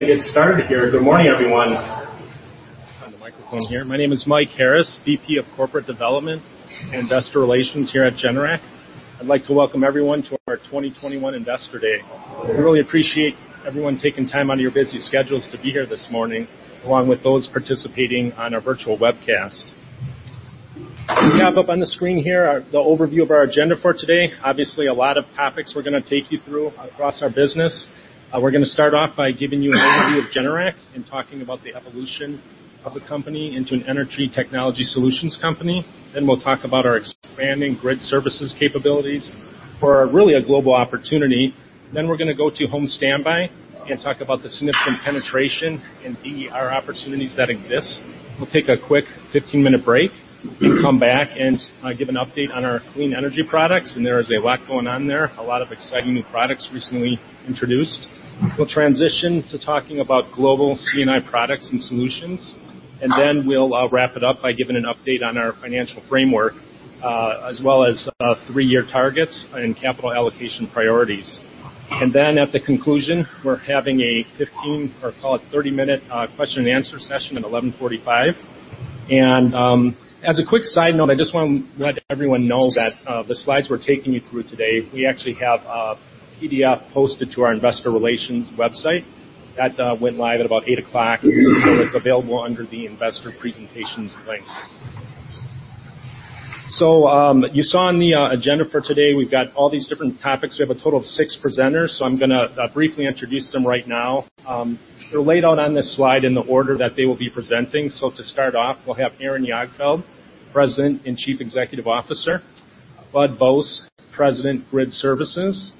Get started here. Good morning, everyone. On the microphone here. My name is Michael Harris, VP of Corporate Development and Investor Relations here at Generac. I'd like to welcome everyone to our 2021 Investor Day. We really appreciate everyone taking time out of your busy schedules to be here this morning, along with those participating on our virtual webcast. We have up on the screen here the overview of our agenda for today. Obviously, a lot of topics we're going to take you through across our business. We're going to start off by giving you an overview of Generac and talking about the evolution of the company into an energy technology solutions company. We'll talk about our expanding Grid Services capabilities for really a global opportunity. We're going to go to home standby and talk about the significant penetration and DER opportunities that exist. We'll take a quick 15-minute break, come back and give an update on our clean energy products. There is a lot going on there. A lot of exciting new products recently introduced. We'll transition to talking about global C&I products and solutions. We'll wrap it up by giving an update on our financial framework, as well as three-year targets and capital allocation priorities. At the conclusion, we're having a 15 to 30-minute, question and answer session at 11:45 AM. As a quick side note, I just want to let everyone know that the slides we're taking you through today, we actually have a PDF posted to our investor relations website. That went live at about 8:00 AM. It's available under the investor presentations links. You saw on the agenda for today, we've got all these different topics. We have a total of six presenters. I'm going to briefly introduce them right now. They're laid out on this slide in the order that they will be presenting. To start off, we'll have Aaron Jagdfeld, President and Chief Executive Officer. Bud Vos, President, Grid Services.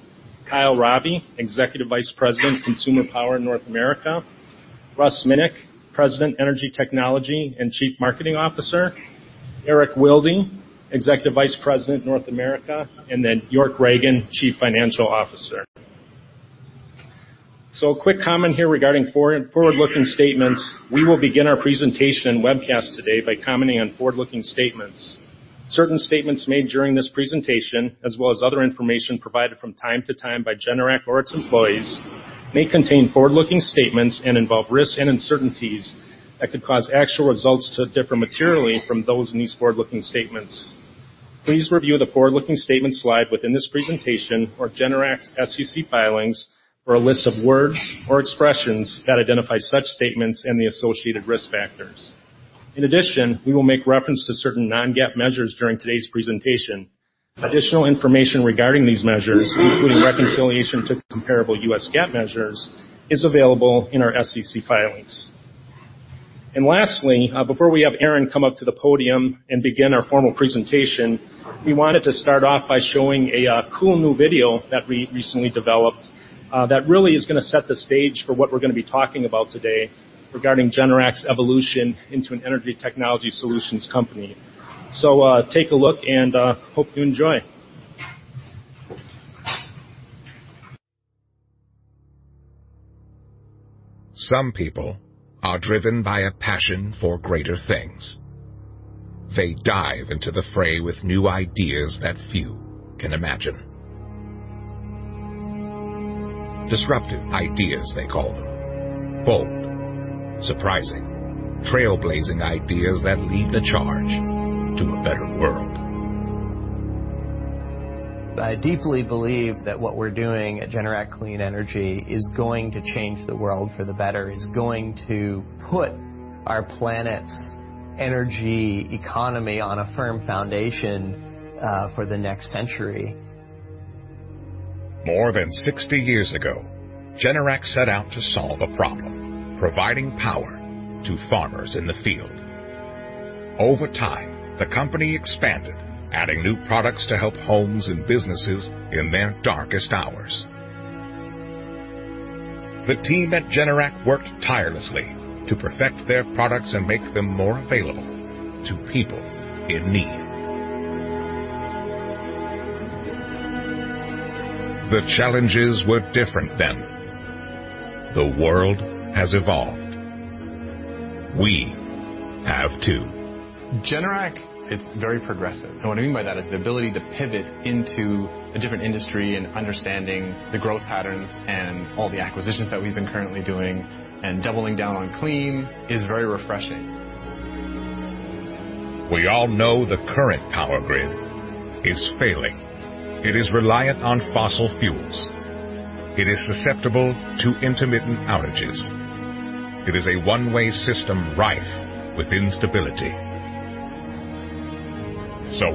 Kyle Raabe, Executive Vice President, Consumer Power North America. Russell Minick, President, Energy Technology and Chief Marketing Officer. Erik Wilde, Executive Vice President, North America. York Ragen, Chief Financial Officer. A quick comment here regarding forward-looking statements. We will begin our presentation and webcast today by commenting on forward-looking statements. Certain statements made during this presentation, as well as other information provided from time to time by Generac or its employees, may contain forward-looking statements and involve risks and uncertainties that could cause actual results to differ materially from those in these forward-looking statements. Please review the forward-looking statements slide within this presentation or Generac's SEC filings for a list of words or expressions that identify such statements and the associated risk factors. In addition, we will make reference to certain non-GAAP measures during today's presentation. Additional information regarding these measures, including reconciliation to comparable U.S. GAAP measures, is available in our SEC filings. Lastly, before we have Aaron come up to the podium and begin our formal presentation, we wanted to start off by showing a cool new video that we recently developed, that really is going to set the stage for what we're going to be talking about today regarding Generac's evolution into an energy technology solutions company. Take a look and hope you enjoy. Some people are driven by a passion for greater things. They dive into the fray with new ideas that few can imagine. Disruptive ideas, they call them. Bold, surprising, trailblazing ideas that lead the charge to a better world. I deeply believe that what we're doing at Generac Clean Energy is going to change the world for the better, is going to put our planet's energy economy on a firm foundation for the next century. More than 60 years ago, Generac set out to solve a problem, providing power to farmers in the field. Over time, the company expanded, adding new products to help homes and businesses in their darkest hours. The team at Generac worked tirelessly to perfect their products and make them more available to people in need. The challenges were different then. The world has evolved. We have, too. Generac, it's very progressive. What I mean by that is the ability to pivot into a different industry and understanding the growth patterns and all the acquisitions that we've been currently doing and doubling down on clean is very refreshing. We all know the current power grid is failing. It is reliant on fossil fuels. It is susceptible to intermittent outages. It is a one-way system rife with instability.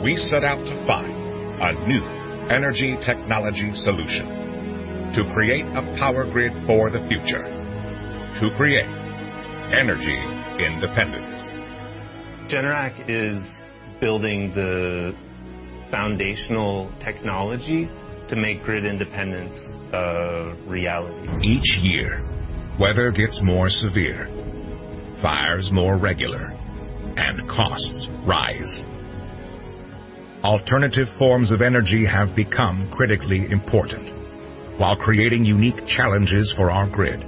We set out to find a new energy technology solution to create a power grid for the future, to create energy independence. Generac is building the foundational technology to make grid independence a reality. Each year, weather gets more severe, fires more regular, and costs rise. Alternative forms of energy have become critically important while creating unique challenges for our grid.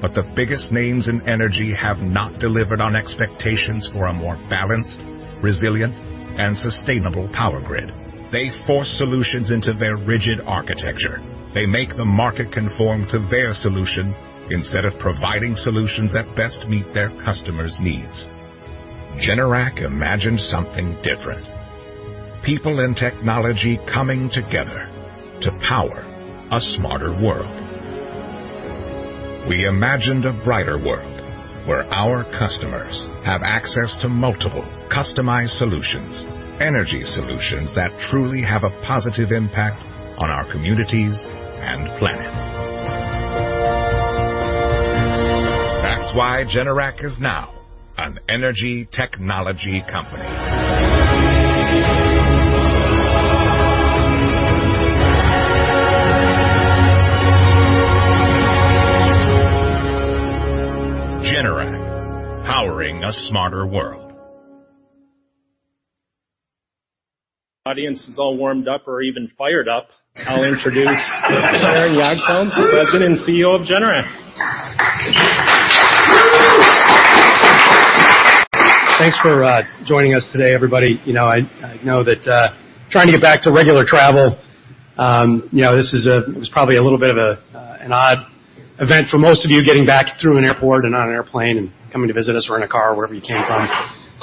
The biggest names in energy have not delivered on expectations for a more balanced, resilient, and sustainable power grid. They force solutions into their rigid architecture. They make the market conform to their solution instead of providing solutions that best meet their customers' needs. Generac imagined something different. People and technology coming together to Power a Smarter World. We imagined a brighter world where our customers have access to multiple customized solutions, energy solutions that truly have a positive impact on our communities and planet. That's why Generac is now an energy technology company. Generac, Powering a Smarter World. Audience is all warmed up or even fired up. I'll introduce Aaron Jagdfeld, President and CEO of Generac. Thanks for joining us today, everybody. I know that trying to get back to regular travel, this was probably a little bit of an odd event for most of you getting back through an airport and on an airplane and coming to visit us, or in a car or wherever you came from.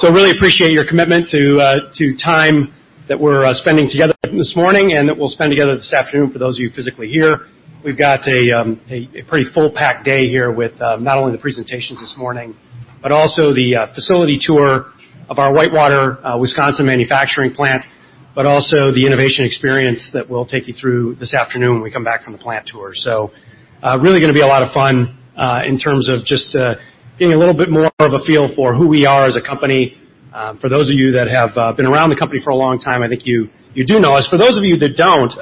Really appreciate your commitment to time that we're spending together this morning and that we'll spend together this afternoon for those of you physically here. We've got a pretty full packed day here with not only the presentations this morning, but also the facility tour of our Whitewater, Wisconsin manufacturing plant, but also the innovation experience that we'll take you through this afternoon when we come back from the plant tour. Really going to be a lot of fun, in terms of just getting a little bit more of a feel for who we are as a company. For those of you that have been around the company for a long time, I think you do know us. For those of you that don't,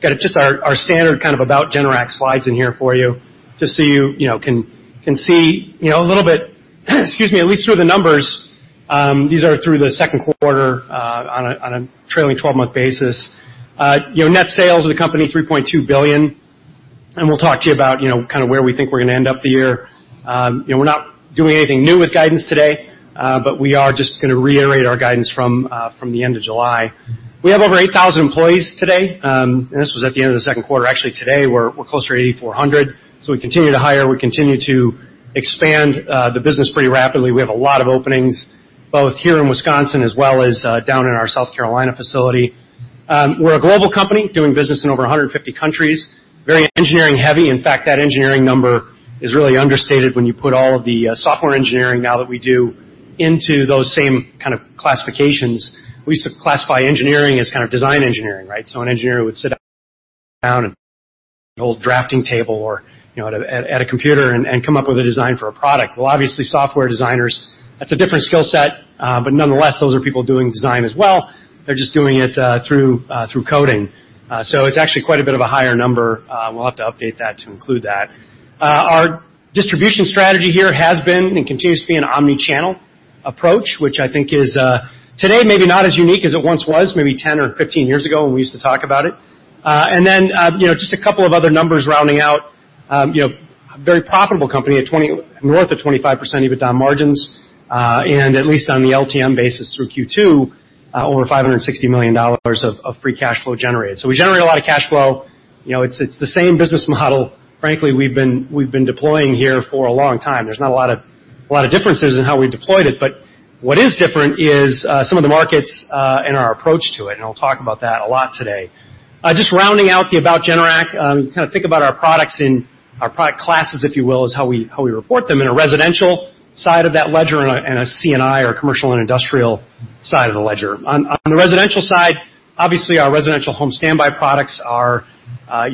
got just our standard kind of about Generac slides in here for you just so you can see a little bit, excuse me, at least through the numbers. These are through the second quarter on a trailing 12-month basis. Net sales of the company, $3.2 billion, and we'll talk to you about where we think we're going to end up the year. We're not doing anything new with guidance today, but we are just going to reiterate our guidance from the end of July. We have over 8,000 employees today, and this was at the end of the second quarter. Actually, today, we're closer to 8,400. We continue to hire, we continue to expand the business pretty rapidly. We have a lot of openings both here in Wisconsin as well as down in our South Carolina facility. We're a global company doing business in over 150 countries. Very engineering heavy. In fact, that engineering number is really understated when you put all of the software engineering now that we do into those same kind of classifications. We used to classify engineering as kind of design engineering, right? An engineer would sit down at an old drafting table or at a computer and come up with a design for a product. Well, obviously, software designers, that's a different skill set. Nonetheless, those are people doing design as well. They're just doing it through coding. It's actually quite a bit of a higher number. We'll have to update that to include that. Our distribution strategy here has been, and continues to be, an omni-channel approach, which I think is, today, maybe not as unique as it once was, maybe 10 or 15 years ago when we used to talk about it. Just a couple of other numbers rounding out. A very profitable company, north of 25% EBITDA margins. At least on the LTM basis through Q2, over $560 million of free cash flow generated. We generate a lot of cash flow. It's the same business model, frankly, we've been deploying here for a long time. There's not a lot of differences in how we deployed it, but what is different is some of the markets and our approach to it, and I'll talk about that a lot today. Just rounding out the About Generac. Think about our products and our product classes, if you will, is how we report them in a residential side of that ledger and a C&I or commercial and industrial side of the ledger. On the residential side, obviously, our residential home standby products are a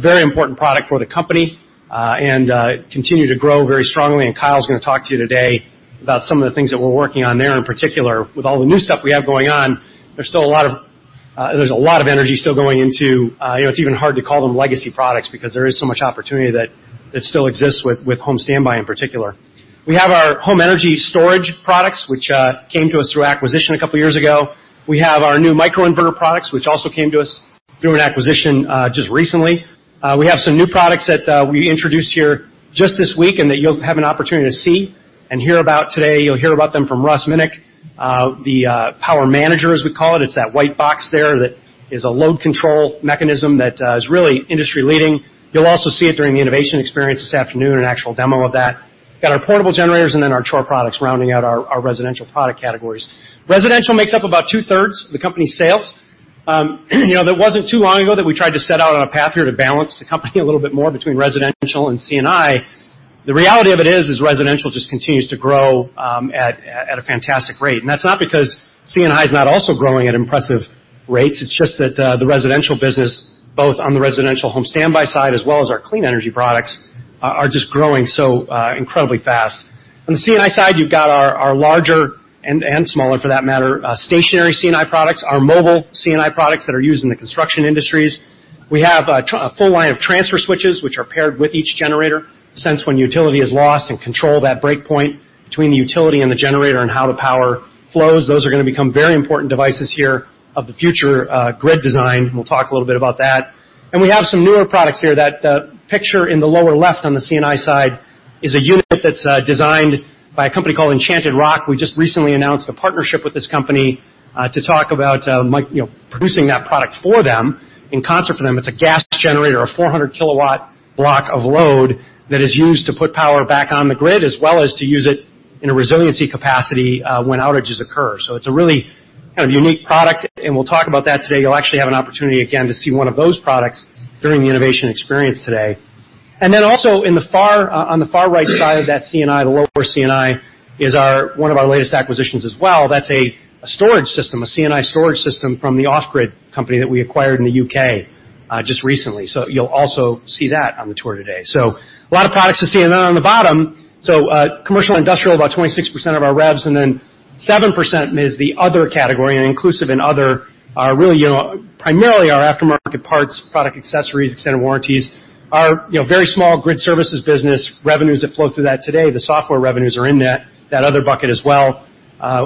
very important product for the company, and continue to grow very strongly, and Kyle's going to talk to you today about some of the things that we're working on there, in particular. With all the new stuff we have going on, there's a lot of energy still going into, it's even hard to call them legacy products because there is so much opportunity that still exists with home standby in particular. We have our home energy storage products, which came to us through acquisition a couple of years ago. We have our new microinverter products, which also came to us through an acquisition just recently. We have some new products that we introduced here just this week, and that you'll have an opportunity to see and hear about today. You'll hear about them from Russ Minick. The Power Manager, as we call it. It's that white box there that is a load control mechanism that is really industry-leading. You'll also see it during the innovation experience this afternoon, an actual demo of that. Got our portable generators and then our chore products rounding out our residential product categories. Residential makes up about 2/3 of the company's sales. That wasn't too long ago that we tried to set out on a path here to balance the company a little bit more between residential and C&I. The reality of it is residential just continues to grow at a fantastic rate. That's not because C&I is not also growing at impressive rates, it's just that the residential business, both on the residential home standby side as well as our clean energy products, are just growing so incredibly fast. On the C&I side, you've got our larger and smaller, for that matter, stationary C&I products, our mobile C&I products that are used in the construction industries. We have a full line of transfer switches, which are paired with each generator, sense when utility is lost, and control that break point between the utility and the generator and how the power flows. Those are going to become very important devices here of the future grid design. We'll talk a little bit about that. We have some newer products here. That picture in the lower left on the C&I side is a unit that's designed by a company called Enchanted Rock. We just recently announced a partnership with this company to talk about producing that product for them, in concert for them. It's a gas generator, a 400 kW block of load that is used to put power back on the grid, as well as to use it in a resiliency capacity when outages occur. It's a really kind of unique product. We'll talk about that today. You'll actually have an opportunity again to see one of those products during the innovation experience today. Then also on the far right side of that C&I, the lower C&I, is one of our latest acquisitions as well. That's a storage system, a C&I storage system from the Off Grid Energy that we acquired in the U.K. just recently. You'll also see that on the tour today. A lot of products to see. Then on the bottom, commercial and industrial, about 26% of our revenue, then 7% is the other category, inclusive and other are really primarily our aftermarket parts, product accessories, extended warranties. Our very small Grid Services business, revenues that flow through that today, the software revenues are in that other bucket as well.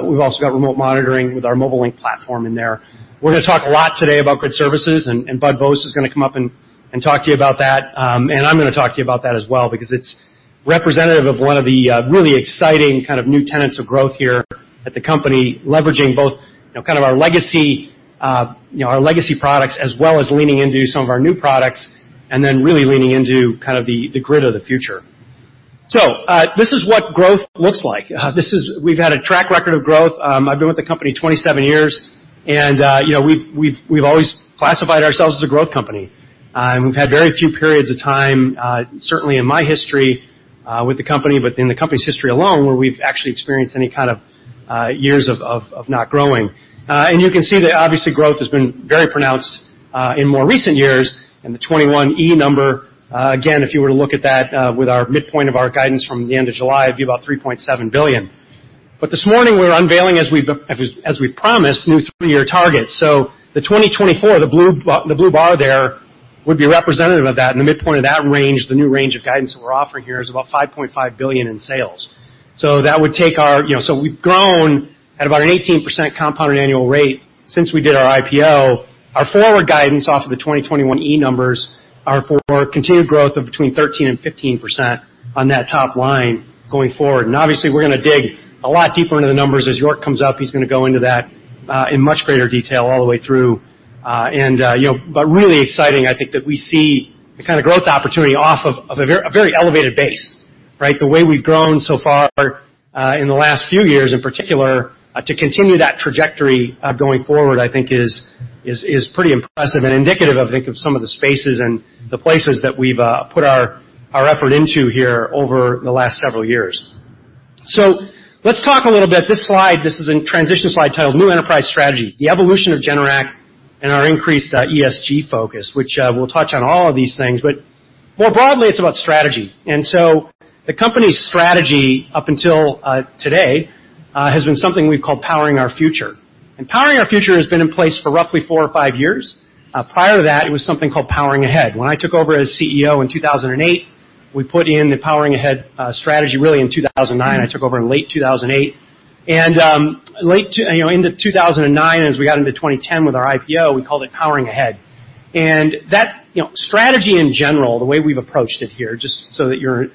We've also got remote monitoring with our Mobile Link platform in there. We're going to talk a lot today about Grid Services and Bud Vos is going to come up and talk to you about that, and I'm going to talk to you about that as well because it's representative of one of the really exciting kind of new tenets of growth here at the company, leveraging both our legacy products as well as leaning into some of our new products, and then really leaning into the grid of the future. This is what growth looks like. We've had a track record of growth. I've been with the company 27 years, and we've always classified ourselves as a growth company. We've had very few periods of time, certainly in my history with the company, but in the company's history alone, where we've actually experienced any kind of years of not growing. You can see that obviously growth has been very pronounced in more recent years. The 2021E number, again, if you were to look at that with our midpoint of our guidance from the end of July, it would be about $3.7 billion. This morning we are unveiling, as we promised, new three-year targets. The 2024, the blue bar there, would be representative of that, and the midpoint of that range, the new range of guidance that we are offering here is about $5.5 billion in sales. We have grown at about an 18% compounded annual rate since we did our IPO. Our forward guidance off of the 2021E numbers are for continued growth of between 13% and 15% on that top line going forward. Obviously, we are going to dig a lot deeper into the numbers. As York Ragen comes up, he's going to go into that in much greater detail all the way through. Really exciting, I think, that we see the kind of growth opportunity off of a very elevated base, right? The way we've grown so far in the last few years, in particular, to continue that trajectory going forward, I think is pretty impressive and indicative, I think, of some of the spaces and the places that we've put our effort into here over the last several years. Let's talk a little bit. This slide, this is a transition slide titled New Enterprise Strategy: The Evolution of Generac and our increased ESG focus, which we'll touch on all of these things. More broadly, it's about strategy. The company's strategy up until today has been something we've called Powering Our Future. Powering Our Future has been in place for roughly four or five years. Prior to that, it was something called Powering Ahead. When I took over as CEO in 2008, we put in the Powering Ahead strategy really in 2009. I took over in late 2008. End of 2009, as we got into 2010 with our IPO, we called it Powering Ahead. That strategy in general, the way we've approached it here, just so that you're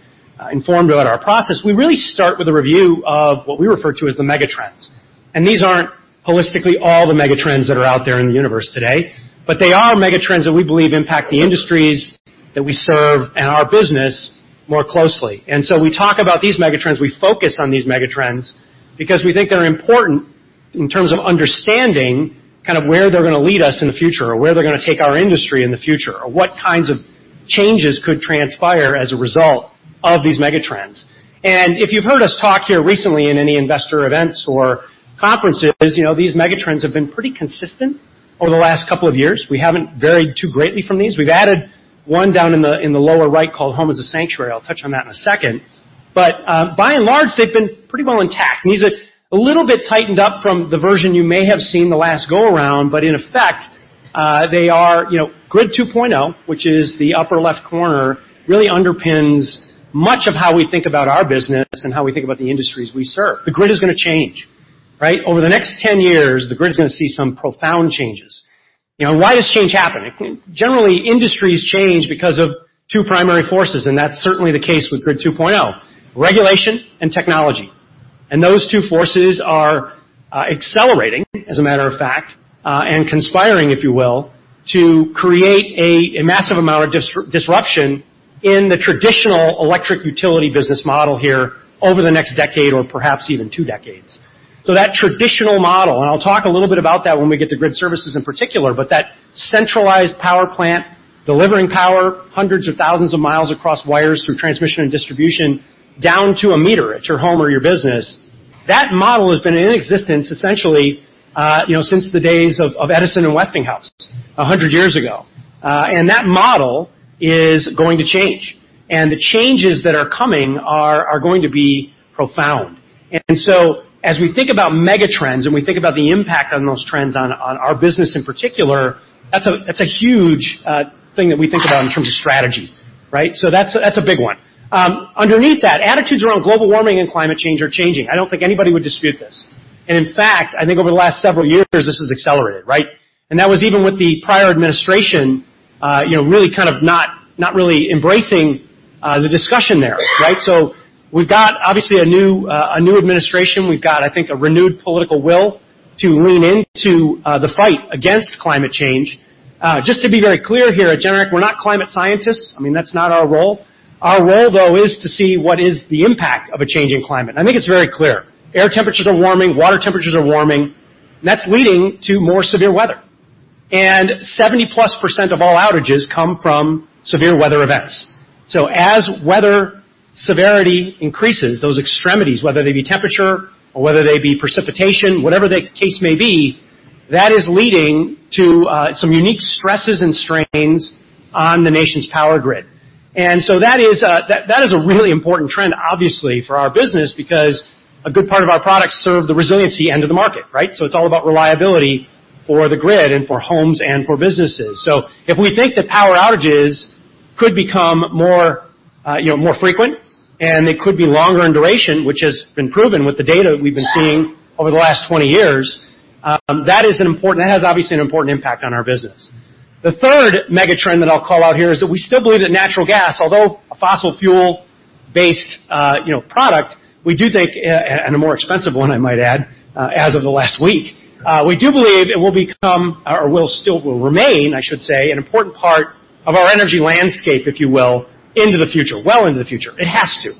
informed about our process, we really start with a review of what we refer to as the megatrends. These aren't holistically all the megatrends that are out there in the universe today. They are megatrends that we believe impact the industries that we serve and our business more closely. We talk about these megatrends, we focus on these megatrends because we think they're important in terms of understanding where they're going to lead us in the future or where they're going to take our industry in the future or what kinds of changes could transpire as a result of these megatrends. If you've heard us talk here recently in any investor events or conferences, these megatrends have been pretty consistent over the last couple of years. We haven't varied too greatly from these. We've added one down in the lower right called Home as a Sanctuary. I'll touch on that in a second. By and large, they've been pretty well intact, and these are a little bit tightened up from the version you may have seen the last go around, but in effect, they are Grid 2.0, which is the upper-left corner, really underpins much of how we think about our business and how we think about the industries we serve. The grid is going to change, right? Over the next 10 years, the grid is going to see some profound changes. Why does change happen? Generally, industries change because of two primary forces, and that's certainly the case with Grid 2.0: regulation and technology. Those two forces are accelerating, as a matter of fact, and conspiring, if you will, to create a massive amount of disruption in the traditional electric utility business model here over the next decade or perhaps even two decades. That traditional model, and I'll talk a little bit about that when we get to Grid Services in particular, but that centralized power plant delivering power hundreds of thousands of miles across wires through transmission and distribution down to a meter at your home or your business, that model has been in existence essentially since the days of Edison and Westinghouse 100 years ago. That model is going to change, and the changes that are coming are going to be profound. As we think about megatrends and we think about the impact on those trends on our business in particular, that's a huge thing that we think about in terms of strategy, right? That's a big one. Underneath that, attitudes around global warming and climate change are changing. I don't think anybody would dispute this. In fact, I think over the last several years, this has accelerated, right? That was even with the prior administration really kind of not really embracing the discussion there, right? We've got obviously a new administration. We've got, I think, a renewed political will to lean into the fight against climate change. Just to be very clear here at Generac, we're not climate scientists. I mean, that's not our role. Our role, though, is to see what is the impact of a changing climate. I think it's very clear. Air temperatures are warming, water temperatures are warming, and that's leading to more severe weather. 70%+ of all outages come from severe weather events. As weather severity increases, those extremities, whether they be temperature or whether they be precipitation, whatever the case may be, that is leading to some unique stresses and strains on the nation's power grid. That is a really important trend, obviously, for our business, because a good part of our products serve the resiliency end of the market, right? It's all about reliability for the grid and for homes and for businesses. If we think that power outages could become more frequent and they could be longer in duration, which has been proven with the data we've been seeing over the last 20 years, that has obviously an important impact on our business. The third mega trend that I'll call out here is that we still believe that natural gas, although a fossil fuel-based product, we do think, and a more expensive one I might add, as of the last week. We do believe it will become or will still remain, I should say, an important part of our energy landscape, if you will, into the future. Well into the future. It has to.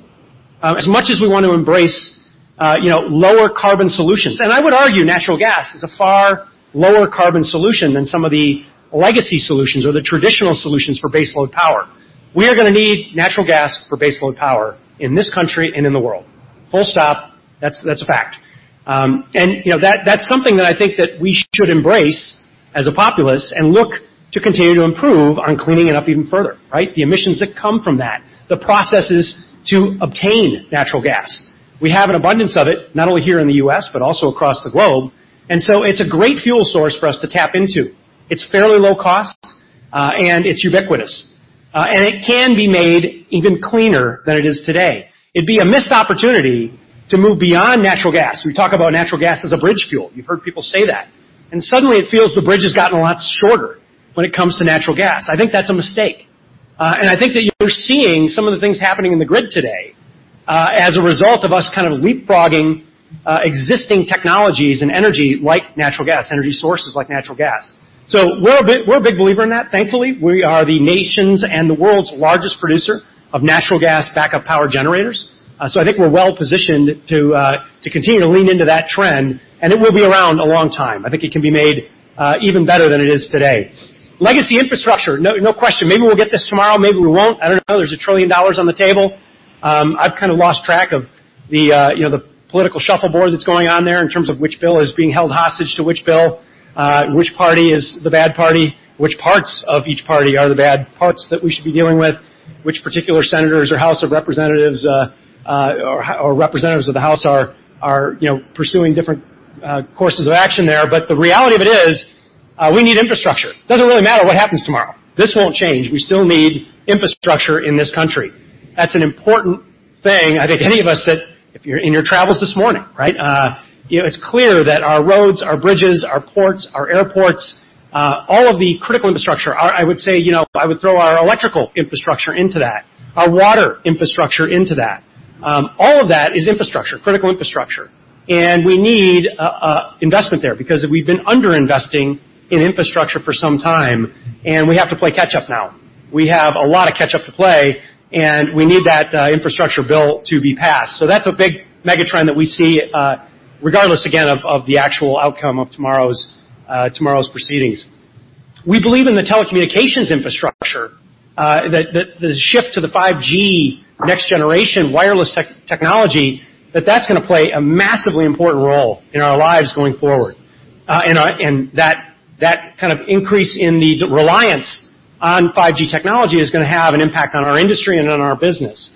As much as we want to embrace lower carbon solutions, and I would argue natural gas is a far lower carbon solution than some of the legacy solutions or the traditional solutions for base load power. We are going to need natural gas for base load power in this country and in the world. Full stop. That's a fact. That's something that I think that we should embrace as a populace and look to continue to improve on cleaning it up even further, right? The emissions that come from that. The processes to obtain natural gas. We have an abundance of it, not only here in the U.S., but also across the globe. It's a great fuel source for us to tap into. It's fairly low cost, and it's ubiquitous. It can be made even cleaner than it is today. It'd be a missed opportunity to move beyond natural gas. We talk about natural gas as a bridge fuel. You've heard people say that. Suddenly it feels the bridge has gotten a lot shorter when it comes to natural gas. I think that's a mistake. I think that you're seeing some of the things happening in the grid today, as a result of us kind of leapfrogging existing technologies and energy like natural gas, energy sources like natural gas. We're a big believer in that. Thankfully, we are the nation's and the world's largest producer of natural gas backup power generators. I think we're well-positioned to continue to lean into that trend, and it will be around a long time. I think it can be made even better than it is today. Legacy infrastructure. No question. Maybe we'll get this tomorrow, maybe we won't. I don't know. There's $1 trillion on the table. I've kind of lost track of the political shuffleboard that's going on there in terms of which bill is being held hostage to which bill, which party is the bad party, which parts of each party are the bad parts that we should be dealing with, which particular senators or House of Representatives, or representatives of the House are pursuing different courses of action there. The reality of it is, we need infrastructure. It doesn't really matter what happens tomorrow. This won't change. We still need infrastructure in this country. That's an important thing. I think any of us that if you're in your travels this morning, right? It's clear that our roads, our bridges, our ports, our airports, all of the critical infrastructure, I would say, I would throw our electrical infrastructure into that. Our water infrastructure into that. All of that is infrastructure, critical infrastructure. We need investment there because we've been under-investing in infrastructure for some time, and we have to play catch-up now. We have a lot of catch-up to play, and we need that infrastructure bill to be passed. That's a big mega trend that we see, regardless again, of the actual outcome of tomorrow's proceedings. We believe in the telecommunications infrastructure, that the shift to the 5G next generation wireless technology, that that's gonna play a massively important role in our lives going forward. That kind of increase in the reliance on 5G technology is gonna have an impact on our industry and on our business.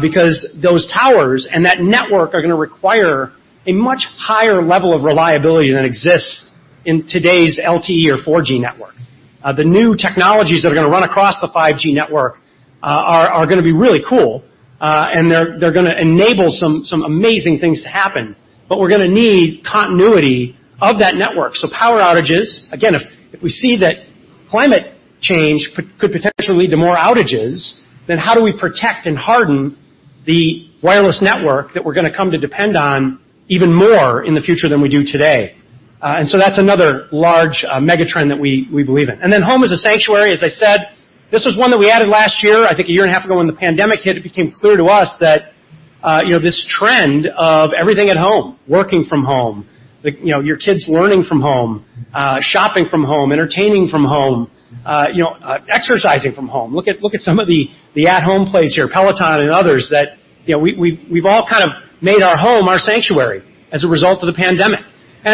Because those towers and that network are gonna require a much higher level of reliability than exists in today's LTE or 4G network. The new technologies that are gonna run across the 5G network are gonna be really cool. They're gonna enable some amazing things to happen. We're gonna need continuity of that network. Power outages, again, if we see that climate change could potentially lead to more outages, then how do we protect and harden the wireless network that we're gonna come to depend on even more in the future than we do today? That's another large mega trend that we believe in. Home is a sanctuary, as I said. This was one that we added last year. I think a year and a half ago when the pandemic hit, it became clear to us that this trend of everything at home, working from home, your kids learning from home, shopping from home, entertaining from home, exercising from home. Look at some of the at-home plays here, Peloton and others that we've all kind of made our home our sanctuary as a result of the pandemic.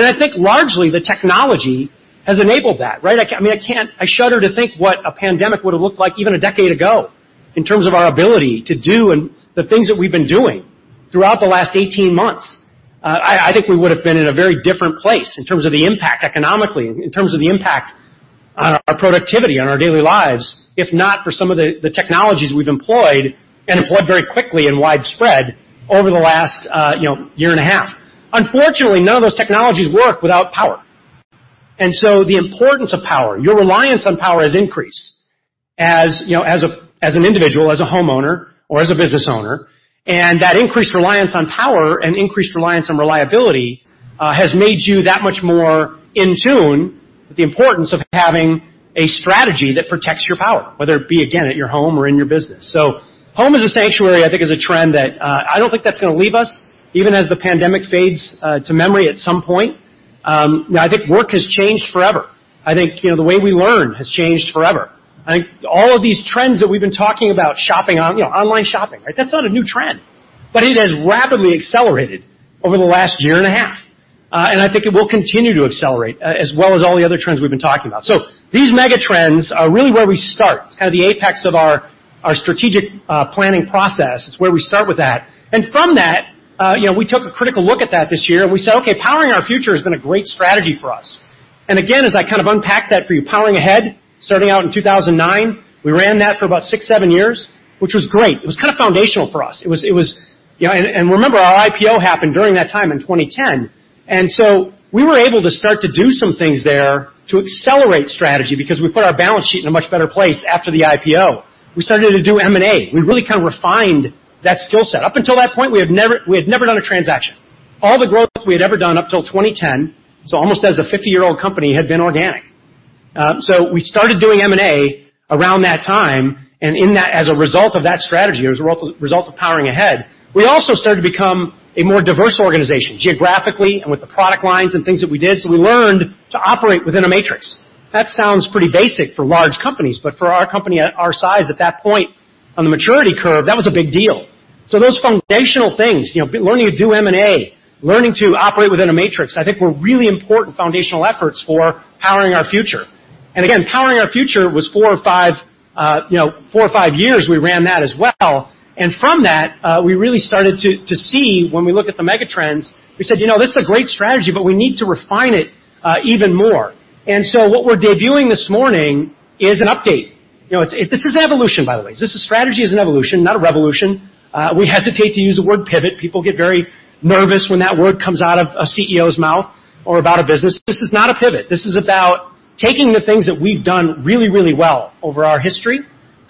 I think largely the technology has enabled that, right? I shudder to think what a pandemic would have looked like even a decade ago in terms of our ability to do and the things that we've been doing throughout the last 18 months. I think we would have been in a very different place in terms of the impact economically, in terms of the impact on our productivity, on our daily lives, if not for some of the technologies we've employed and employed very quickly and widespread over the last year and a half. Unfortunately, none of those technologies work without power. The importance of power, your reliance on power has increased as an individual, as a homeowner, or as a business owner. That increased reliance on power and increased reliance on reliability has made you that much more in tune with the importance of having a strategy that protects your power, whether it be, again, at your home or in your business. Home as a sanctuary, I think, is a trend that I don't think that's going to leave us even as the pandemic fades to memory at some point. I think work has changed forever. I think the way we learn has changed forever. I think all of these trends that we've been talking about, online shopping, that's not a new trend, but it has rapidly accelerated over the last year and a half. I think it will continue to accelerate, as well as all the other trends we've been talking about. These megatrends are really where we start. It's kind of the apex of our strategic planning process. It's where we start with that. From that, we took a critical look at that this year, and we said, "Okay, Powering Our Future has been a great strategy for us." Again, as I kind of unpack that for you, Powering Ahead, starting out in 2009, we ran that for about six, seven years, which was great. It was kind of foundational for us. Remember, our IPO happened during that time in 2010. We were able to start to do some things there to accelerate strategy because we put our balance sheet in a much better place after the IPO. We started to do M&A. We really kind of refined that skill set. Up until that point, we had never done a transaction. All the growth we had ever done up till 2010, so almost as a 50-year-old company, had been organic. We started doing M&A around that time, and as a result of that strategy, as a result of Powering Ahead, we also started to become a more diverse organization geographically and with the product lines and things that we did. We learned to operate within a matrix. That sounds pretty basic for large companies, but for our company at our size at that point on the maturity curve, that was a big deal. Those foundational things, learning to do M&A, learning to operate within a matrix, I think were really important foundational efforts for Powering Our Future. Again, Powering Our Future was four or five years we ran that as well. From that, we really started to see when we looked at the megatrends, we said, "This is a great strategy, but we need to refine it even more." What we're debuting this morning is an update. This is evolution, by the way. Strategy is an evolution, not a revolution. We hesitate to use the word pivot. People get very nervous when that word comes out of a CEO's mouth or about a business. This is not a pivot. This is about taking the things that we've done really, really well over our history,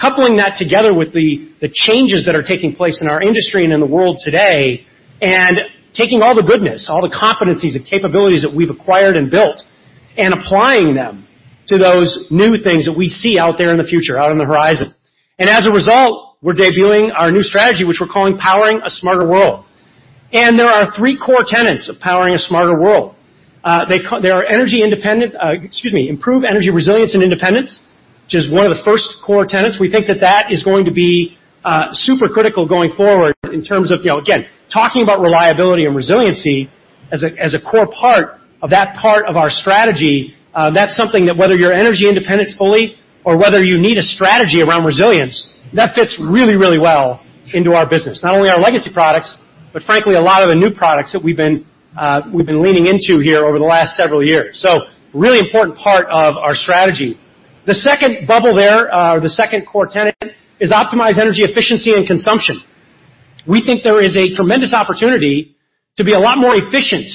coupling that together with the changes that are taking place in our industry and in the world today, and taking all the goodness, all the competencies and capabilities that we've acquired and built, and applying them to those new things that we see out there in the future, out on the horizon. As a result, we're debuting our new strategy, which we're calling Powering a Smarter World. There are three core tenets of Powering a Smarter World. They are improve energy resilience and independence, which is one of the first core tenets. We think that that is going to be super critical going forward in terms of, again, talking about reliability and resiliency as a core part of that part of our strategy. That's something that whether you're energy independent fully or whether you need a strategy around resilience, that fits really, really well into our business. Not only our legacy products, but frankly, a lot of the new products that we've been leaning into here over the last several years. Really important part of our strategy. The second bubble there, or the second core tenet is optimize energy efficiency and consumption. We think there is a tremendous opportunity to be a lot more efficient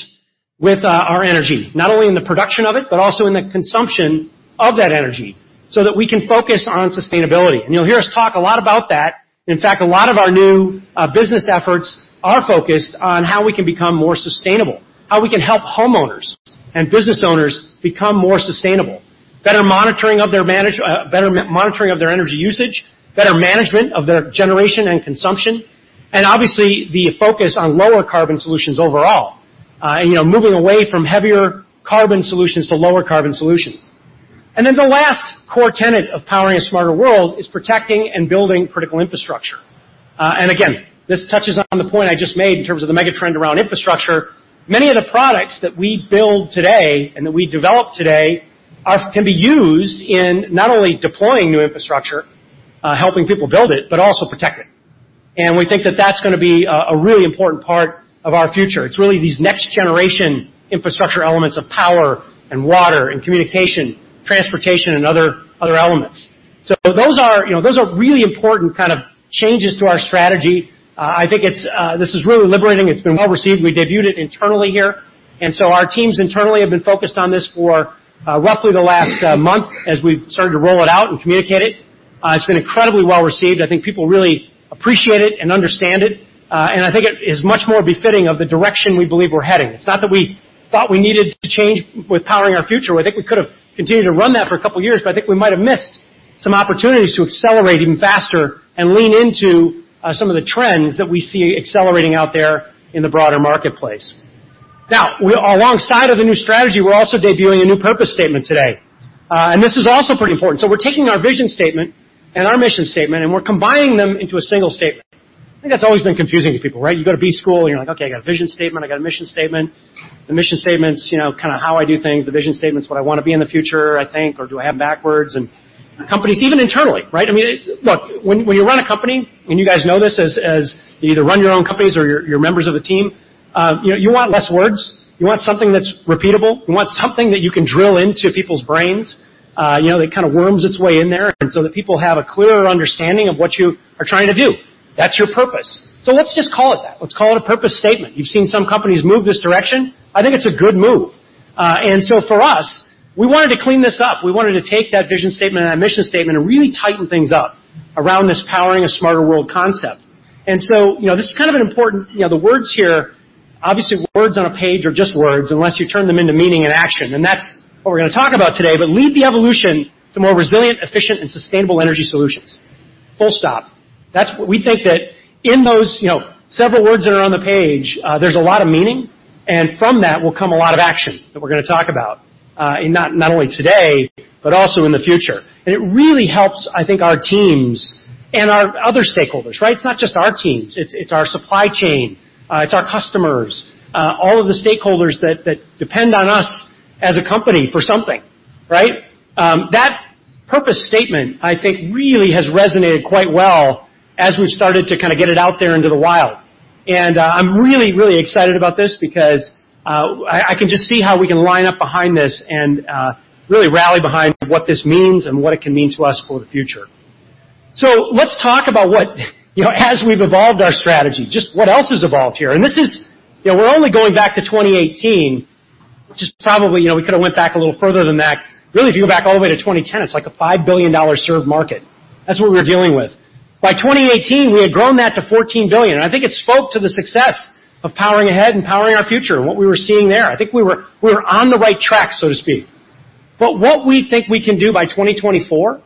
with our energy, not only in the production of it, but also in the consumption of that energy so that we can focus on sustainability. You'll hear us talk a lot about that. In fact, a lot of our new business efforts are focused on how we can become more sustainable, how we can help homeowners and business owners become more sustainable, better monitoring of their energy usage, better management of their generation and consumption, obviously, the focus on lower carbon solutions overall. Moving away from heavier carbon solutions to lower carbon solutions. The last core tenet of Powering a Smarter World is protecting and building critical infrastructure. Again, this touches on the point I just made in terms of the mega trend around infrastructure. Many of the products that we build today and that we develop today can be used in not only deploying new infrastructure, helping people build it, but also protect it. We think that that's going to be a really important part of our future. It's really these next-generation infrastructure elements of power and water and communication, transportation, and other elements. Those are really important kind of changes to our strategy. I think this is really liberating. It's been well-received. We debuted it internally here. Our teams internally have been focused on this for roughly the last month as we've started to roll it out and communicate it. It's been incredibly well-received. I think people really appreciate it and understand it. I think it is much more befitting of the direction we believe we're heading. It's not that we thought we needed to change with Powering Our Future. I think we could have continued to run that for a couple of years, but I think we might have missed some opportunities to accelerate even faster and lean into some of the trends that we see accelerating out there in the broader marketplace. Alongside of the new strategy, we're also debuting a new purpose statement today. This is also pretty important. We're taking our vision statement and our mission statement, and we're combining them into a single statement. I think that's always been confusing to people, right? You go to B-school, and you're like, "Okay, I got a vision statement, I got a mission statement." The mission statement's kind of how I do things, the vision statement's what I want to be in the future, I think, or do I have them backwards? Companies, even internally, right? Look, when you run a company, and you guys know this as you either run your own companies or you're members of a team, you want less words. You want something that's repeatable. You want something that you can drill into people's brains, that kind of worms its way in there, and so that people have a clearer understanding of what you are trying to do. That's your purpose. Let's just call it that. Let's call it a purpose statement. You've seen some companies move this direction. I think it's a good move. For us, we wanted to clean this up. We wanted to take that vision statement and that mission statement and really tighten things up around this Powering a Smarter World concept. The words here, obviously words on a page are just words unless you turn them into meaning and action, and that's what we're going to talk about today. Lead the evolution to more resilient, efficient, and sustainable energy solutions. Full stop. We think that in those several words that are on the page, there's a lot of meaning, and from that will come a lot of action that we're going to talk about, not only today, but also in the future. It really helps, I think our teams and our other stakeholders, right? It's not just our teams, it's our supply chain, it's our customers, all of the stakeholders that depend on us as a company for something, right? That purpose statement, I think, really has resonated quite well as we've started to kind of get it out there into the wild. I'm really, really excited about this because I can just see how we can line up behind this and really rally behind what this means and what it can mean to us for the future. Let's talk about what as we've evolved our strategy, just what else has evolved here. We're only going back to 2018, which is probably, we could have went back a little further than that. Really, if you go back all the way to 2010, it's like a $5 billion served market. That's what we were dealing with. By 2018, we had grown that to $14 billion, and I think it spoke to the success of Powering Ahead and Powering Our Future and what we were seeing there. I think we were on the right track, so to speak. What we think we can do by 2024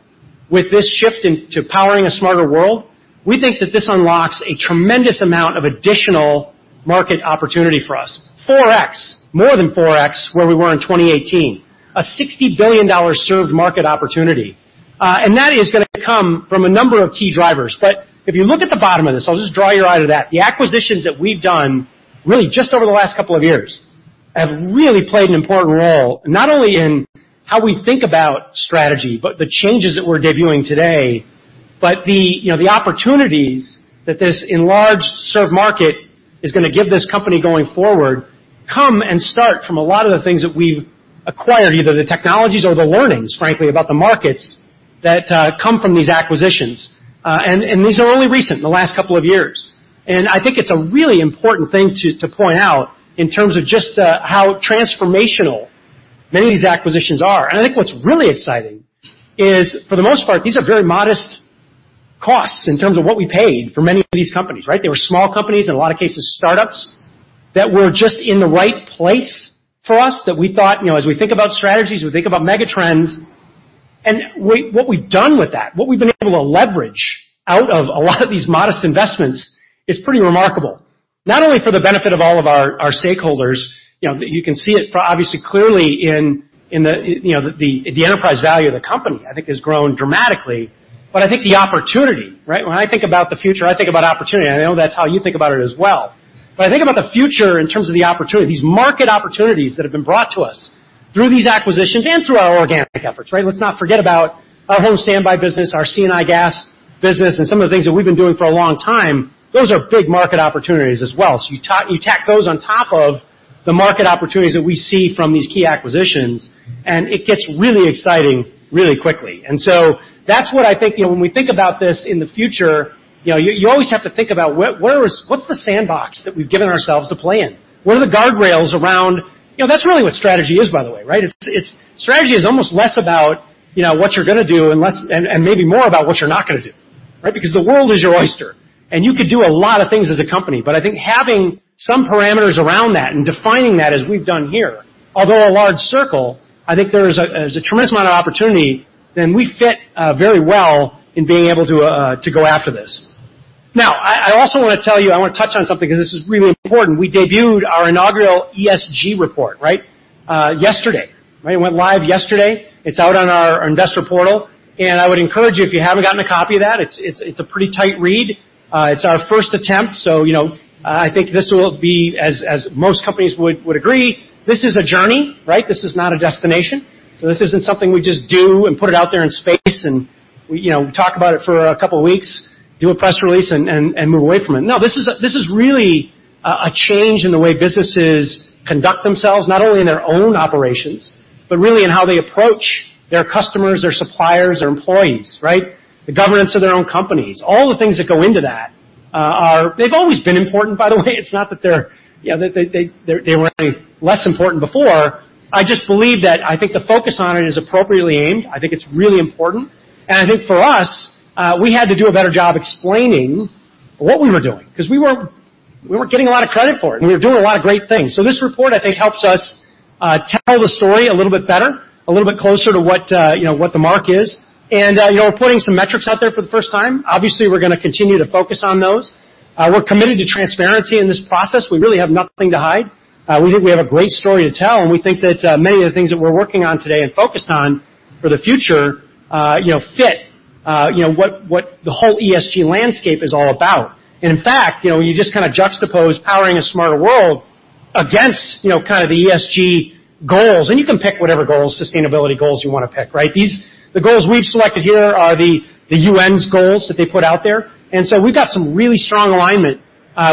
with this shift into Powering a Smarter World, we think that this unlocks a tremendous amount of additional market opportunity for us, 4x, more than 4x, where we were in 2018. A $60 billion served market opportunity. That is going to come from a number of key drivers. If you look at the bottom of this, I'll just draw your eye to that. The acquisitions that we've done really just over the last couple of years have really played an important role, not only in how we think about strategy, but the changes that we're debuting today. The opportunities that this enlarged served market is going to give this company going forward come and start from a lot of the things that we've acquired, either the technologies or the learnings, frankly, about the markets that come from these acquisitions. These are only recent, in the last couple of years. I think it's a really important thing to point out in terms of just how transformational many of these acquisitions are. I think what's really exciting is, for the most part, these are very modest costs in terms of what we paid for many of these companies, right? They were small companies, in a lot of cases, startups that were just in the right place for us that we thought as we think about strategies, we think about mega trends, and what we've done with that, what we've been able to leverage out of a lot of these modest investments is pretty remarkable. Not only for the benefit of all of our stakeholders. You can see it obviously clearly in the enterprise value of the company, I think has grown dramatically. I think the opportunity, right? When I think about the future, I think about opportunity. I know that's how you think about it as well. I think about the future in terms of the opportunity, these market opportunities that have been brought to us through these acquisitions and through our organic efforts, right? Let's not forget about our home standby business, our C&I gas business, and some of the things that we've been doing for a long time. Those are big market opportunities as well. You tack those on top of the market opportunities that we see from these key acquisitions, and it gets really exciting really quickly. That's what I think when we think about this in the future, you always have to think about what's the sandbox that we've given ourselves to play in? That's really what strategy is, by the way, right? Strategy is almost less about what you're going to do and maybe more about what you're not going to do, right? Because the world is your oyster, and you could do a lot of things as a company. I think having some parameters around that and defining that as we've done here, although a large circle, I think there's a tremendous amount of opportunity and we fit very well in being able to go after this. I also want to tell you, I want to touch on something because this is really important. We debuted our inaugural ESG report, right? Yesterday. It went live yesterday. It's out on our investor portal, and I would encourage you, if you haven't gotten a copy of that, it's a pretty tight read. It's our first attempt, I think this will be, as most companies would agree, this is a journey, right? This is not a destination. This isn't something we just do and put it out there in space, and we talk about it for a couple of weeks, do a press release, and move away from it. No, this is really a change in the way businesses conduct themselves, not only in their own operations, but really in how they approach their customers, their suppliers, their employees, right? The governance of their own companies. All the things that go into that they've always been important, by the way. It's not that they were any less important before. I just believe that I think the focus on it is appropriately aimed. I think it's really important. I think for us, we had to do a better job explaining what we were doing because we weren't getting a lot of credit for it, and we were doing a lot of great things. This report, I think, helps us tell the story a little bit better, a little bit closer to what the mark is. We're putting some metrics out there for the first time. Obviously, we're going to continue to focus on those. We're committed to transparency in this process. We really have nothing to hide. We think we have a great story to tell, and we think that many of the things that we're working on today and focused on for the future fit what the whole ESG landscape is all about. In fact, when you just kind of juxtapose Powering a Smarter World against kind of the ESG goals, and you can pick whatever goals, sustainability goals you want to pick, right? The goals we've selected here are the UN's goals that they put out there. We've got some really strong alignment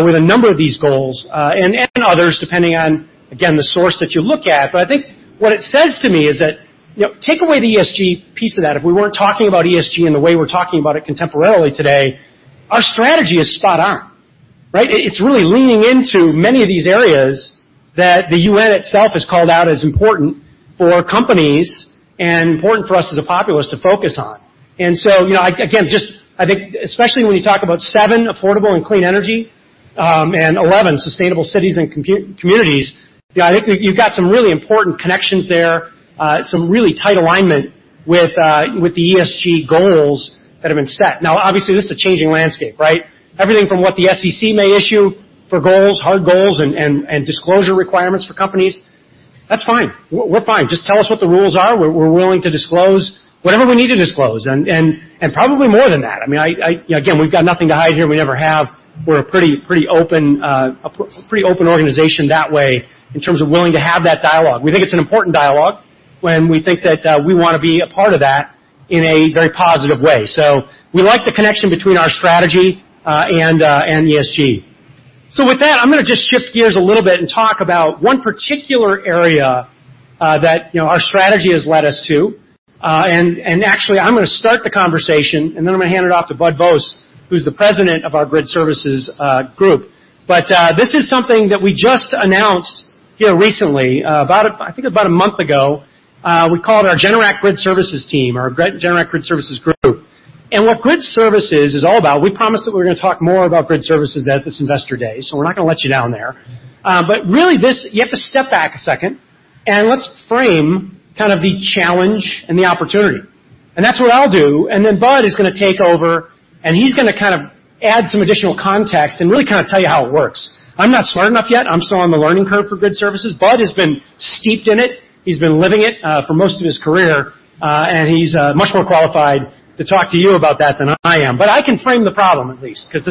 with a number of these goals, and others, depending on, again, the source that you look at. I think what it says to me is that take away the ESG piece of that. If we weren't talking about ESG in the way we're talking about it contemporarily today, our strategy is spot on, right? It's really leaning into many of these areas that the UN itself has called out as important for companies and important for us as a populace to focus on. Again, I think especially when you talk about 7, affordable and clean energy, and 11, sustainable cities and communities, I think you've got some really important connections there, some really tight alignment with the ESG goals that have been set. Obviously, this is a changing landscape, right? Everything from what the SEC may issue for goals, hard goals, and disclosure requirements for companies. That's fine. We're fine. Just tell us what the rules are. We're willing to disclose whatever we need to disclose, and probably more than that. Again, we've got nothing to hide here, we never have. We're a pretty open organization that way in terms of willing to have that dialogue. We think it's an important dialogue when we think that we want to be a part of that in a very positive way. We like the connection between our strategy, and ESG. With that, I'm going to just shift gears a little bit and talk about two particular area that our strategy has led us to. Actually, I'm going to start the conversation, and then I'm going to hand it off to Bud Vos, who's the President of our Grid Services group. This is something that we just announced recently, I think about a month ago. We call it our Generac Grid Services team, our Generac Grid Services group. What Grid Services is all about, we promised that we were going to talk more about Grid Services at this Investor Day, so we're not going to let you down there. Really, you have to step back a second, and let's frame kind of the challenge and the opportunity. That's what I'll do, and then Bud is going to take over, and he's going to kind of add some additional context and really kind of tell you how it works. I'm not smart enough yet. I'm still on the learning curve for Grid Services. Bud has been steeped in it, he's been living it for most of his career, he's much more qualified to talk to you about that than I am. I can frame the problem, at least. Because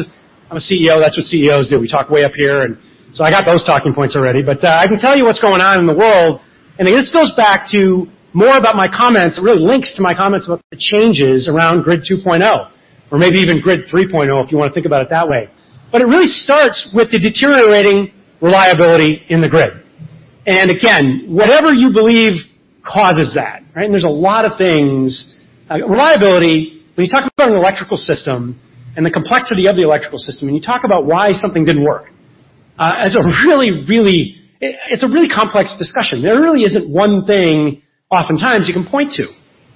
I'm a CEO. That's what CEOs do. We talk way up here, I got those talking points already. I can tell you what's going on in the world, this goes back to more about my comments. It really links to my comments about the changes around Grid 2.0, or maybe even Grid 3.0, if you want to think about it that way. It really starts with the deteriorating reliability in the grid. Again, whatever you believe causes that, right? There's a lot of things. Reliability, when you talk about an electrical system and the complexity of the electrical system, and you talk about why something didn't work, it's a really complex discussion. There really isn't one thing oftentimes you can point to,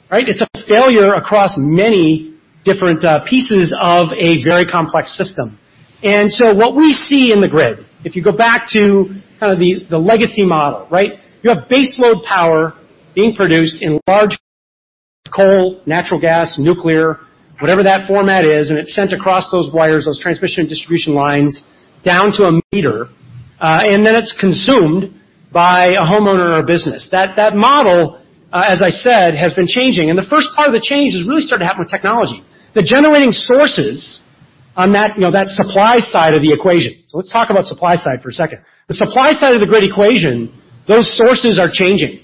right? It's a failure across many different pieces of a very complex system. What we see in the grid, if you go back to kind of the legacy model, right? You have baseload power being produced in large coal, natural gas, nuclear, whatever that format is, and it's sent across those wires, those transmission and distribution lines, down to a meter, and then it's consumed by a homeowner or a business. That model, as I said, has been changing. The first part of the change has really started to happen with technology. The generating sources on that supply side of the equation. Let's talk about supply side for a second. The supply side of the grid equation, those sources are changing.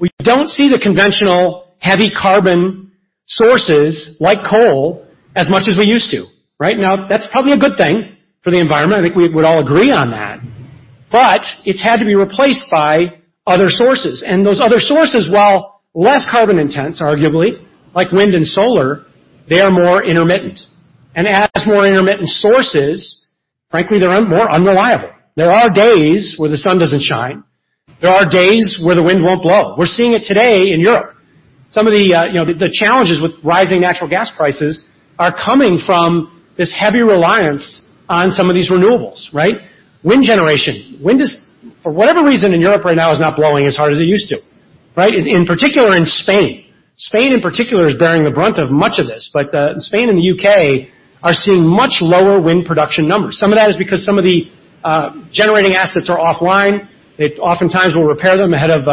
We don't see the conventional heavy carbon sources like coal as much as we used to, right? That's probably a good thing for the environment. I think we would all agree on that. It's had to be replaced by other sources. Those other sources, while less carbon intense, arguably, like wind and solar, they are more intermittent. As more intermittent sources, frankly, they're more unreliable. There are days where the sun doesn't shine. There are days where the wind won't blow. We're seeing it today in Europe. Some of the challenges with rising natural gas prices are coming from this heavy reliance on some of these renewables, right? Wind generation. Wind, for whatever reason in Europe right now, is not blowing as hard as it used to. Right? In particular in Spain. Spain in particular is bearing the brunt of much of this, but Spain and the U.K. are seeing much lower wind production numbers. Some of that is because some of the generating assets are offline. They oftentimes will repair them ahead of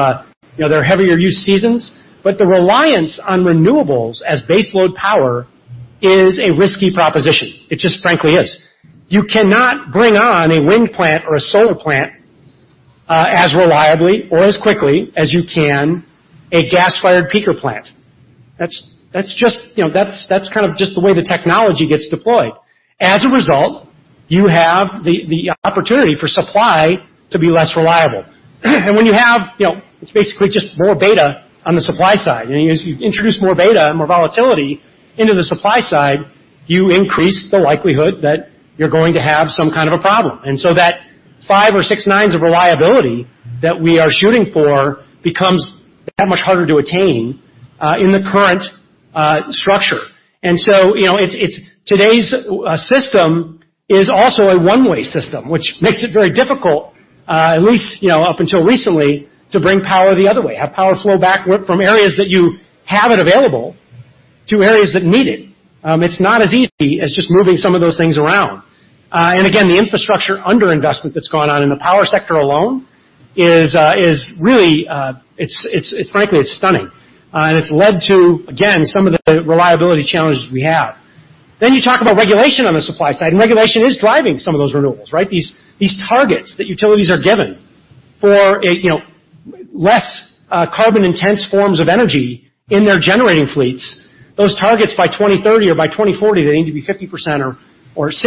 their heavier use seasons. The reliance on renewables as baseload power is a risky proposition. It just frankly is. You cannot bring on a wind plant or a solar plant, as reliably or as quickly as you can a gas-fired peaker plant. That's kind of just the way the technology gets deployed. As a result, you have the opportunity for supply to be less reliable. It's basically just more beta on the supply side. As you introduce more beta and more volatility into the supply side, you increase the likelihood that you're going to have some kind of a problem. That five or five nines of reliability that we are shooting for becomes that much harder to attain in the current structure. Today's system is also a one-way system, which makes it very difficult, at least up until recently, to bring power the other way, have power flow backward from areas that you have it available to areas that need it. It's not as easy as just moving some of those things around. Again, the infrastructure underinvestment that's gone on in the power sector alone is really, frankly, it's stunning. It's led to, again, some of the reliability challenges we have. You talk about regulation on the supply side, regulation is driving some of those renewables, right? These targets that utilities are given for less carbon-intense forms of energy in their generating fleets. Those targets by 2030 or by 2040, they need to be 50% or 60%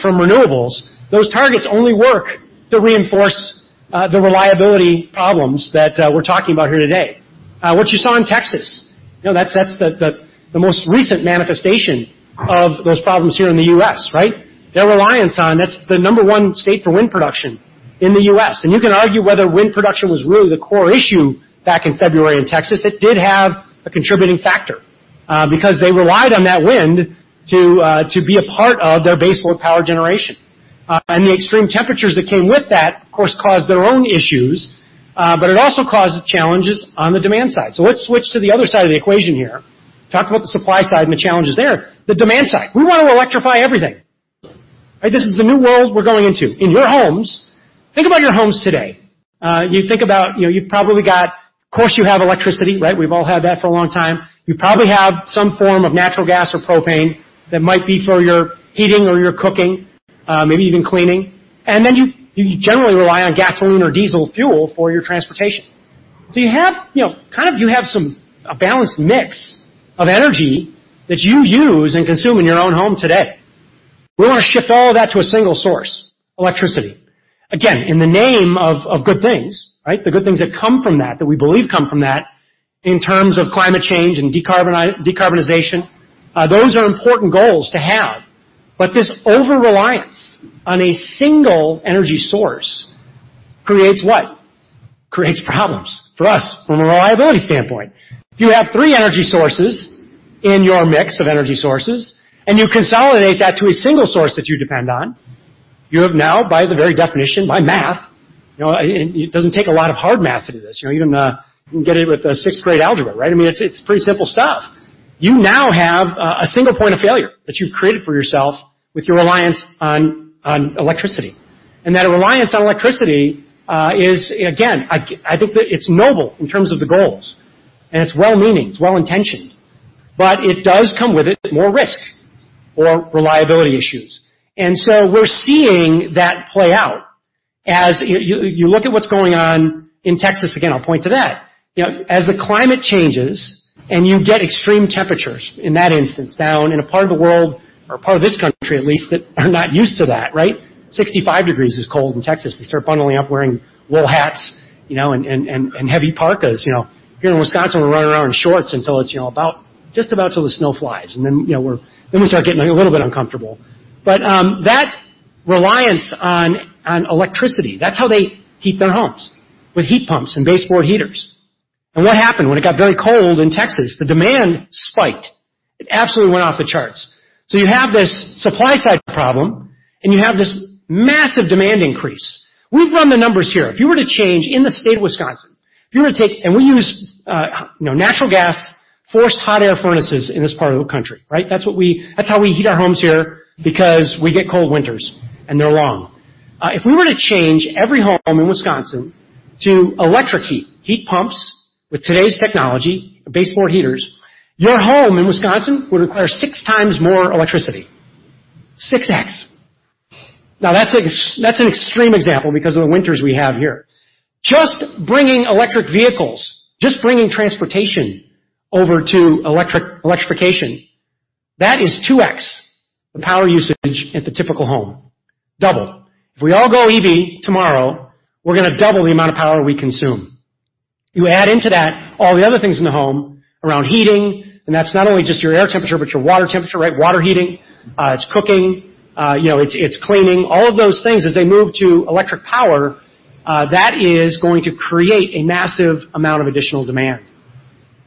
from renewables. Those targets only work to reinforce the reliability problems that we're talking about here today. What you saw in Texas, that's the most recent manifestation of those problems here in the U.S., right? That's the number one state for wind production in the U.S. You can argue whether wind production was really the core issue back in February in Texas. It did have a contributing factor, because they relied on that wind to be a part of their base load power generation. The extreme temperatures that came with that, of course, caused their own issues. It also caused challenges on the demand side. Let's switch to the other side of the equation here. Talked about the supply side and the challenges there. The demand side, we want to electrify everything. This is the new world we're going into. Think about your homes today. You think about, of course, you have electricity, right? We've all had that for a long time. You probably have some form of natural gas or propane that might be for your heating or your cooking, maybe even cleaning. You generally rely on gasoline or diesel fuel for your transportation. You have a balanced mix of energy that you use and consume in your own home today. We want to shift all of that to a single source, electricity. Again, in the name of good things, right? The good things that come from that we believe come from that in terms of climate change and decarbonization. Those are important goals to have. This overreliance on a single energy source creates what? Creates problems for us from a reliability standpoint. If you have three energy sources in your mix of energy sources, and you consolidate that to a single source that you depend on, you have now, by the very definition, by math. It doesn't take a lot of hard math to do this. You can get it with sixth-grade algebra, right? I mean, it's pretty simple stuff. You now have a single point of failure that you've created for yourself with your reliance on electricity. That reliance on electricity is, again, I think that it's noble in terms of the goals, and it's well-meaning, it's well-intentioned, but it does come with it more risk or reliability issues. We're seeing that play out. As you look at what's going on in Texas, again, I'll point to that. As the climate changes and you get extreme temperatures in that instance, down in a part of the world or a part of this country at least, that are not used to that, right? 65 degrees is cold in Texas. They start bundling up, wearing wool hats, and heavy parkas. Here in Wisconsin, we're running around in shorts until it's just about till the snow flies, and then we start getting a little bit uncomfortable. That reliance on electricity, that's how they heat their homes, with heat pumps and baseboard heaters. What happened when it got very cold in Texas? The demand spiked. It absolutely went off the charts. You have this supply side problem, and you have this massive demand increase. We've run the numbers here. If you were to change in the state of Wisconsin, We use natural gas forced hot air furnaces in this part of the country, right? That's how we heat our homes here because we get cold winters, and they're long. If we were to change every home in Wisconsin to electric heat pumps with today's technology, baseboard heaters, your home in Wisconsin would require 6x more electricity. 6X. That's an extreme example because of the winters we have here. Just bringing electric vehicles, just bringing transportation over to electrification, that is 2x the power usage at the typical home. Double. If we all go EV tomorrow, we're going to double the amount of power we consume. You add into that all the other things in the home around heating, and that's not only just your air temperature, but your water temperature, right? Water heating. It's cooking, it's cleaning, all of those things as they move to electric power, that is going to create a massive amount of additional demand.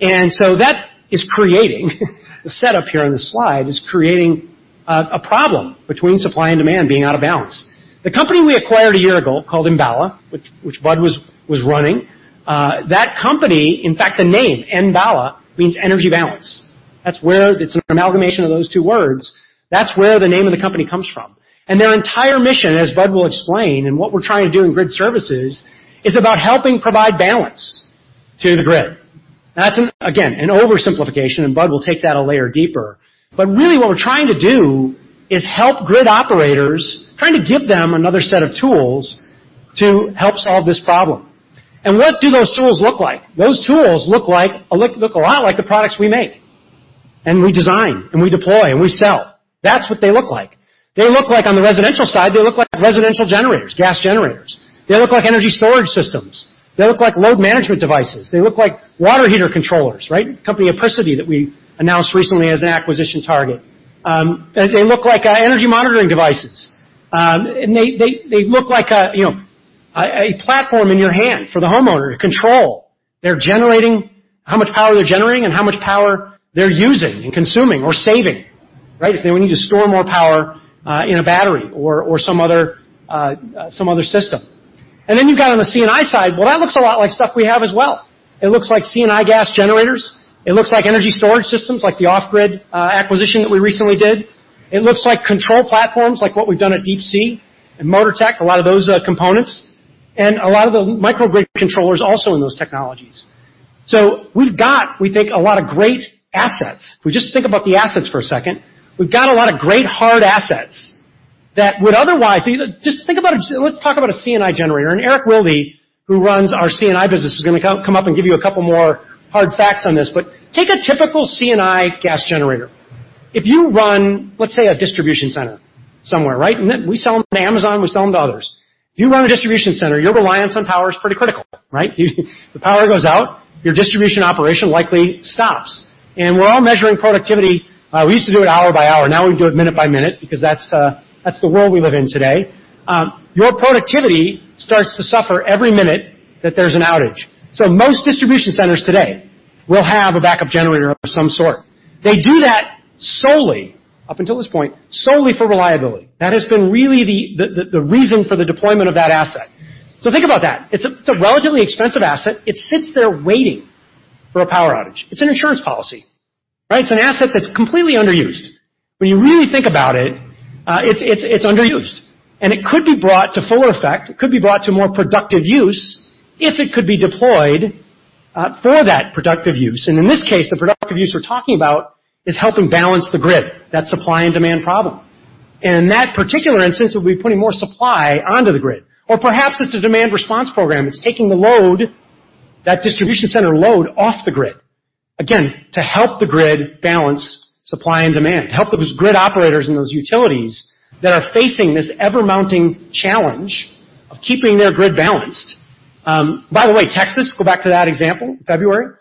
That is creating the setup here on the slide, is creating a problem between supply and demand being out of balance. The company we acquired a year ago called Enbala, which Bud was running, that company, in fact, the name Enbala means energy balance. It's an amalgamation of those two words. That's where the name of the company comes from. Their entire mission, as Bud will explain, and what we're trying to do in Grid Services, is about helping provide balance to the grid. That's, again, an oversimplification, and Bud will take that a layer deeper. Really what we're trying to do is help grid operators, trying to give them another set of tools to help solve this problem. What do those tools look like? Those tools look a lot like the products we make, and we design, and we deploy, and we sell. That's what they look like. They look like on the residential side, they look like residential generators, gas generators. They look like energy storage systems. They look like load management devices. They look like water heater controllers, right? Company, Apricity, that we announced recently as an acquisition target. They look like energy monitoring devices. They look like a platform in your hand for the homeowner to control how much power they're generating and how much power they're using and consuming or saving, right? If they need to store more power in a battery or some other system. Then you've got on the C&I side, well, that looks a lot like stuff we have as well. It looks like C&I gas generators. It looks like energy storage systems, like the Off Grid acquisition that we recently did. It looks like control platforms, like what we've done at Deep Sea and MOTORTECH, a lot of those components, and a lot of the microgrid controllers also in those technologies. We've got, we think, a lot of great assets. If we just think about the assets for a second. We've got a lot of great hard assets that would. Let's talk about a C&I generator. Erik Wilde, who runs our C&I business, is going to come up and give you a couple more hard facts on this. Take a typical C&I gas generator. If you run, let's say, a distribution center somewhere, right? We sell them to Amazon, we sell them to others. If you run a distribution center, your reliance on power is pretty critical, right? The power goes out, your distribution operation likely stops. We're all measuring productivity. We used to do it hour by hour. Now we do it minute by minute because that's the world we live in today. Your productivity starts to suffer every minute that there's an outage. Most distribution centers today will have a backup generator of some sort. They do that solely, up until this point, solely for reliability. That has been really the reason for the deployment of that asset. Think about that. It's a relatively expensive asset. It sits there waiting for a power outage. It's an insurance policy, right? It's an asset that's completely underused. When you really think about it's underused, and it could be brought to fuller effect. It could be brought to more productive use if it could be deployed for that productive use. In this case, the productive use we're talking about is helping balance the grid, that supply and demand problem. In that particular instance, it'll be putting more supply onto the grid. Perhaps it's a demand response program. It's taking the load, that distribution center load, off the grid, again, to help the grid balance supply and demand, to help those grid operators and those utilities that are facing this ever-mounting challenge of keeping their grid balanced. By the way, Texas, go back to that example, February.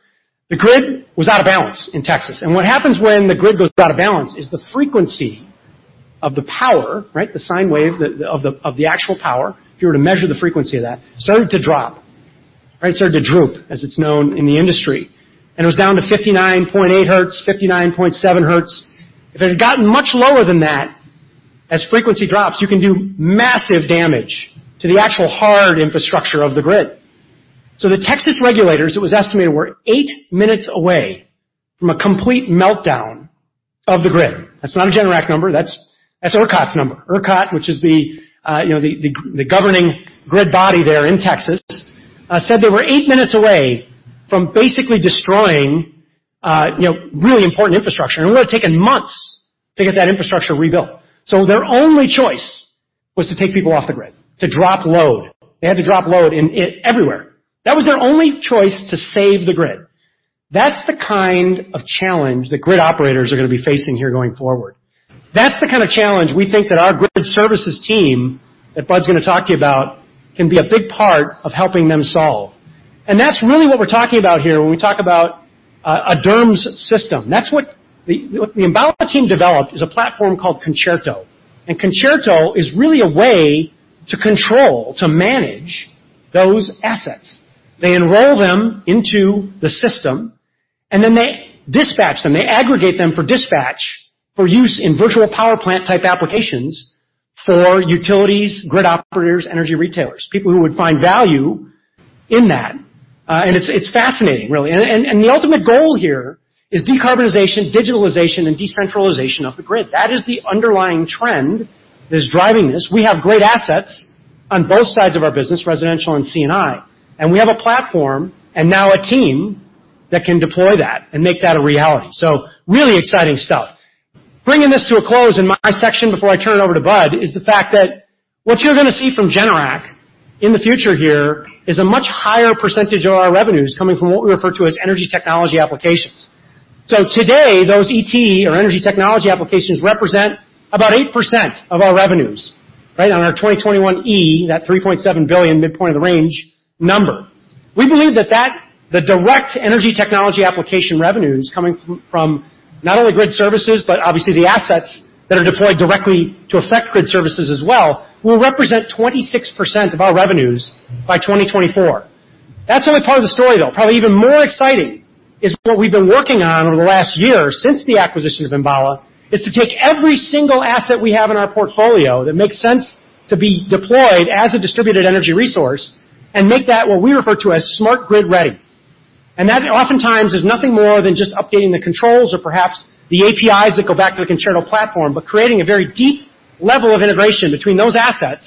The grid was out of balance in Texas. What happens when the grid goes out of balance is the frequency of the power, right, the sine wave of the actual power, if you were to measure the frequency of that, started to drop, right? It started to droop, as it's known in the industry. It was down to 59.8 hertz, 59.7 hertz. If it had gotten much lower than that, as frequency drops, you can do massive damage to the actual hard infrastructure of the grid. The Texas regulators, it was estimated, were eight minutes away from a complete meltdown of the grid. That's not a Generac number. That's ERCOT's number. ERCOT, which is the governing grid body there in Texas, said they were eight minutes away from basically destroying really important infrastructure. It would've taken months to get that infrastructure rebuilt. Their only choice was to take people off the grid, to drop load. They had to drop load everywhere. That was their only choice to save the grid. That's the kind of challenge that grid operators are going to be facing here going forward. That's the kind of challenge we think that our Grid Services team, that Bud's going to talk to you about, can be a big part of helping them solve. That's really what we're talking about here when we talk about a DERMS system. What the Enbala team developed is a platform called Concerto. Concerto is really a way to control, to manage those assets. They enroll them into the system, and then they dispatch them. They aggregate them for dispatch, for use in virtual power plant-type applications for utilities, grid operators, energy retailers, people who would find value in that. It's fascinating, really. The ultimate goal here is decarbonization, digitalization, and decentralization of the grid. That is the underlying trend that is driving this. We have great assets on both sides of our business, residential and C&I, and we have a platform and now a team that can deploy that and make that a reality. Really exciting stuff. Bringing this to a close in my section before I turn it over to Bud, is the fact that what you're going to see from Generac in the future here is a much higher percentage of our revenues coming from what we refer to as energy technology applications. Today, those ET or energy technology applications represent about 8% of our revenues, right, on our 2021 E, that $3.7 billion midpoint of the range number. We believe that the direct energy technology application revenues coming from not only Grid Services, but obviously the assets that are deployed directly to affect Grid Services as well, will represent 26% of our revenues by 2024. That's only part of the story, though. Probably even more exciting is what we've been working on over the last year since the acquisition of Enbala, is to take every single asset we have in our portfolio that makes sense to be deployed as a distributed energy resource and make that what we refer to as Smart Grid-Ready. That oftentimes is nothing more than just updating the controls or perhaps the APIs that go back to the Concerto platform. Creating a very deep level of integration between those assets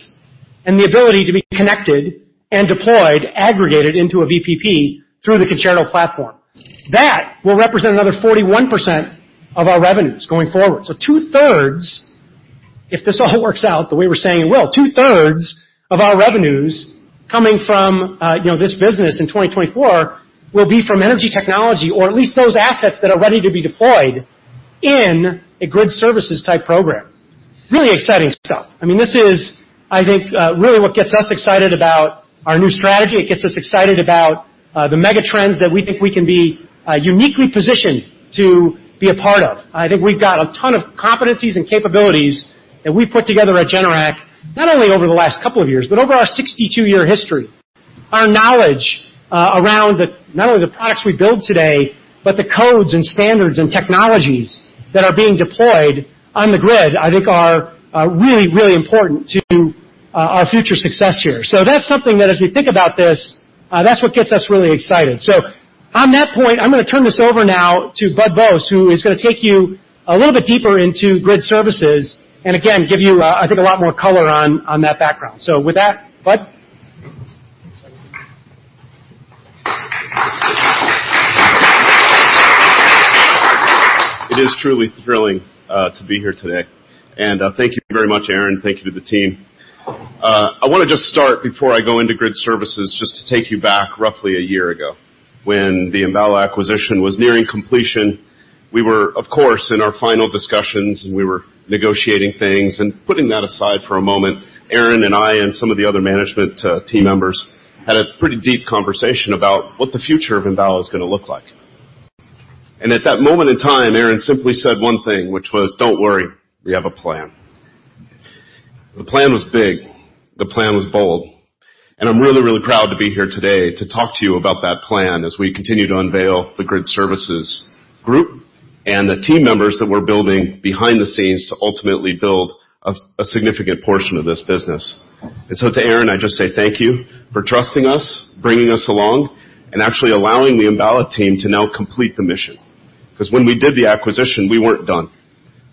and the ability to be connected and deployed, aggregated into a VPP through the Concerto platform. That will represent another 41% of our revenues going forward. 2/3, if this all works out the way we're saying it will, 2/3 of our revenues coming from this business in 2024 will be from energy technology or at least those assets that are ready to be deployed in a Grid Services-type program. Really exciting stuff. This is, I think, really what gets us excited about our new strategy. It gets us excited about the mega trends that we think we can be uniquely positioned to be a part of. I think we've got a ton of competencies and capabilities that we've put together at Generac, not only over the last couple of years, but over our 62-year history. Our knowledge around not only the products we build today, but the codes and standards and technologies that are being deployed on the grid, I think are really, really important to our future success here. That's something that as we think about this, that's what gets us really excited. On that point, I'm going to turn this over now to Bud Vos, who is going to take you a little bit deeper into Grid Services and again, give you, I think, a lot more color on that background. With that, Bud. It is truly thrilling to be here today. Thank you very much, Aaron. Thank you to the team. I want to just start before I go into Grid Services, just to take you back roughly one year ago. When the Enbala acquisition was nearing completion, we were, of course, in our final discussions, and we were negotiating things. Putting that aside for a moment, Aaron and I and some of the other management team members had a pretty deep conversation about what the future of Enbala is going to look like. At that moment in time, Aaron simply said one thing, which was, "Don't worry. We have a plan." The plan was big. The plan was bold. I'm really, really proud to be here today to talk to you about that plan as we continue to unveil the Grid Services group and the team members that we're building behind the scenes to ultimately build a significant portion of this business. To Aaron, I just say thank you for trusting us, bringing us along, and actually allowing the Enbala team to now complete the mission. When we did the acquisition, we weren't done.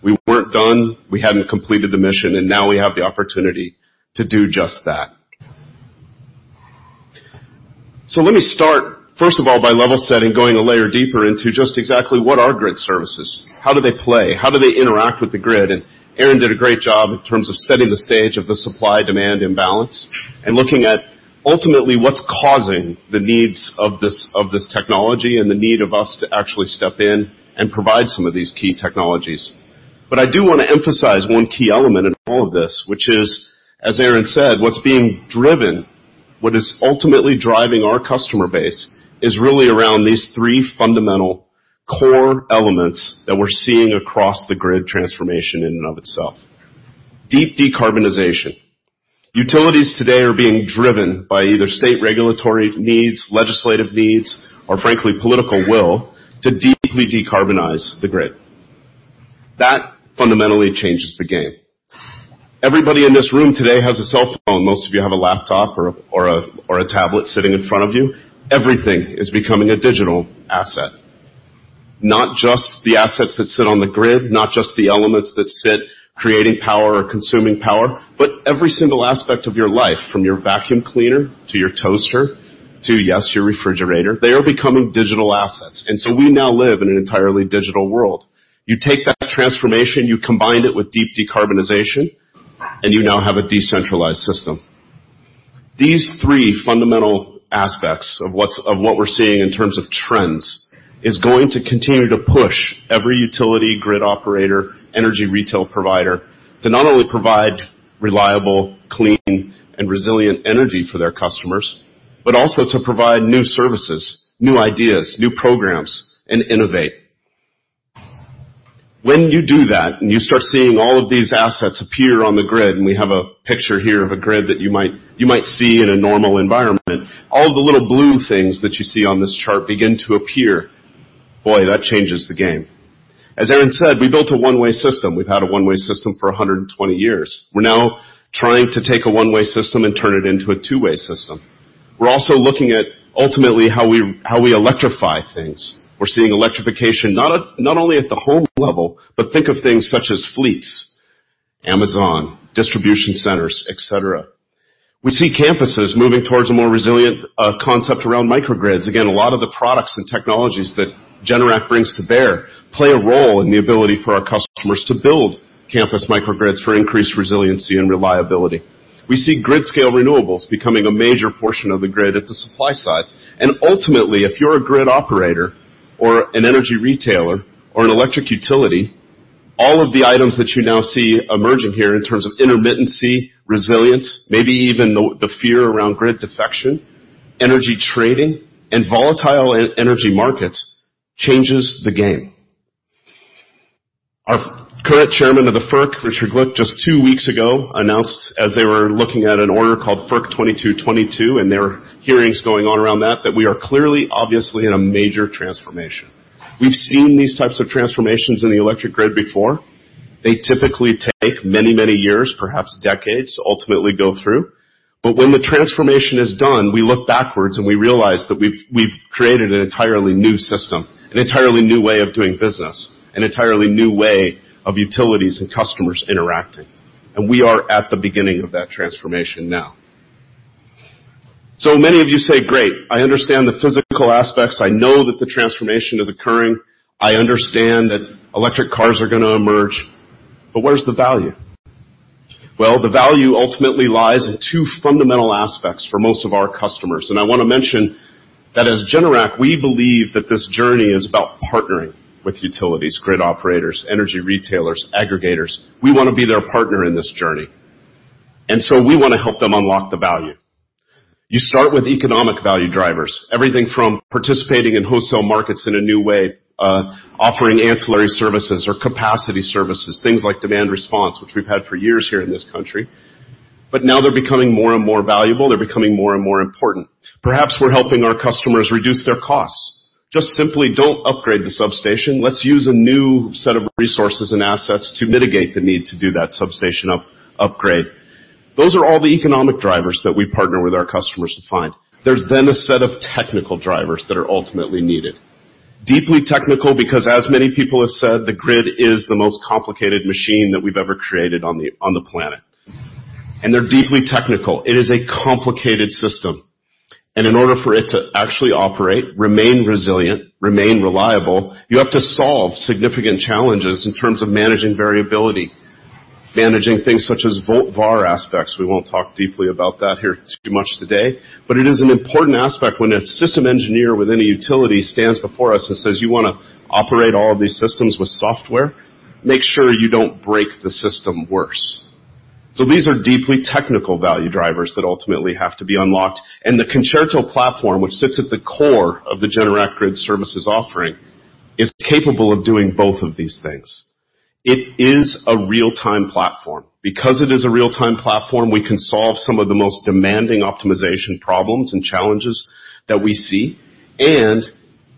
We hadn't completed the mission. Now we have the opportunity to do just that. Let me start, first of all, by level setting, going a layer deeper into just exactly what are Grid Services, how do they play, how do they interact with the grid? Aaron did a great job in terms of setting the stage of the supply-demand imbalance and looking at ultimately what's causing the needs of this technology and the need of us to actually step in and provide some of these key technologies. I do want to emphasize one key element in all of this, which is, as Aaron said, what's being driven, what is ultimately driving our customer base, is really around these three fundamental core elements that we're seeing across the grid transformation in and of itself. Deep decarbonization. Utilities today are being driven by either state regulatory needs, legislative needs, or frankly, political will to deeply decarbonize the grid. That fundamentally changes the game. Everybody in this room today has a cell phone. Most of you have a laptop or a tablet sitting in front of you. Everything is becoming a digital asset. Not just the assets that sit on the grid, not just the elements that sit creating power or consuming power, but every single aspect of your life, from your vacuum cleaner to your toaster to, yes, your refrigerator. They are becoming digital assets. We now live in an entirely digital world. You take that transformation, you combine it with deep decarbonization, you now have a decentralized system. These three fundamental aspects of what we're seeing in terms of trends is going to continue to push every utility grid operator, energy retail provider, to not only provide reliable, clean, and resilient energy for their customers, but also to provide new services, new ideas, new programs, and innovate. When you do that, and you start seeing all of these assets appear on the grid, and we have a picture here of a grid that you might see in a normal environment. All the little blue things that you see on this chart begin to appear. Boy, that changes the game. As Aaron said, we built a one-way system. We've had a one-way system for 120 years. We're now trying to take a one-way system and turn it into a two-way system. We're also looking at, ultimately, how we electrify things. We're seeing electrification not only at the home level, but think of things such as fleets, Amazon, distribution centers, et cetera. We see campuses moving towards a more resilient concept around microgrids. Again, a lot of the products and technologies that Generac brings to bear play a role in the ability for our customers to build campus microgrids for increased resiliency and reliability. We see grid-scale renewables becoming a major portion of the grid at the supply side. Ultimately, if you're a grid operator or an energy retailer or an electric utility, all of the items that you now see emerging here in terms of intermittency, resilience, maybe even the fear around grid defection, energy trading, and volatile energy markets, changes the game. Our current Chairman of the FERC, Richard Glick, just two weeks ago announced as they were looking at an order called FERC 2222, and there are hearings going on around that we are clearly, obviously, in a major transformation. We've seen these types of transformations in the electric grid before. They typically take many years, perhaps decades, to ultimately go through. When the transformation is done, we look backwards and we realize that we've created an entirely new system, an entirely new way of doing business, an entirely new way of utilities and customers interacting. We are at the beginning of that transformation now. Many of you say, "Great, I understand the physical aspects. I know that the transformation is occurring. I understand that electric cars are going to emerge, but where's the value?" Well, the value ultimately lies in two fundamental aspects for most of our customers. I want to mention that as Generac, we believe that this journey is about partnering with utilities, grid operators, energy retailers, aggregators. We want to be their partner in this journey. We want to help them unlock the value. You start with economic value drivers, everything from participating in wholesale markets in a new way, offering ancillary services or capacity services, things like demand response, which we've had for years here in this country. Now they're becoming more and more valuable. They're becoming more and more important. Perhaps we're helping our customers reduce their costs. Just simply don't upgrade the substation. Let's use a new set of resources and assets to mitigate the need to do that substation upgrade. Those are all the economic drivers that we partner with our customers to find. There's a set of technical drivers that are ultimately needed. Deeply technical because, as many people have said, the grid is the most complicated machine that we've ever created on the planet. They're deeply technical. It is a complicated system. In order for it to actually operate, remain resilient, remain reliable, you have to solve significant challenges in terms of managing variability, managing things such as VAR aspects. We won't talk deeply about that here too much today, but it is an important aspect when a system engineer with any utility stands before us and says, "You want to operate all of these systems with software? Make sure you don't break the system worse." These are deeply technical value drivers that ultimately have to be unlocked. The Concerto platform, which sits at the core of the Generac Grid Services offering, is capable of doing both of these things. It is a real-time platform. Because it is a real-time platform, we can solve some of the most demanding optimization problems and challenges that we see, and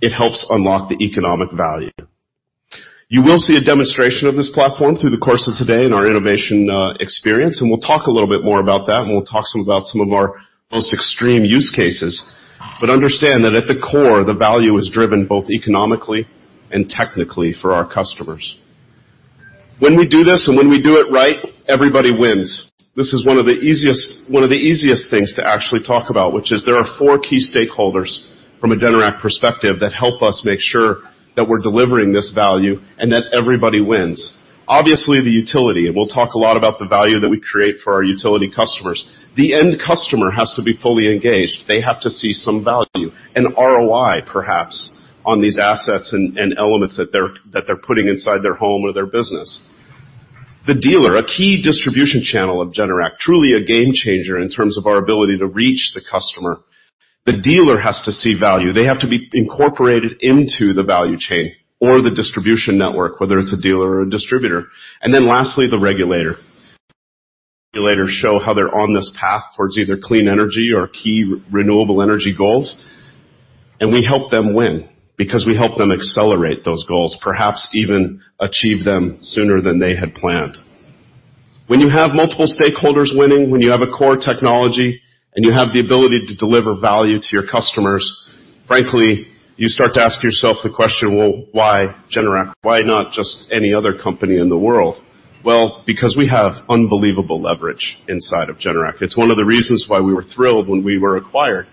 it helps unlock the economic value. You will see a demonstration of this platform through the course of today in our innovation experience, and we'll talk a little bit more about that, and we'll talk some about some of our most extreme use cases. Understand that at the core, the value is driven both economically and technically for our customers. When we do this and when we do it right, everybody wins. This is one of the easiest things to actually talk about, which is there are four key stakeholders from a Generac perspective that help us make sure that we're delivering this value and that everybody wins. Obviously, the utility, and we'll talk a lot about the value that we create for our utility customers. The end customer has to be fully engaged. They have to see some value, an ROI perhaps, on these assets and elements that they're putting inside their home or their business. The dealer, a key distribution channel of Generac, truly a game-changer in terms of our ability to reach the customer. The dealer has to see value. They have to be incorporated into the value chain or the distribution network, whether it's a dealer or a distributor. Lastly, the regulator. Regulators show how they're on this path towards either clean energy or key renewable energy goals, and we help them win because we help them accelerate those goals, perhaps even achieve them sooner than they had planned. When you have multiple stakeholders winning, when you have a core technology, and you have the ability to deliver value to your customers, frankly, you start to ask yourself the question, well, why Generac? Why not just any other company in the world? Because we have unbelievable leverage inside of Generac. It's one of the reasons why we were thrilled when we were acquired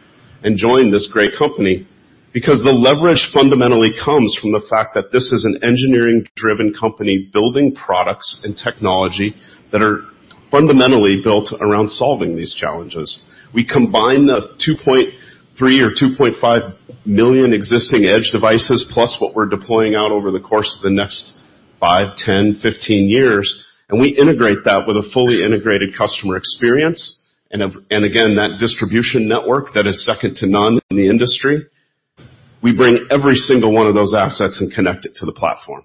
and joined this great company. The leverage fundamentally comes from the fact that this is an engineering-driven company building products and technology that are fundamentally built around solving these challenges. We combine the 2.3 million to 2.5 million existing Edge devices, plus what we're deploying out over the course of the next five, 10, 15 years, and we integrate that with a fully integrated customer experience and, again, that distribution network that is second to none in the industry. We bring every single one of those assets and connect it to the platform.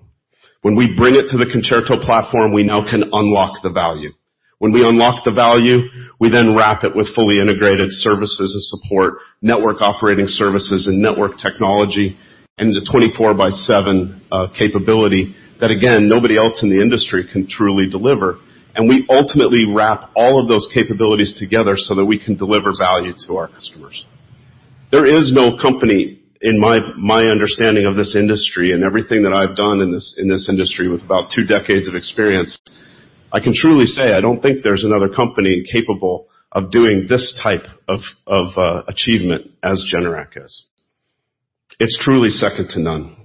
When we bring it to the Concerto platform, we now can unlock the value. When we unlock the value, we then wrap it with fully integrated services and support, network operating services and network technology, and the 24/7 capability that, again, nobody else in the industry can truly deliver. We ultimately wrap all of those capabilities together so that we can deliver value to our customers. There is no company, in my understanding of this industry and everything that I've done in this industry with about two decades of experience, I can truly say I don't think there's another company capable of doing this type of achievement as Generac is. It's truly second to none.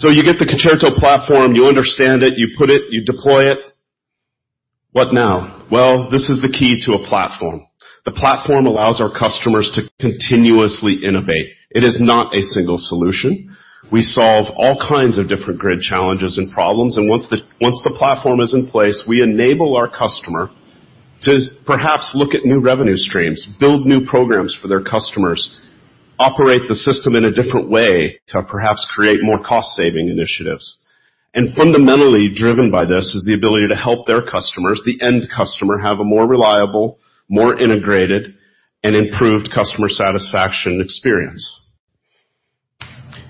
You get the Concerto platform, you understand it, you put it, you deploy it. What now? Well, this is the key to a platform. The platform allows our customers to continuously innovate. It is not a single solution. We solve all kinds of different grid challenges and problems, and once the platform is in place, we enable our customer to perhaps look at new revenue streams, build new programs for their customers, operate the system in a different way to perhaps create more cost-saving initiatives. Fundamentally driven by this is the ability to help their customers, the end customer, have a more reliable, more integrated, and improved customer satisfaction experience.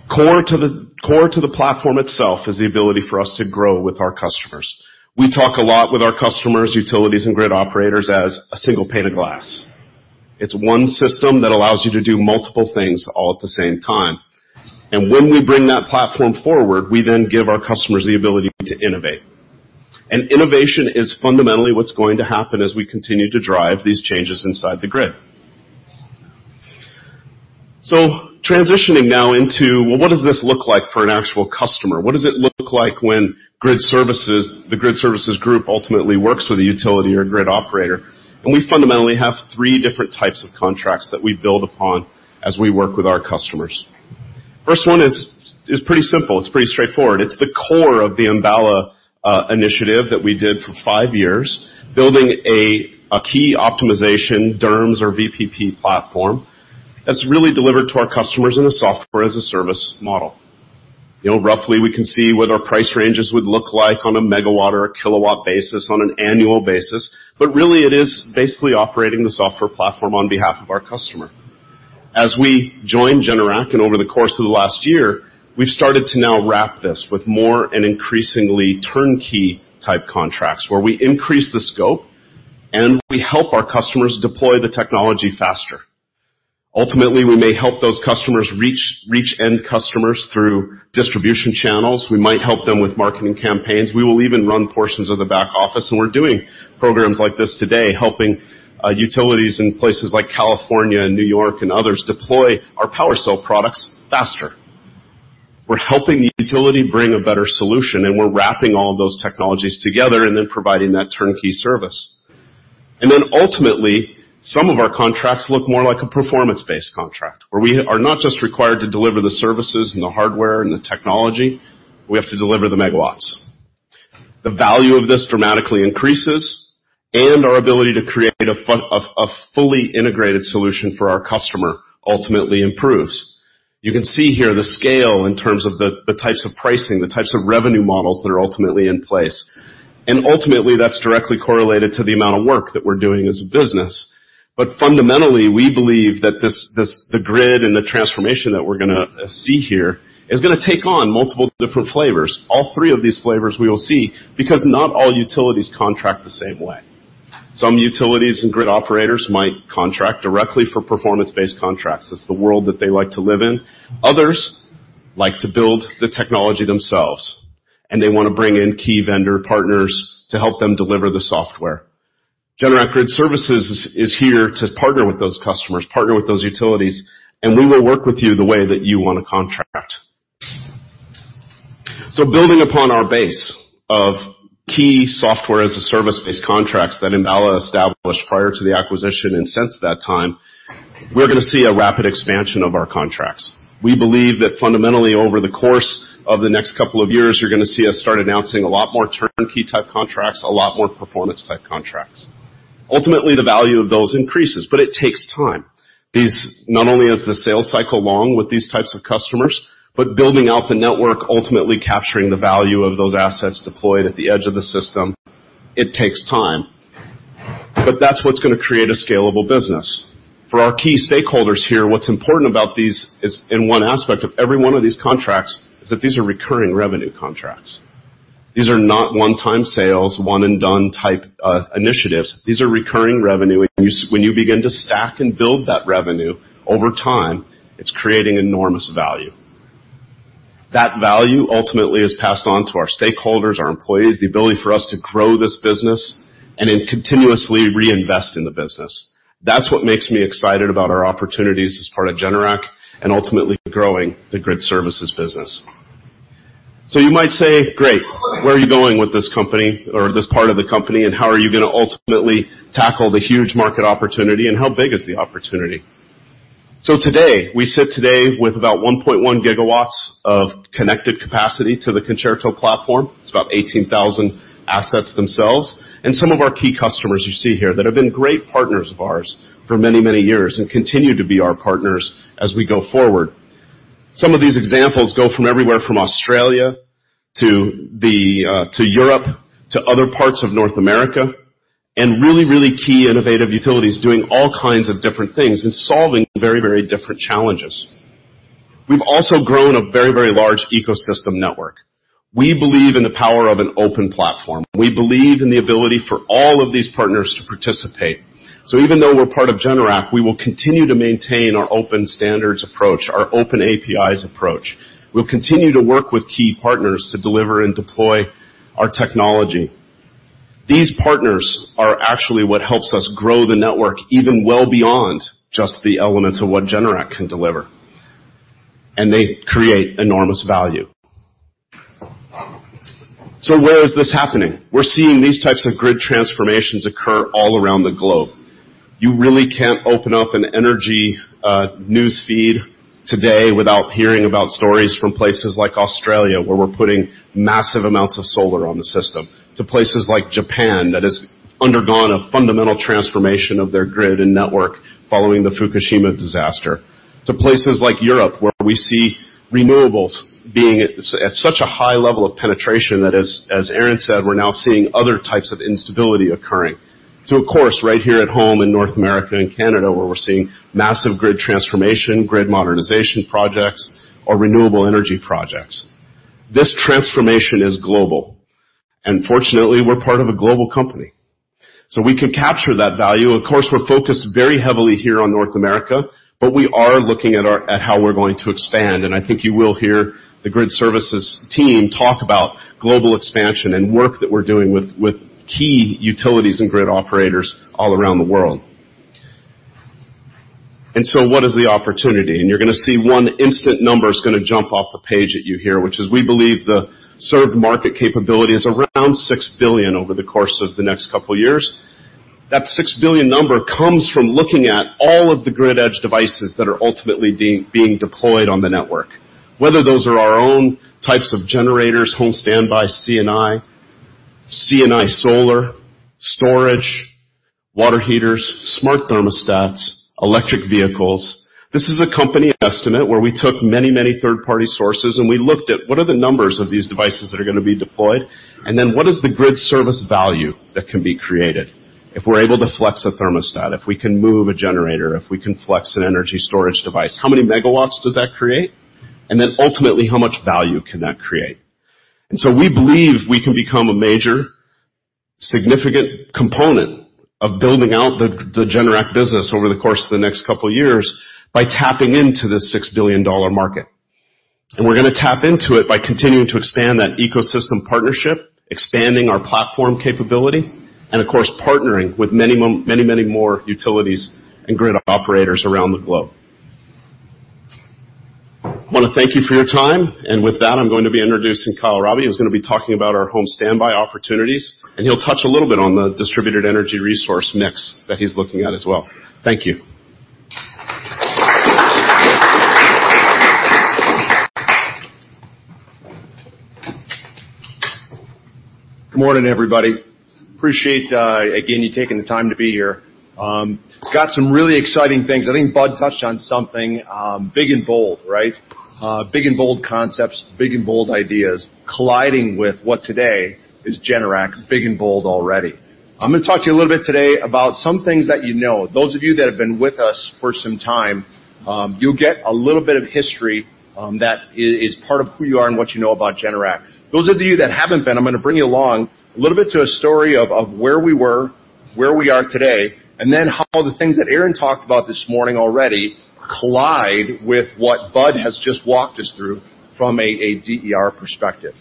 Core to the platform itself is the ability for us to grow with our customers. We talk a lot with our customers, utilities, and grid operators as a single pane of glass. It's one system that allows you to do multiple things all at the same time. When we bring that platform forward, we then give our customers the ability to innovate. Innovation is fundamentally what's going to happen as we continue to drive these changes inside the grid. Transitioning now into, well, what does this look like for an actual customer? What does it look like when Grid Services, the Grid Services group ultimately works with a utility or grid operator? We fundamentally have three different types of contracts that we build upon as we work with our customers. First one is pretty simple, it's pretty straightforward. It's the core of the Enbala initiative that we did for five years, building a key optimization DERMS or VPP platform that's really delivered to our customers in a software as a service model. Roughly, we can see what our price ranges would look like on a megawatt or a kilowatt basis on an annual basis. Really, it is basically operating the software platform on behalf of our customer. As we joined Generac and over the course of the last year, we've started to now wrap this with more and increasingly turnkey-type contracts where we increase the scope and we help our customers deploy the technology faster. Ultimately, we may help those customers reach end customers through distribution channels. We might help them with marketing campaigns. We will even run portions of the back office, and we're doing programs like this today, helping utilities in places like California and N.Y. and others deploy our PWRcell products faster. We're helping the utility bring a better solution, and we're wrapping all of those technologies together and then providing that turnkey service. Ultimately, some of our contracts look more like a performance-based contract, where we are not just required to deliver the services and the hardware and the technology, we have to deliver the megawatts. The value of this dramatically increases and our ability to create a fully integrated solution for our customer ultimately improves. You can see here the scale in terms of the types of pricing, the types of revenue models that are ultimately in place. Ultimately, that's directly correlated to the amount of work that we're doing as a business. Fundamentally, we believe that the grid and the transformation that we're going to see here is going to take on multiple different flavors, all three of these flavors we will see, because not all utilities contract the same way. Some utilities and grid operators might contract directly for performance-based contracts. It's the world that they like to live in. Others like to build the technology themselves, and they want to bring in key vendor partners to help them deliver the software. Generac Grid Services is here to partner with those customers, partner with those utilities. We will work with you the way that you want to contract. Building upon our base of key software-as-a-service-based contracts that Enbala established prior to the acquisition and since that time, we're going to see a rapid expansion of our contracts. We believe that fundamentally, over the course of the next couple of years, you're going to see us start announcing a lot more turnkey-type contracts, a lot more performance-type contracts. Ultimately, the value of those increases. It takes time. Not only is the sales cycle long with these types of customers, building out the network, ultimately capturing the value of those assets deployed at the edge of the system, it takes time. That's what's going to create a scalable business. For our key stakeholders here, what is important about these is in one aspect of every one of these contracts is that these are recurring revenue contracts. These are not one-time sales, one-and-done-type initiatives. These are recurring revenue, and when you begin to stack and build that revenue over time, it is creating enormous value. That value ultimately is passed on to our stakeholders, our employees, the ability for us to grow this business and then continuously reinvest in the business. That is what makes me excited about our opportunities as part of Generac and ultimately growing the Grid Services business. You might say, great, where are you going with this company or this part of the company, and how are you going to ultimately tackle the huge market opportunity, and how big is the opportunity? Today, we sit today with about 1.1 GW of connected capacity to the Concerto platform. It's about 18,000 assets themselves. Some of our key customers you see here that have been great partners of ours for many, many years and continue to be our partners as we go forward. Some of these examples go from everywhere from Australia to Europe to other parts of North America, really, really key innovative utilities doing all kinds of different things and solving very, very different challenges. We've also grown a very, very large ecosystem network. We believe in the power of an open platform. We believe in the ability for all of these partners to participate. Even though we're part of Generac, we will continue to maintain our open standards approach, our open APIs approach. We'll continue to work with key partners to deliver and deploy our technology. These partners are actually what helps us grow the network even well beyond just the elements of what Generac can deliver. They create enormous value. Where is this happening? We're seeing these types of grid transformations occur all around the globe. You really can't open up an energy news feed today without hearing about stories from places like Australia, where we're putting massive amounts of solar on the system, to places like Japan, that has undergone a fundamental transformation of their grid and network following the Fukushima disaster, to places like Europe, where we see renewables being at such a high level of penetration that as Aaron said, we're now seeing other types of instability occurring. Of course, right here at home in North America and Canada, where we're seeing massive grid transformation, grid modernization projects, or renewable energy projects. This transformation is global. Fortunately, we're part of a global company. We can capture that value. Of course, we're focused very heavily here on North America, but we are looking at how we're going to expand, and I think you will hear the Grid Services team talk about global expansion and work that we're doing with key utilities and grid operators all around the world. What is the opportunity? You're going to see one instant number is going to jump off the page at you here, which is we believe the served market capability is around $6 billion over the course of the next couple of years. That $6 billion number comes from looking at all of the grid edge devices that are ultimately being deployed on the network. Whether those are our own types of generators, home standby, C&I, C&I solar, storage, water heaters, smart thermostats, electric vehicles. This is a company estimate where we took many third-party sources, and we looked at what are the numbers of these devices that are going to be deployed, and then what is the grid service value that can be created if we're able to flex a thermostat, if we can move a generator, if we can flex an energy storage device. How many megawatts does that create? Ultimately, how much value can that create? We believe we can become a major, significant component of building out the Generac business over the course of the next couple of years by tapping into this $6 billion market. We're going to tap into it by continuing to expand that ecosystem partnership, expanding our platform capability, and of course, partnering with many, many more utilities and grid operators around the globe. I want to thank you for your time. With that, I'm going to be introducing Kyle Raabe, who's going to be talking about our home standby opportunities, and he'll touch a little bit on the distributed energy resource mix that he's looking at as well. Thank you. Good morning, everybody. Appreciate, again, you taking the time to be here. Got some really exciting things. I think Bud touched on something, big and bold, right? Big and bold concepts, big and bold ideas colliding with what today is Generac, big and bold already. I'm going to talk to you a little bit today about some things that you know. Those of you that have been with us for some time, you'll get a little bit of history that is part of who you are and what you know about Generac. Those of you that haven't been, I'm going to bring you along a little bit to a story of where we were, where we are today, and then how the things that Aaron talked about this morning already collide with what Bud has just walked us through from a DER perspective.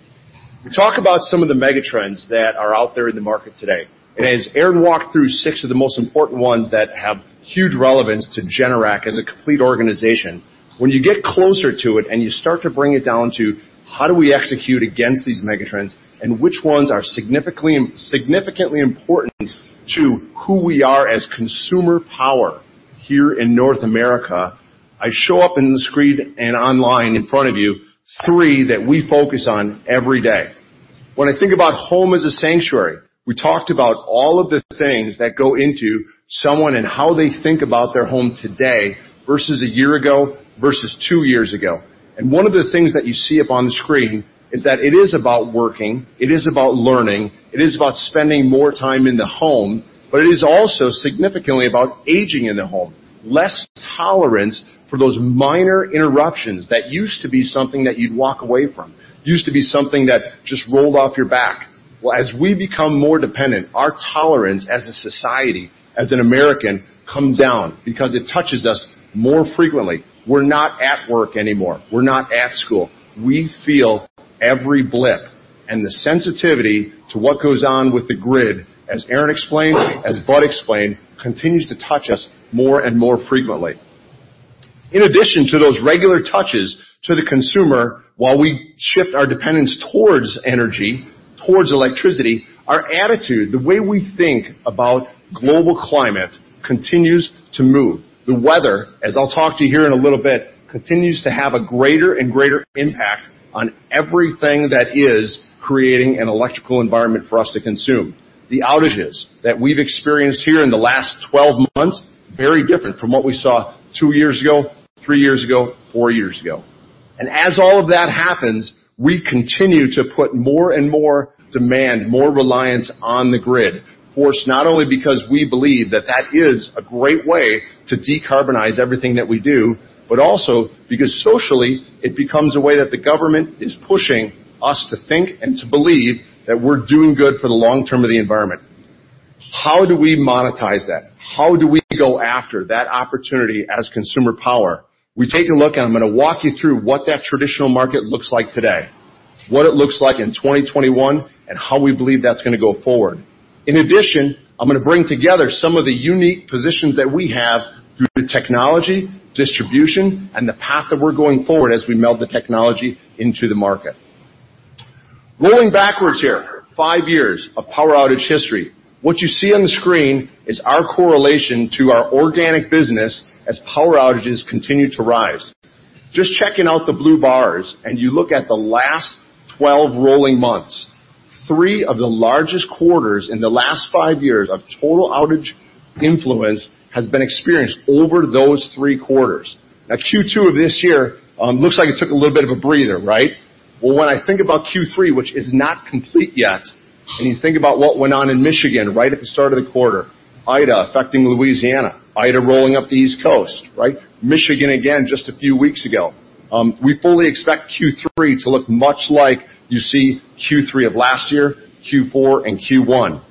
We talk about some of the mega trends that are out there in the market today. As Aaron walked through six of the most important ones that have huge relevance to Generac as a complete organization, when you get closer to it and you start to bring it down to how do we execute against these mega trends and which ones are significantly important to who we are as consumer power here in North America, I show up in the screen and online in front of you, three that we focus on every day. When I think about home as a sanctuary, we talked about all of the things that go into someone and how they think about their home today versus one year ago, versus two years ago. One of the things that you see up on the screen is that it is about working, it is about learning, it is about spending more time in the home, but it is also significantly about aging in the home. Less tolerance for those minor interruptions that used to be something that you'd walk away from, used to be something that just rolled off your back. As we become more dependent, our tolerance as a society, as an American, comes down because it touches us more frequently. We're not at work anymore. We're not at school. We feel every blip, and the sensitivity to what goes on with the grid, as Aaron explained, as Bud explained, continues to touch us more and more frequently. In addition to those regular touches to the consumer, while we shift our dependence towards energy, towards electricity, our attitude, the way we think about global climate continues to move. The weather, as I'll talk to you here in a little bit, continues to have a greater and greater impact on everything that is creating an electrical environment for us to consume. The outages that we've experienced here in the last 12 months, very different from what we saw two years ago, three years ago, four years ago. As all of that happens, we continue to put more and more demand, more reliance on the grid. Of course, not only because we believe that that is a great way to decarbonize everything that we do, but also because socially, it becomes a way that the government is pushing us to think and to believe that we're doing good for the long term of the environment. How do we monetize that? How do we go after that opportunity as consumer power? We take a look, and I'm going to walk you through what that traditional market looks like today, what it looks like in 2021, and how we believe that's going to go forward. In addition, I'm going to bring together some of the unique positions that we have through the technology, distribution, and the path that we're going forward as we meld the technology into the market. Rolling backwards here, five years of power outage history. What you see on the screen is our correlation to our organic business as power outages continue to rise. Just checking out the blue bars, you look at the last 12 rolling months, three of the largest quarters in the last five years of total outage influence has been experienced over those three quarters. Q2 of this year, looks like it took a little bit of a breather, right. When I think about Q3, which is not complete yet, you think about what went on in Michigan right at the start of the quarter, Ida affecting Louisiana, Ida rolling up the East Coast, right. Michigan again just a few weeks ago. We fully expect Q3 to look much like you see Q3 of last year, Q4, and Q1.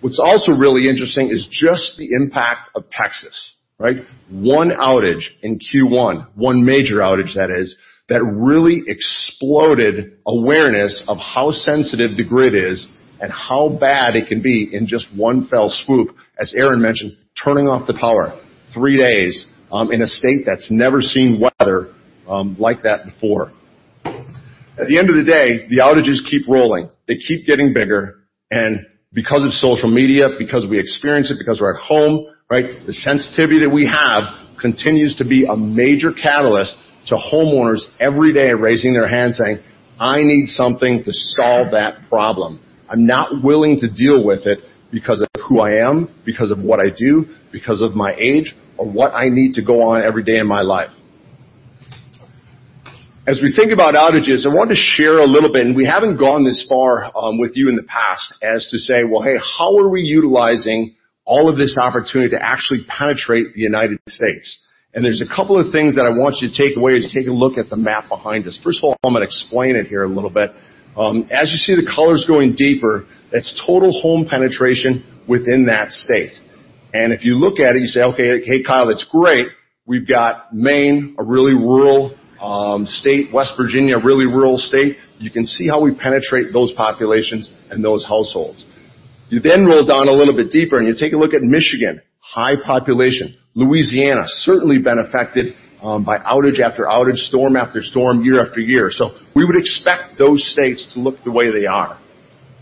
What's also really interesting is just the impact of Texas, right. one outage in Q1, one major outage that is, that really exploded awareness of how sensitive the grid is and how bad it can be in just one fell swoop. As Aaron mentioned, turning off the power, three days, in a state that's never seen weather like that before. At the end of the day, the outages keep rolling. They keep getting bigger. Because of social media, because we experience it, because we're at home, right? The sensitivity that we have continues to be a major catalyst to homeowners every day raising their hand saying, "I need something to solve that problem. I'm not willing to deal with it because of who I am, because of what I do, because of my age, or what I need to go on every day in my life." As we think about outages, I wanted to share a little bit, and we haven't gone this far with you in the past as to say, "Well, hey, how are we utilizing all of this opportunity to actually penetrate the United States?" There's a couple of things that I want you to take away as you take a look at the map behind us. First of all, I'm going to explain it here a little bit. As you see the colors going deeper, that's total home penetration within that state. If you look at it, you say, "Okay. Hey, Kyle, that's great. We've got Maine, a really rural state, West Virginia, a really rural state. You can see how we penetrate those populations and those households. You roll down a little bit deeper and you take a look at Michigan, high population. Louisiana, certainly been affected by outage after outage, storm after storm, year after year. We would expect those states to look the way they are.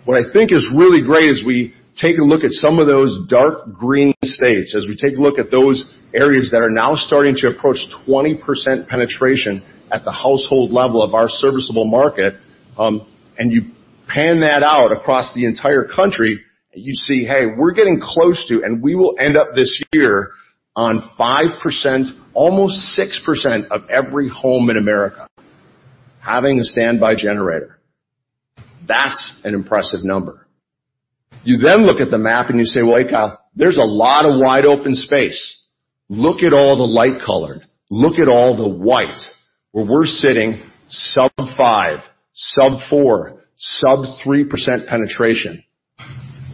What I think is really great is we take a look at some of those dark green states, as we take a look at those areas that are now starting to approach 20% penetration at the household level of our serviceable market. You pan that out across the entire country, you see, hey, we're getting close to, and we will end up this year on 5%, almost 6% of every home in America having a standby generator. That's an impressive number. You look at the map and you say, "Well, hey, there's a lot of wide open space." Look at all the light color. Look at all the white where we're sitting sub 5%, sub 4%, sub 3% penetration.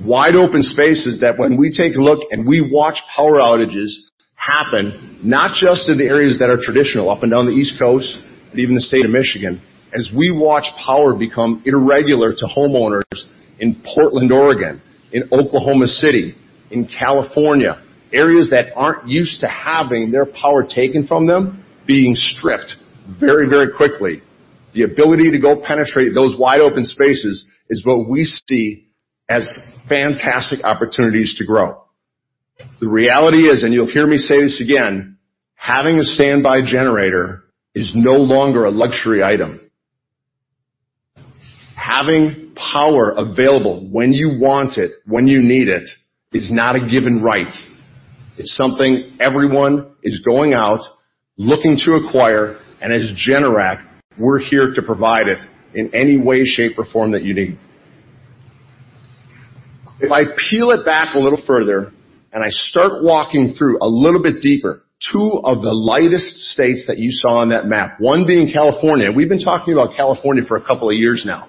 Wide open spaces that when we take a look and we watch power outages happen, not just in the areas that are traditional, up and down the East Coast, and even the state of Michigan. As we watch power become irregular to homeowners in Portland, Oregon, in Oklahoma City, in California, areas that aren't used to having their power taken from them, being stripped very, very quickly. The ability to go penetrate those wide open spaces is what we see as fantastic opportunities to grow. The reality is, you'll hear me say this again, having a standby generator is no longer a luxury item. Having power available when you want it, when you need it, is not a given right. It's something everyone is going out, looking to acquire, and as Generac, we're here to provide it in any way, shape, or form that you need. If I peel it back a little further and I start walking through a little bit deeper, two of the lightest states that you saw on that map, one being California. We've been talking about California for a couple of years now.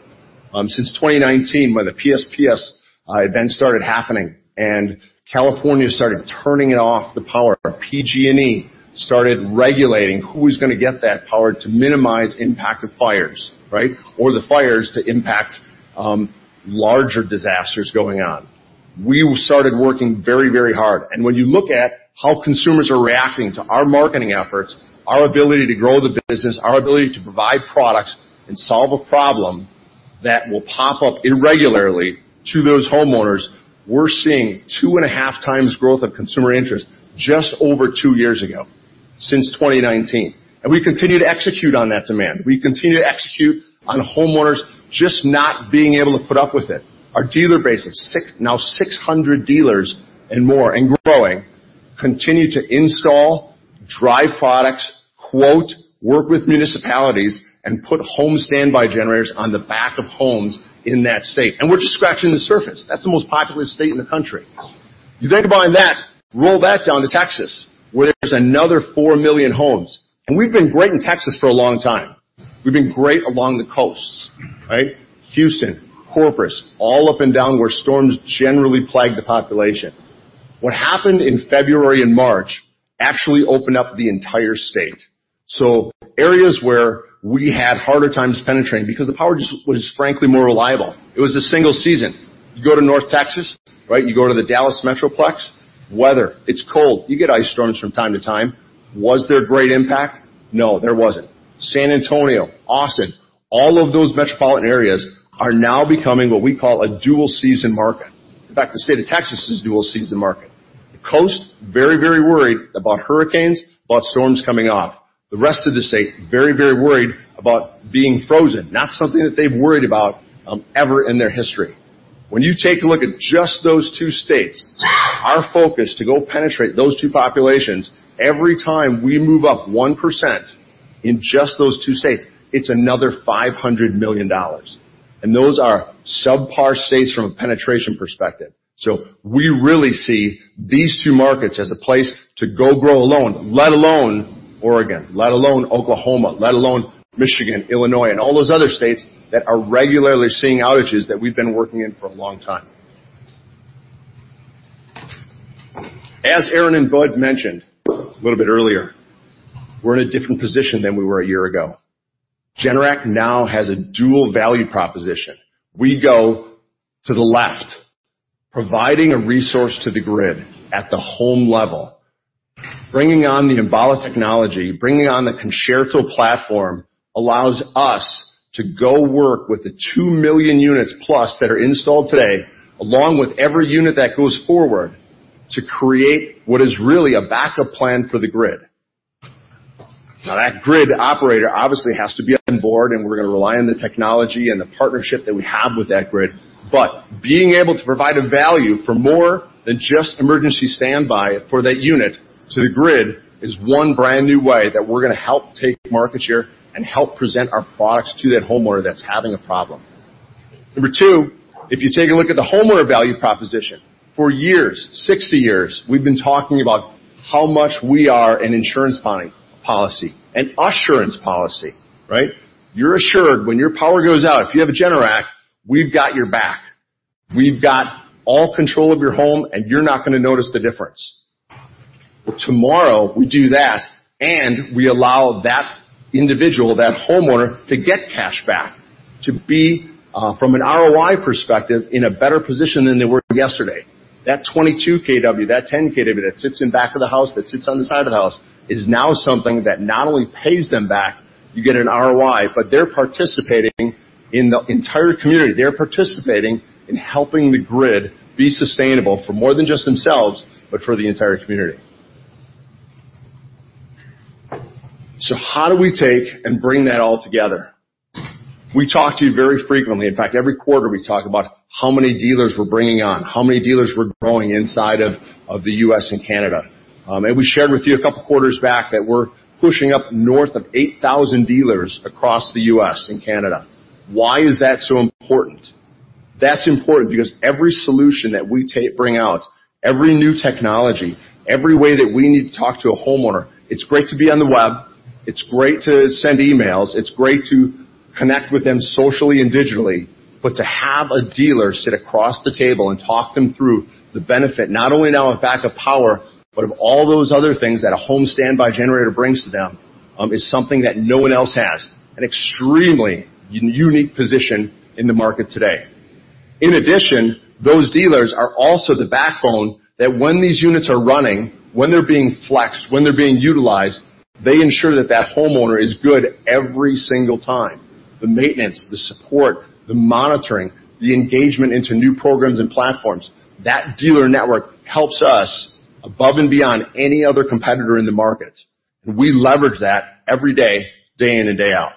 Since 2019, when the PSPS event started happening and California started turning it off the power. PG&E started regulating who was going to get that power to minimize impact of fires, right? The fires to impact larger disasters going on. We started working very, very hard. When you look at how consumers are reacting to our marketing efforts, our ability to grow the business, our ability to provide products and solve a problem that will pop up irregularly to those homeowners, we're seeing 2.5x growth of consumer interest just over two years ago, since 2019. We continue to execute on that demand. We continue to execute on homeowners just not being able to put up with it. Our dealer base is now 600 dealers and more and growing, continue to install, drive product, quote, work with municipalities, and put home standby generators on the back of homes in that state. We're just scratching the surface. That's the most populous state in the country. You think behind that, roll that down to Texas, where there's another 4 million homes. We've been great in Texas for a long time. We've been great along the coasts. Right? Houston, Corpus, all up and down where storms generally plague the population. What happened in February and March actually opened up the entire state. Areas where we had harder times penetrating because the power just was frankly more reliable. It was a single season. You go to North Texas, right? You go to the Dallas metroplex, weather. It's cold. You get ice storms from time to time. Was there great impact? No, there wasn't. San Antonio, Austin, all of those metropolitan areas are now becoming what we call a dual-season market. In fact, the state of Texas is a dual-season market. The coast, very, very worried about hurricanes, about storms coming off. The rest of the state, very, very worried about being frozen. Not something that they've worried about ever in their history. When you take a look at just those two states, our focus to go penetrate those two populations, every time we move up 1% in just those two states, it's another $500 million. Those are subpar states from a penetration perspective. We really see these two markets as a place to go grow alone, let alone Oregon, let alone Oklahoma, let alone Michigan, Illinois, and all those other states that are regularly seeing outages that we've been working in for a long time. As Aaron and Bud mentioned a little bit earlier, we're in a different position than we were a year ago. Generac now has a dual value proposition. We go to the left, providing a resource to the grid at the home level. Bringing on the Enbala technology, bringing on the Concerto platform allows us to go work with the 2 million units plus that are installed today, along with every unit that goes forward, to create what is really a backup plan for the grid. That grid operator obviously has to be on board, and we're going to rely on the technology and the partnership that we have with that grid. Being able to provide a value for more than just emergency standby for that unit to the grid is one brand new way that we're going to help take market share and help present our products to that homeowner that's having a problem. Number two, if you take a look at the homeowner value proposition, for years, 60 years, we've been talking about how much we are an insurance policy, an assurance policy, right? You're assured when your power goes out, if you have a Generac, we've got your back. We've got all control of your home, you're not going to notice the difference. Well, tomorrow we do that, we allow that individual, that homeowner, to get cash back, to be, from an ROI perspective, in a better position than they were yesterday. That 22 kW, that 10 kW that sits in back of the house, that sits on the side of the house, is now something that not only pays them back, you get an ROI, they're participating in the entire community. They're participating in helping the grid be sustainable for more than just themselves, for the entire community. How do we take and bring that all together? We talk to you very frequently. In fact, every quarter, we talk about how many dealers we're bringing on, how many dealers we're growing inside of the U.S. and Canada. We shared with you a couple of quarters back that we're pushing up north of 8,000 dealers across the U.S. and Canada. Why is that so important? That's important because every solution that we bring out, every new technology, every way that we need to talk to a homeowner, it's great to be on the web, it's great to send emails, it's great to connect with them socially and digitally. To have a dealer sit across the table and talk them through the benefit, not only now of backup power, but of all those other things that a home standby generator brings to them, is something that no one else has. An extremely unique position in the market today. Those dealers are also the backbone that when these units are running, when they're being flexed, when they're being utilized, they ensure that that homeowner is good every single time. The maintenance, the support, the monitoring, the engagement into new programs and platforms, that dealer network helps us above and beyond any other competitor in the market. We leverage that every day in and day out.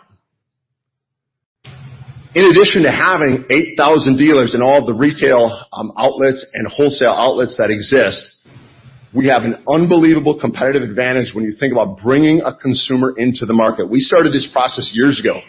Having 8,000 dealers in all the retail outlets and wholesale outlets that exist, we have an unbelievable competitive advantage when you think about bringing a consumer into the market. We started this process years ago.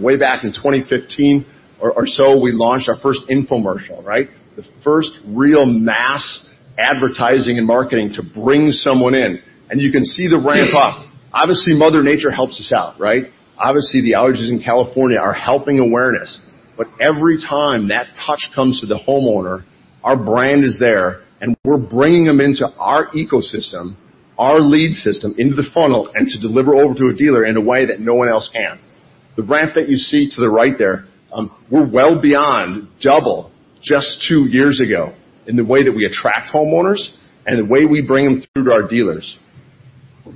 Way back in 2015 or so, we launched our first infomercial, right? The first real mass advertising and marketing to bring someone in. You can see the ramp up. Obviously, Mother Nature helps us out, right? Obviously, the outages in California are helping awareness. Every time that touch comes to the homeowner, our brand is there, and we're bringing them into our ecosystem, our lead system, into the funnel, and to deliver over to a dealer in a way that no one else can. The ramp that you see to the right there, we're well beyond double just two years ago in the way that we attract homeowners and the way we bring them through to our dealers.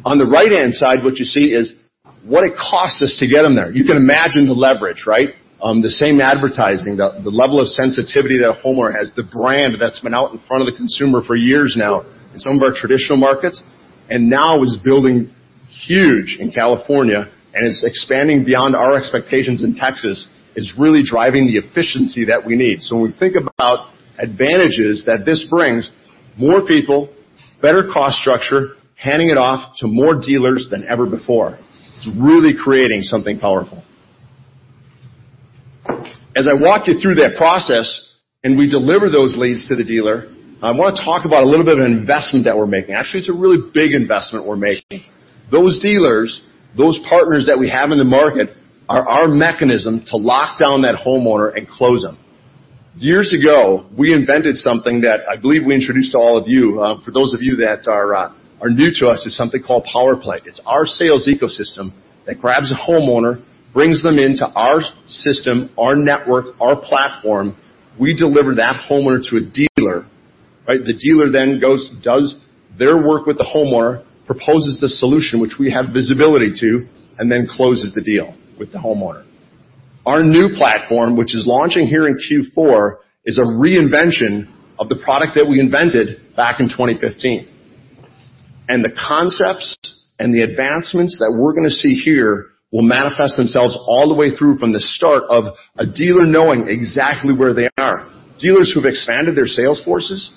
On the right-hand side, what you see is what it costs us to get them there. You can imagine the leverage, right? The same advertising, the level of sensitivity that a homeowner has, the brand that's been out in front of the consumer for years now in some of our traditional markets, and now is building huge in California and is expanding beyond our expectations in Texas, is really driving the efficiency that we need. When we think about advantages that this brings, more people, better cost structure, handing it off to more dealers than ever before. It's really creating something powerful. As I walk you through that process and we deliver those leads to the dealer, I want to talk about a little bit of an investment that we're making. Actually, it's a really big investment we're making. Those dealers, those partners that we have in the market, are our mechanism to lock down that homeowner and close them. Years ago, we invented something that I believe we introduced to all of you. For those of you that are new to us, it's something called PowerPlay. It's our sales ecosystem that grabs a homeowner, brings them into our system, our network, our platform. We deliver that homeowner to a dealer, right? The dealer goes, does their work with the homeowner, proposes the solution, which we have visibility to, and then closes the deal with the homeowner. Our new platform, which is launching here in Q4, is a reinvention of the product that we invented back in 2015. The concepts and the advancements that we're going to see here will manifest themselves all the way through from the start of a dealer knowing exactly where they are. Dealers who've expanded their sales forces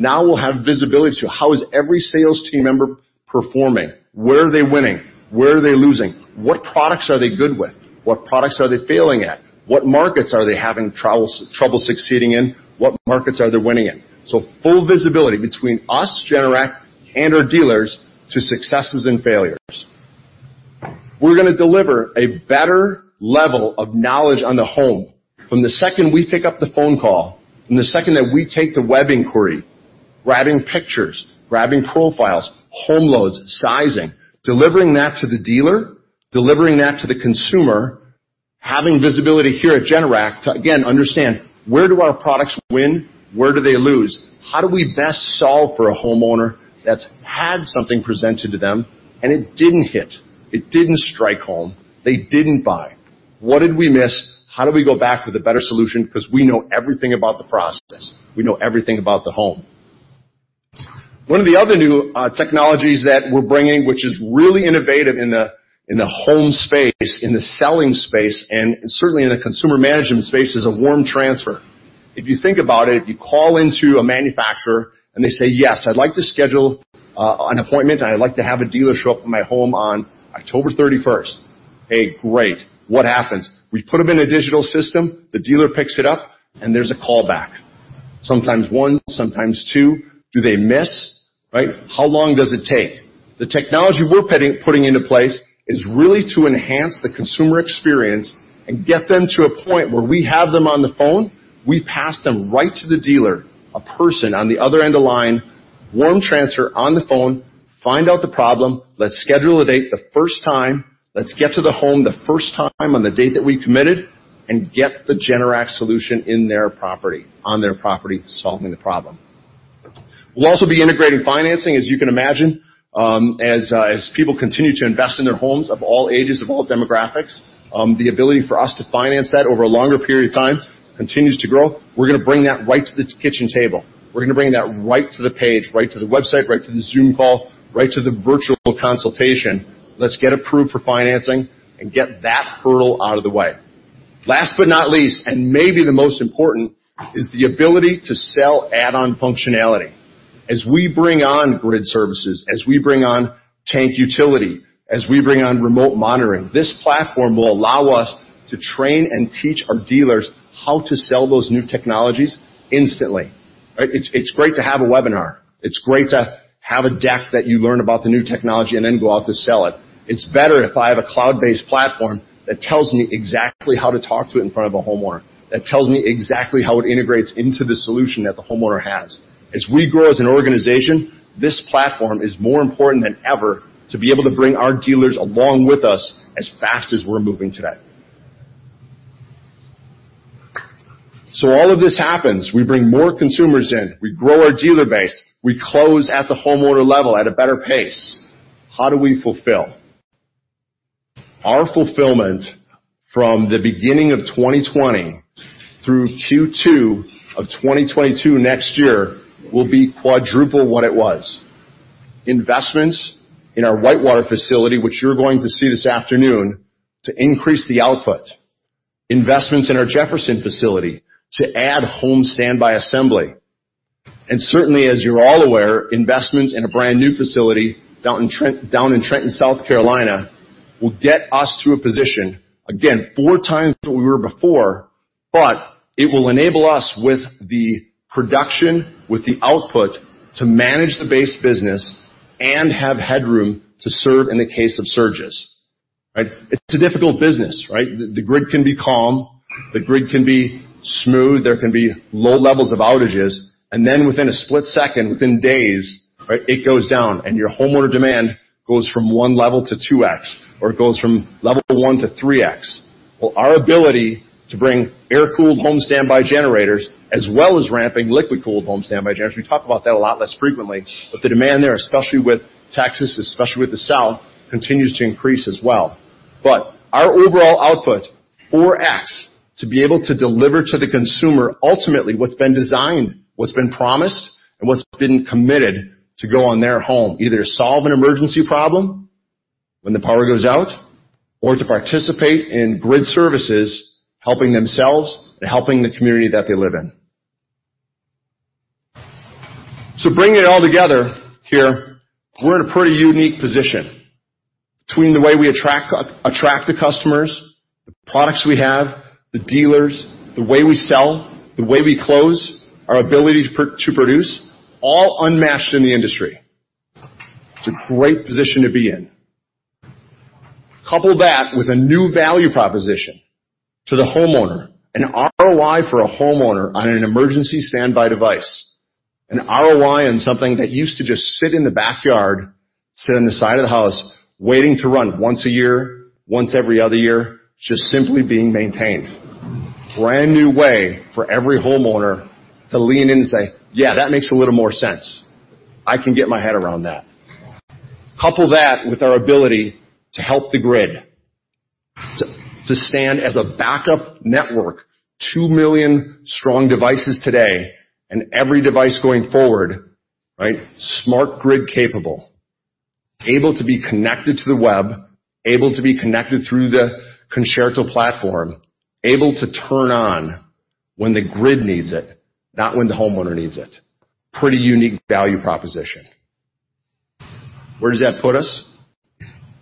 now will have visibility to how is every sales team member performing? Where are they winning? Where are they losing? What products are they good with? What products are they failing at? What markets are they having trouble succeeding in? What markets are they winning in? Full visibility between us, Generac, and our dealers to successes and failures. We're going to deliver a better level of knowledge on the home from the second we pick up the phone call, from the second that we take the web inquiry, grabbing pictures, grabbing profiles, home loads, sizing, delivering that to the dealer, delivering that to the consumer, having visibility here at Generac to, again, understand, where do our products win? Where do they lose? How do we best solve for a homeowner that's had something presented to them and it didn't hit, it didn't strike home, they didn't buy? What did we miss? How do we go back with a better solution? Because we know everything about the process. We know everything about the home. One of the other new technologies that we're bringing, which is really innovative in the home space, in the selling space, and certainly in the consumer management space, is a warm transfer. If you think about it, if you call into a manufacturer and they say, "Yes, I'd like to schedule an appointment, and I'd like to have a dealer show up at my home on October 31st ,2021." Hey, great. What happens? We put them in a digital system, the dealer picks it up, and there's a call back. Sometimes one, sometimes two. Do they miss, right? How long does it take? The technology we're putting into place is really to enhance the consumer experience and get them to a point where we have them on the phone, we pass them right to the dealer, a person on the other end of the line, warm transfer on the phone, find out the problem, let's schedule a date the first time. Let's get to the home the first time on the date that we committed, and get the Generac solution on their property, solving the problem. We'll also be integrating financing, as you can imagine, as people continue to invest in their homes, of all ages, of all demographics. The ability for us to finance that over a longer period of time continues to grow. We're going to bring that right to the kitchen table. We're going to bring that right to the page, right to the website, right to the Zoom call, right to the virtual consultation. Let's get approved for financing and get that hurdle out of the way. Last but not least, and maybe the most important, is the ability to sell add-on functionality. As we bring on Grid Services, as we bring on Tank Utility, as we bring on remote monitoring, this platform will allow us to train and teach our dealers how to sell those new technologies instantly. It's great to have a webinar. It's great to have a deck that you learn about the new technology and then go out to sell it. It's better if I have a cloud-based platform that tells me exactly how to talk to it in front of a homeowner, that tells me exactly how it integrates into the solution that the homeowner has. As we grow as an organization, this platform is more important than ever to be able to bring our dealers along with us as fast as we're moving today. All of this happens. We bring more consumers in, we grow our dealer base, we close at the homeowner level at a better pace. How do we fulfill? Our fulfillment from the beginning of 2020 through Q2 of 2022 next year, will be 4x what it was. Investments in our Whitewater facility, which you're going to see this afternoon, to increase the output. Investments in our Jefferson facility to add home standby assembly. Certainly, as you're all aware, investments in a brand new facility down in Trenton, South Carolina, will get us to a position, again, 4x what we were before, but it will enable us with the production, with the output, to manage the base business and have headroom to serve in the case of surges. It's a difficult business. The grid can be calm, the grid can be smooth, there can be low levels of outages, and then within a split second, within days, it goes down and your homeowner demand goes from one level to 2X, or it goes from level one to 3X. Well, our ability to bring air-cooled home standby generators, as well as ramping liquid-cooled home standby generators, we talk about that a lot less frequently, but the demand there, especially with Texas, especially with the South, continues to increase as well. Our overall output, 4x, to be able to deliver to the consumer ultimately what's been designed, what's been promised, and what's been committed to go on their home, either solve an emergency problem when the power goes out or to participate in Grid Services, helping themselves and helping the community that they live in. Bring it all together here. We're in a pretty unique position between the way we attract the customers, the products we have, the dealers, the way we sell, the way we close, our ability to produce, all unmatched in the industry. It's a great position to be in. Couple that with a new value proposition to the homeowner, an ROI for a homeowner on an emergency standby device, an ROI on something that used to just sit in the backyard, sit on the side of the house, waiting to run once a year, once every other year, just simply being maintained. Brand new way for every homeowner to lean in and say, "Yeah, that makes a little more sense. I can get my head around that." Couple that with our ability to help the grid, to stand as a backup network, 2,000,000 strong devices today, and every device going forward, smart grid capable, able to be connected to the web, able to be connected through the Concerto platform, able to turn on when the grid needs it, not when the homeowner needs it. Pretty unique value proposition. Where does that put us?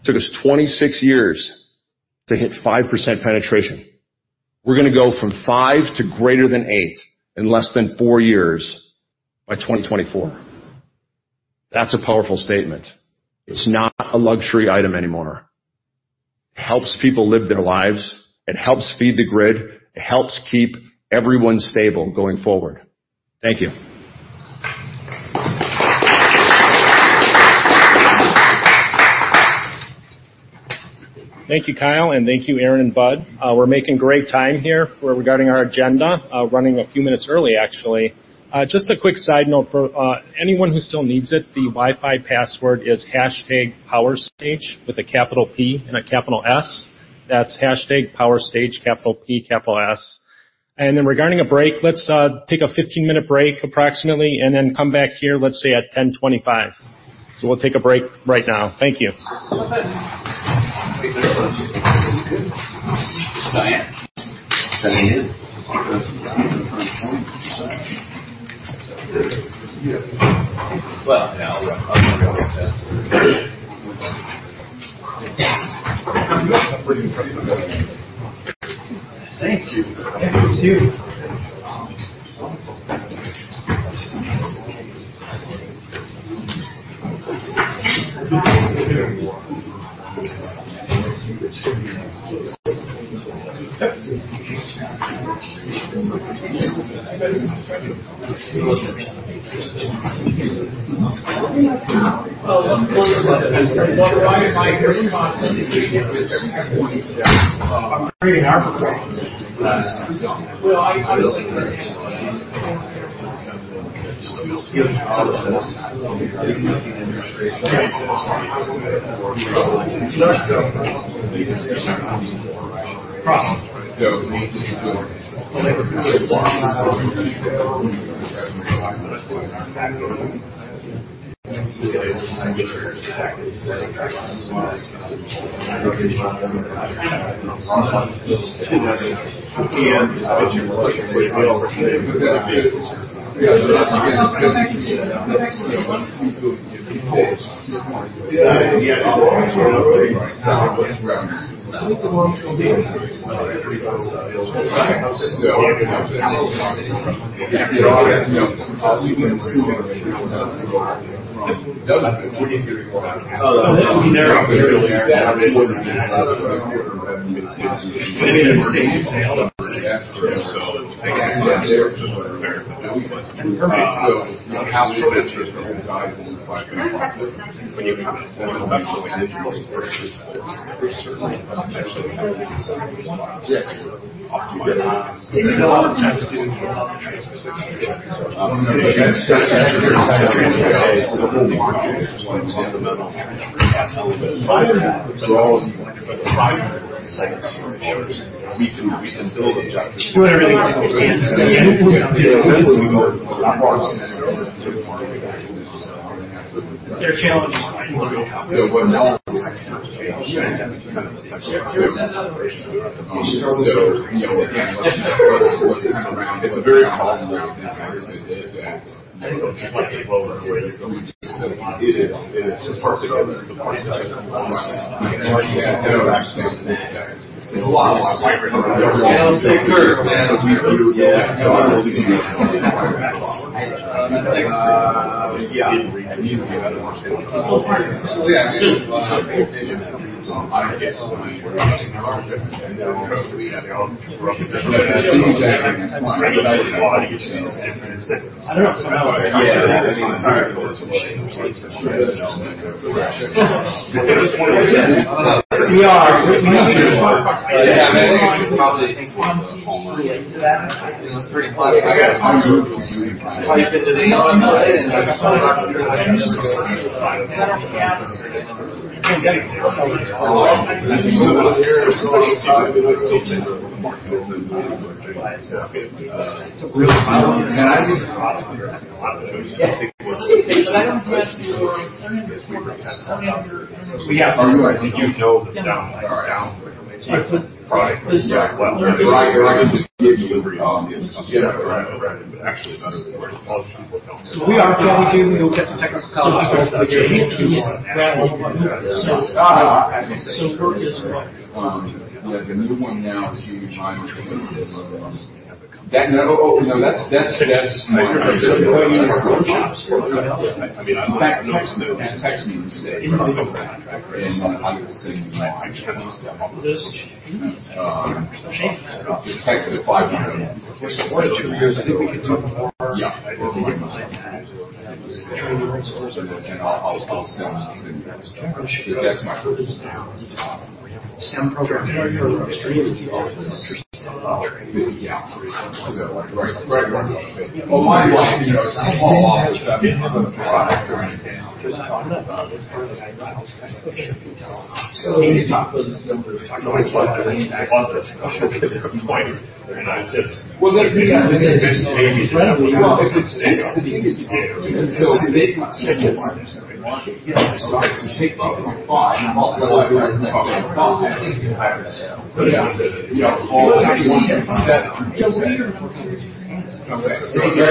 Took us 26 years to hit 5% penetration. We're going to go from five to greater than eight in less than four years by 2024. That's a powerful statement. It's not a luxury item anymore. It helps people live their lives. It helps feed the grid. It helps keep everyone stable going forward. Thank you. Thank you, Kyle, and thank you, Aaron and Bud. We're making great time here regarding our agenda, running a few minutes early, actually. Just a quick side note for anyone who still needs it, the Wi-Fi password is hashtag PowerStage with a capital P and a capital S. That's hashtag PowerStage, capital P, capital S. Regarding a break, let's take a 15-minute break approximately, and then come back here, let's say at 10:25. We'll take a break right now. Thank you. We are going to Texas College of Optometry.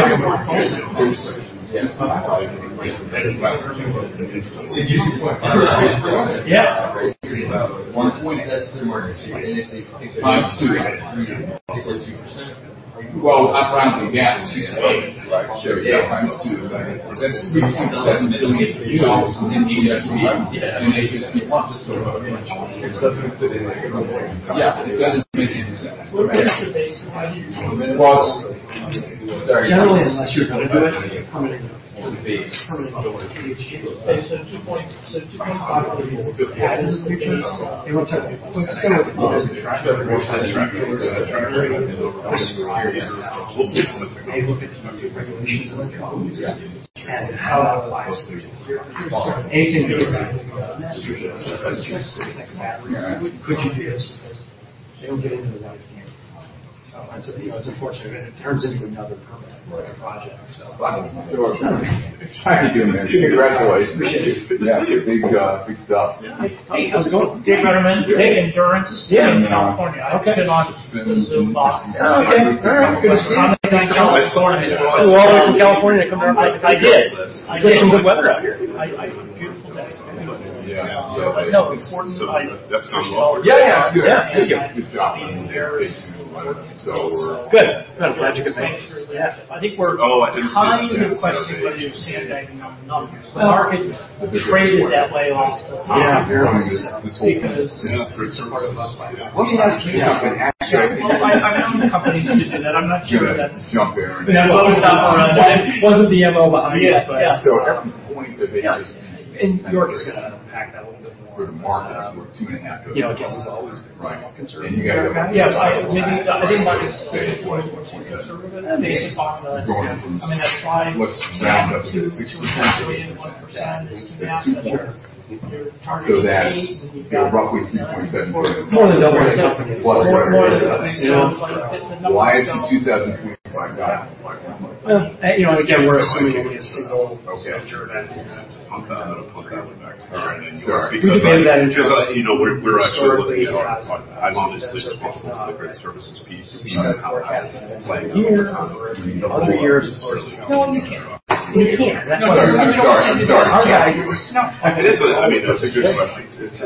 We are going to Texas College of Optometry. It's unfortunate, and it turns into another permanent project. How you doing, man? Congratulations. Appreciate it. Good to see you. Yeah. Big stuff. Yeah. Hey, how's it going? David Ruderman, Dave, Endurance- Yeah. In California. Okay. I've been on the Zoom boxes. Oh, okay. All right. Good to see you. I saw you in August. In California, I come down. I did. There's some good weather out here. Beautiful day. Yeah. Important. That's gone well. Yeah. Yeah. Good job. Being there is important. Good. Good. I'm glad you could make it. Yeah. Oh, I didn't see you. kind of questioning whether you're sandbagging on the numbers. The market traded that way almost the entire year. Yeah, fair enough. This whole thing. Yeah. Well, I own the company, so who's to say that I'm not sure. Jump in. That wasn't the MO behind it. So from point of interest- York's going to unpack that a little bit more. For the market, we're two and a half billion dollars. We've always been somewhat conservative. you guys- Maybe I wouldn't say it's overly conservative. I mean, I thought. Let's round up to 6%. Two and one percent is two and a half. That's two points. That's roughly $3.7 billion. More than double. Plus whatever it is. More than double. Why is the 2025 We're assuming it'll be a single juncture that year. Punk that. I'm going to punk that one back to you. All right. Sorry. We can handle that internally. I'm honestly just talking about the Grid Services piece and how that's playing out. Other years. Well, you can't. You can't. Sorry. Our guys- It is I mean, it's a good question. It's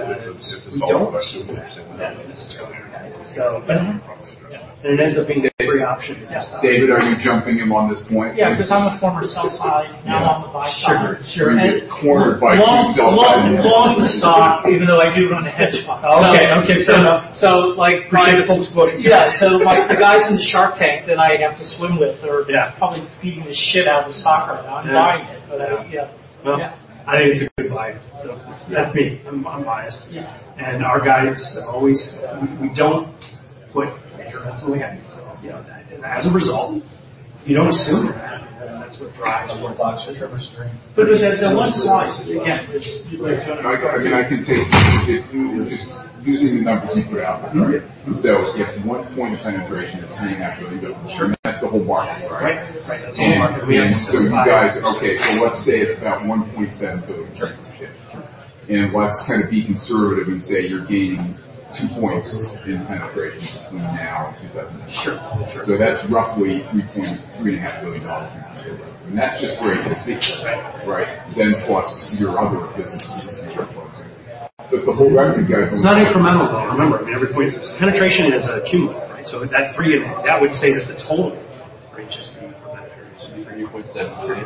a solid question. We don't. Definitely. This is going all right. It ends up being a three option kind of stop. David, are you jumping in on this point? Yeah, because I'm a former sell side, now on the buy side. Sure. You get cornered by two sell side analysts. Long the stock, even though I do run a hedge fund. Okay. Fair enough. Appreciate the full disclosure. Yeah. Like the guys in Shark Tank that I have to swim with probably beating the shit out of the stock right now. I'm buying it, but I. Well, I think it's a good buy. That's me. I'm biased. Yeah. Our guys always. We don't put constraints on the guys. As a result, you don't assume that that's what drives your box or Trevor's dream. At one size, again. I can take it. Just using the numbers you put out. If one point penetration is three and a half billion, that's the whole market, right? Right. That's the whole market. Okay, let's say it's about $1.7 billion. Sure. Let's kind of be conservative and say you're gaining two points in penetration between now and 2020. Sure. That's roughly $3.3 and a half billion dollars you just gave up. That's just Generac, right? Plus your other businesses. Sure. The whole revenue guys. It's not incremental, though. Remember, every point penetration is cumulative. That three, that would say that the total, just to be clear, that period is $3.7 billion.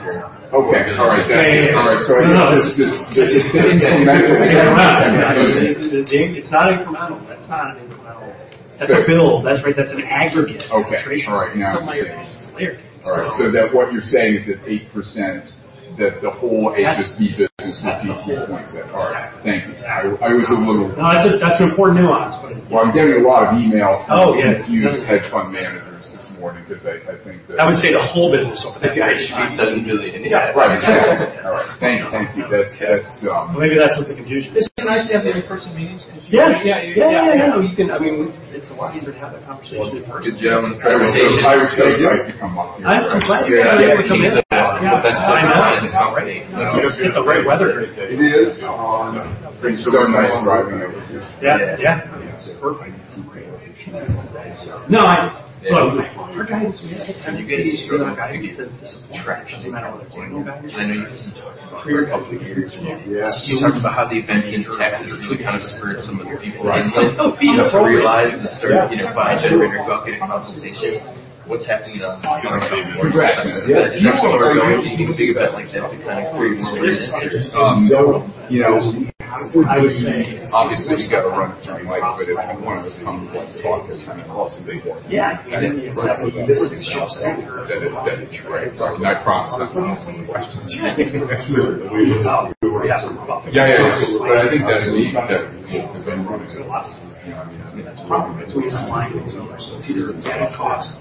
Okay. All right. Got you. Yeah, yeah. All right. I guess. No, no. It's incremental. It's not incremental. That's not an incremental. That's a build. That's an aggregate penetration. Okay. All right. Now I get it. It's layer cake. What you're saying is that 8%, that the whole HSB business would be $4.7. That's it. All right. Thank you. Exactly. I was a little- No, that's an important nuance. Well, I'm getting a lot of emails from-. Oh, yeah. confused hedge fund managers this morning because I think. I would say the whole business will be $8.7 billion. Yeah. Right. Thank you. Maybe that's what the confusion is. It's nice to have the in-person meetings. Yeah. Yeah, yeah. I mean, it's a lot easier to have that conversation in person. Good to have you. I was so excited for you to come on here. I'm glad you were able to come in. Yeah. The best weather in town. Great weather here today. It is. It's been so nice driving over here. Yeah. Yeah. It's perfect. It's a great day. Look, our guys, we have the time to be straightforward. I think it's the traction, doesn't matter what I'm doing. I know you guys have been talking about it for a couple of years now. You talked about how the event in Texas really kind of spurred some of the people to totally realize and start generating your bucket of consultation. What's happening on the ground? Congratulations. Do you want to go into anything about like that to kind of create some. So, how do you- Obviously, we've got to run through Mike, if you wanted to come talk this kind of call, so be it. Yeah. That would be fantastic. Right. I promise I won't ask any questions. Yeah. Yeah, yeah. I think that's. Everyone's going to last. I mean, that's a problem. It's re-aligning things over. It's either added cost.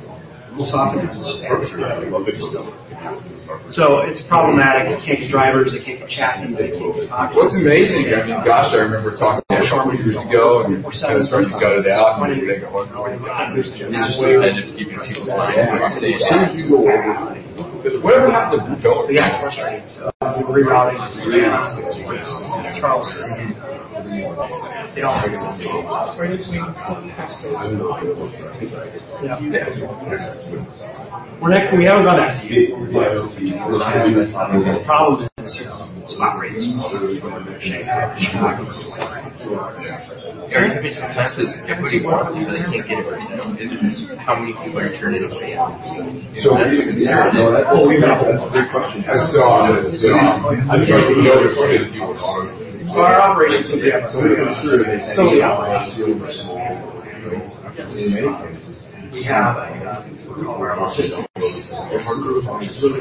Well, sometimes it's just standard, but you still have to do it. It's problematic. It can't be drivers. It can't be chassis. It can't be trucks. What's amazing, I mean, gosh, I remember talking to you a couple years ago, and I was trying to gut it out, and you saying, "Oh my God." Whatever happened to going- Yeah, it's frustrating. Rerouting. Yeah. Charles. You know? Very good to meet you. I don't know what it was, but I think I- Yeah. We haven't got to see it yet. The problem is spot rates. They're increasing prices. Erik gives the chassis everybody wants it, but they can't get it right now because of how many people are returning to the office. We can scale. Well, we know. That's a great question. That's still on it. I think we know the answer. Our operations team gets somebody comes through and they say, "Hey, we have this deal with this small company in many places." We have, I think it's called logistics. There's a group of logistics people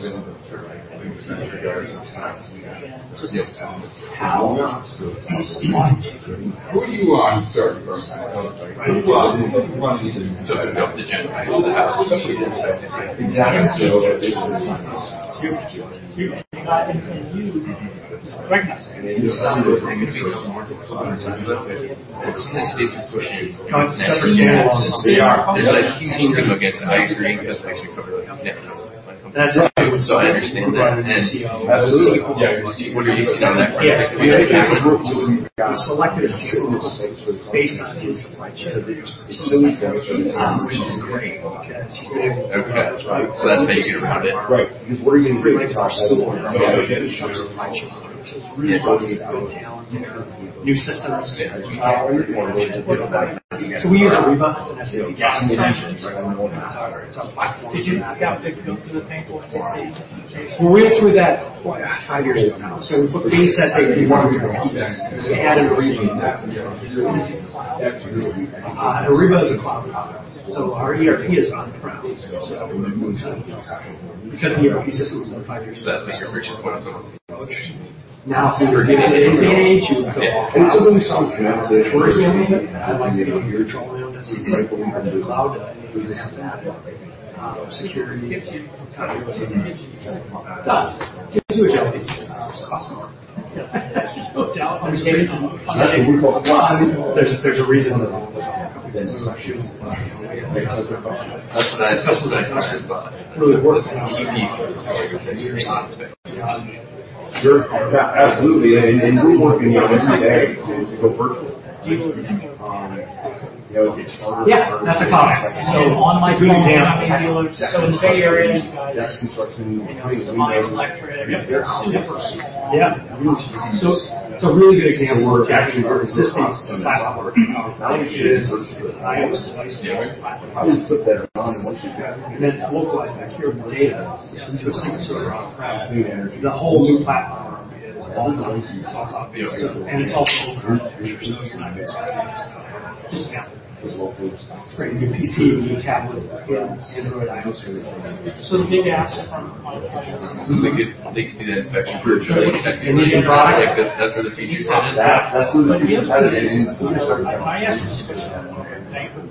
that are taking on third-party from supplier to the manufacturing facility. Supply chain, which is typically- Yeah. They're like probably- Our number seven. Yeah. Absolutely. Maybe it wasn't. Let's say in Betsy or Salt Lake. Just in California. That's why I get excited about it. Now if you were doing it today, you would go all cloud. It's a really solid foundation. I like being in control of it. That's incredible. We have the cloud. We have that security. It does. Gives you a job. Cost savings. No doubt. That's what we call cloud. There's a reason. That's what I discussed with that customer. Really what are the key pieces to this whole thing is response time. Sure. Absolutely. We're working obviously today to go virtual. Do you own a network? It's harder and harder. Yeah, that's a comment. It's a good example. In the Bay Area, Desk construction, Ariba. I mean, they're super smooth. Yeah. It's a really good example of actually our existing platform. The value is the highest licensed platform. How did you put that on? Once you've got, then it's localized back here in the data center. They're on-prem. The whole new platform is all cloud-based, and it's also global. You can do this now with local stuff. Bring your PC, your tablet in Android, iOS. The big asset from a cloud perspective, this is like an inspection for a truck. That's where the future is headed. That's absolutely where it's headed. My ask of discussion on bankable is the sound of these phones because they're not trained. I mean, you put them up, they'll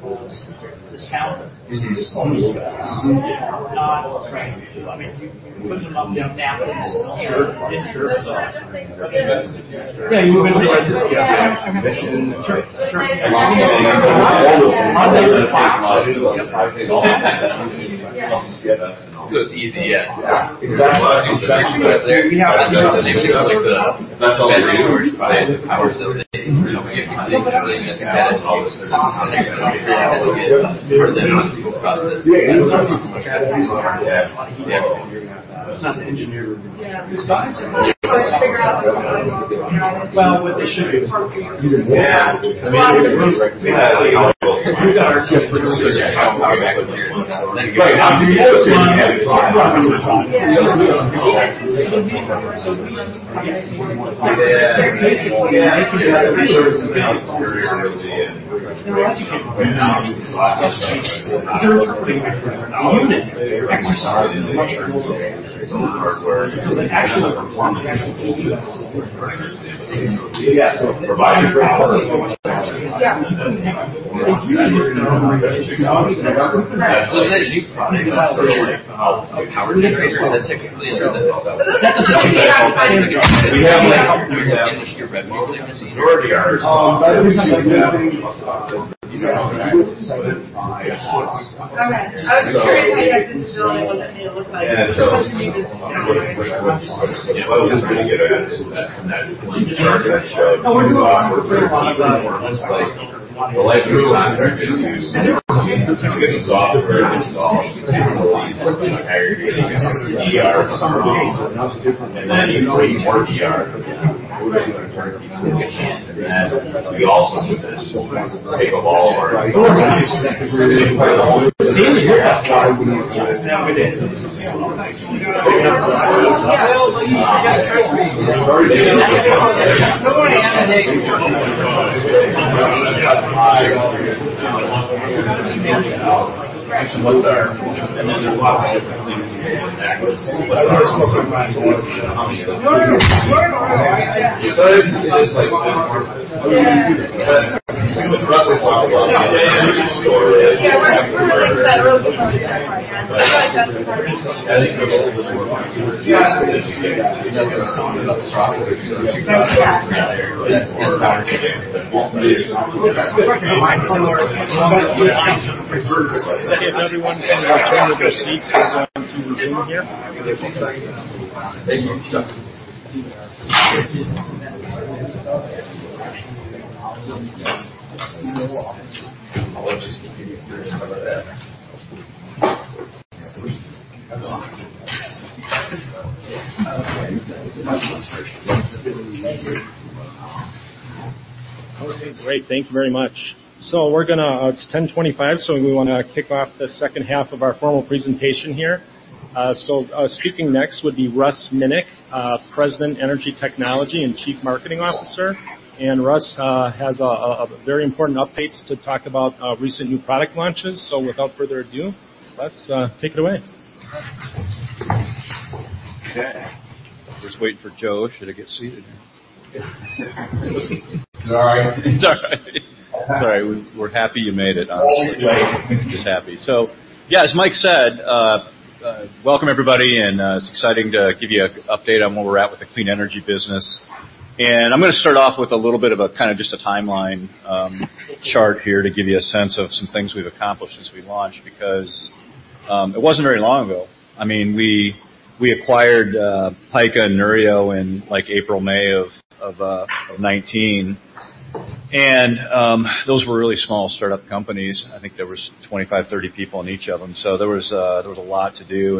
map themselves. Sure. Yeah, you move into places, you have missions. It's easy, yeah. That's why these actually right there. That's all new. It's not the engineer. The science is much less figured out. Well, what they should do is even more. Yeah. We've got our team. Basically in 1993 was the big phone switch. A lot of people went to the cloud because it was less expensive because they weren't putting a different unit exercise in the data center. Actually, the performance. Yeah, provide a great product. Yeah, you couldn't have. If you We also took this take of all of our. Seemed to work out fine. Yeah, we did. If everyone can return to their seats because I want to continue here. Okay, great. Thank you very much. It's 10:25 A.M., so we want to kick off the second half of our formal presentation here. Speaking next would be Russell Minick, President, Energy Technology, and Chief Marketing Officer. Russ has very important updates to talk about recent new product launches. Without further ado, Russ, take it away. Okay. I was waiting for Joe. Should I get seated? It's all right. It's all right. Sorry. We're happy you made it, honestly. Always late. Just happy. Yeah, as Mike said, welcome everybody. It's exciting to give you an update on where we're at with the Clean Energy business. I'm going to start off with a little bit of a timeline chart here to give you a sense of some things we've accomplished since we launched, because it wasn't very long ago. We acquired Pika and Neurio in April, May of 2019. Those were really small startup companies. I think there was 25 to 30 people in each of them. There was a lot to do.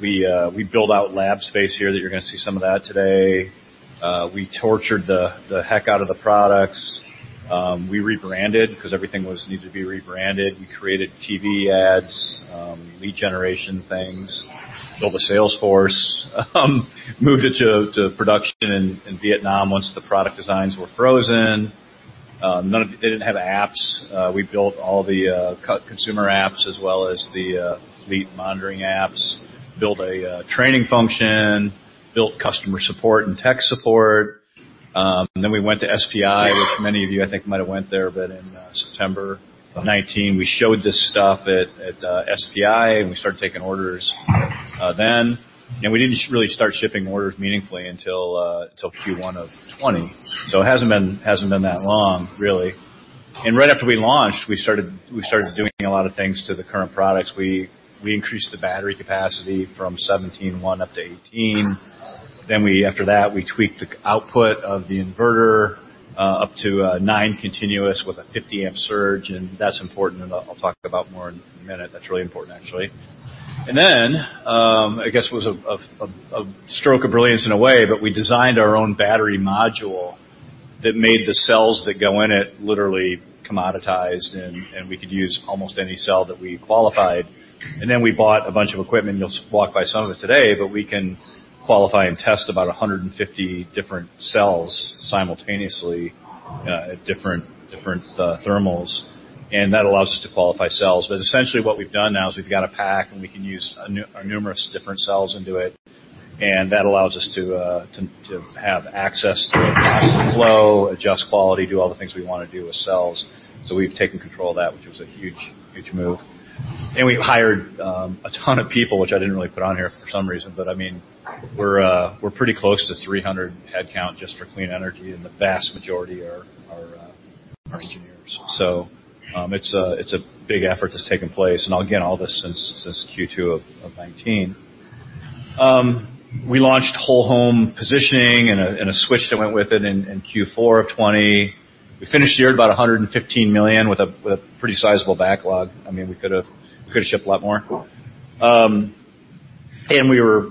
We built out lab space here that you're going to see some of that today. We tortured the heck out of the products. We rebranded because everything needed to be rebranded. We created TV ads, lead generation things, built a sales force, moved it to production in Vietnam once the product designs were frozen. They didn't have apps. We built all the consumer apps as well as the fleet monitoring apps, built a training function, built customer support and tech support. We went to SPI, which many of you I think might have went there, but in September of 2019, we showed this stuff at SPI, and we started taking orders then. We didn't really start shipping orders meaningfully until Q1 of 2020. It hasn't been that long, really. Right after we launched, we started doing a lot of things to the current products. We increased the battery capacity from 17.1kWh up to 18kWh. After that, we tweaked the output of the inverter up to nine continuous with a 50 amp surge, and that's important, and I'll talk about more in a minute. That's really important, actually. I guess it was a stroke of brilliance in a way, but we designed our own battery module that made the cells that go in it literally commoditized, and we could use almost any cell that we qualified. We bought a bunch of equipment. You'll walk by some of it today, but we can qualify and test about 150 different cells simultaneously at different thermals, and that allows us to qualify cells. Essentially what we've done now is we've got a pack, and we can use numerous different cells into it, and that allows us to have access to the cost flow, adjust quality, do all the things we want to do with cells. We've taken control of that, which was a huge move. We've hired a ton of people, which I didn't really put on here for some reason, but we're pretty close to 300 headcount just for clean energy, and the vast majority are seniors. It's a big effort that's taken place, and again, all this since Q2 of 2019. We launched whole home positioning and a switch that went with it in Q4 of 2020. We finished the year at about $115 million with a pretty sizable backlog. We could've shipped a lot more.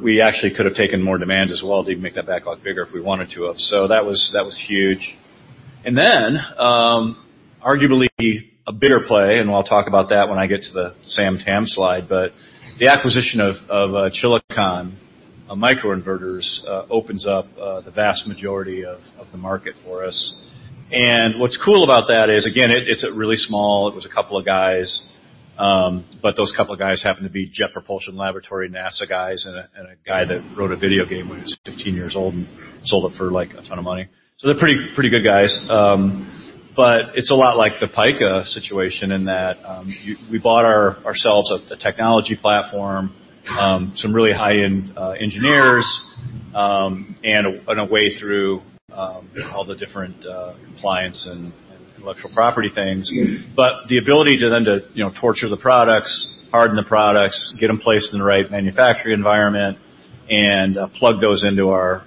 We actually could have taken more demand as well to even make that backlog bigger if we wanted to have. That was huge. Arguably a bigger play, and I'll talk about that when I get to the SAM/TAM slide, but the acquisition of Chilicon microinverters opens up the vast majority of the market for us. What's cool about that is, again, it's really small. It was a couple of guys, but those couple of guys happened to be Jet Propulsion Laboratory NASA guys and a guy that wrote a video game when he was 15 years old and sold it for a ton of money. They're pretty good guys. It's a lot like the Pika situation in that we bought ourselves a technology platform, some really high-end engineers, and a way through all the different compliance and intellectual property things. The ability to then to torture the products, harden the products, get them placed in the right manufacturing environment, and plug those into our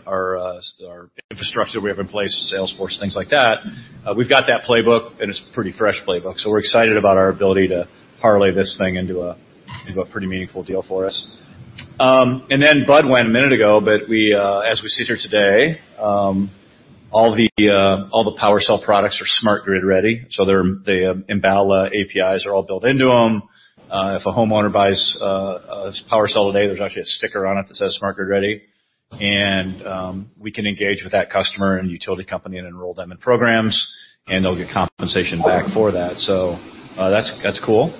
infrastructure we have in place, the sales force, things like that. We've got that playbook, and it's a pretty fresh playbook. We're excited about our ability to parlay this thing into a pretty meaningful deal for us. Bud went a minute ago, but as we sit here today. All the PWRcell products are smart grid ready, the Enbala APIs are all built into them. If a homeowner buys a PWRcell today, there's actually a sticker on it that says, "Smart grid ready." We can engage with that customer and utility company and enroll them in programs, and they'll get compensation back for that. That's cool.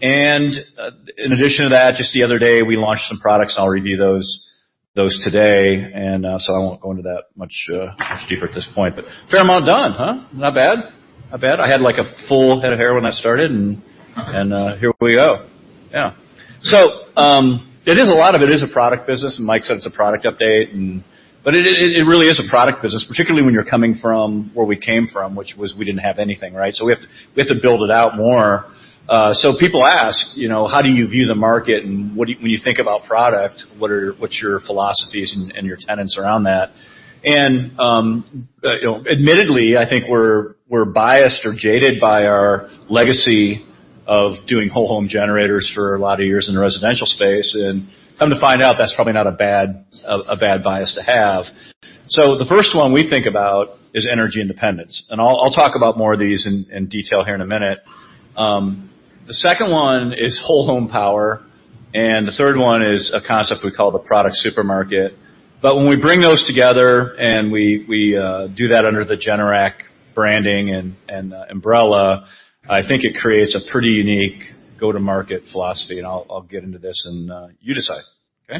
In addition to that, just the other day, we launched some products, and I'll review those today, and so I won't go into that much deeper at this point. A fair amount done, huh? Not bad. I had a full head of hair when I started, and here we go. Yeah. A lot of it is a product business, and Mike said it's a product update. It really is a product business, particularly when you're coming from where we came from, which was we didn't have anything, right? We have to build it out more. People ask, "How do you view the market? And when you think about product, what's your philosophies and your tenets around that?" Admittedly, I think we're biased or jaded by our legacy of doing Whole Home Generators for a lot of years in the residential space. Come to find out, that's probably not a bad bias to have. The first one we think about is energy independence, and I'll talk about more of these in detail here in a minute. The second one is whole home power, and the third one is a concept we call the product supermarket. When we bring those together and we do that under the Generac branding and umbrella, I think it creates a pretty unique go-to-market philosophy, and I'll get into this, and you decide. Okay?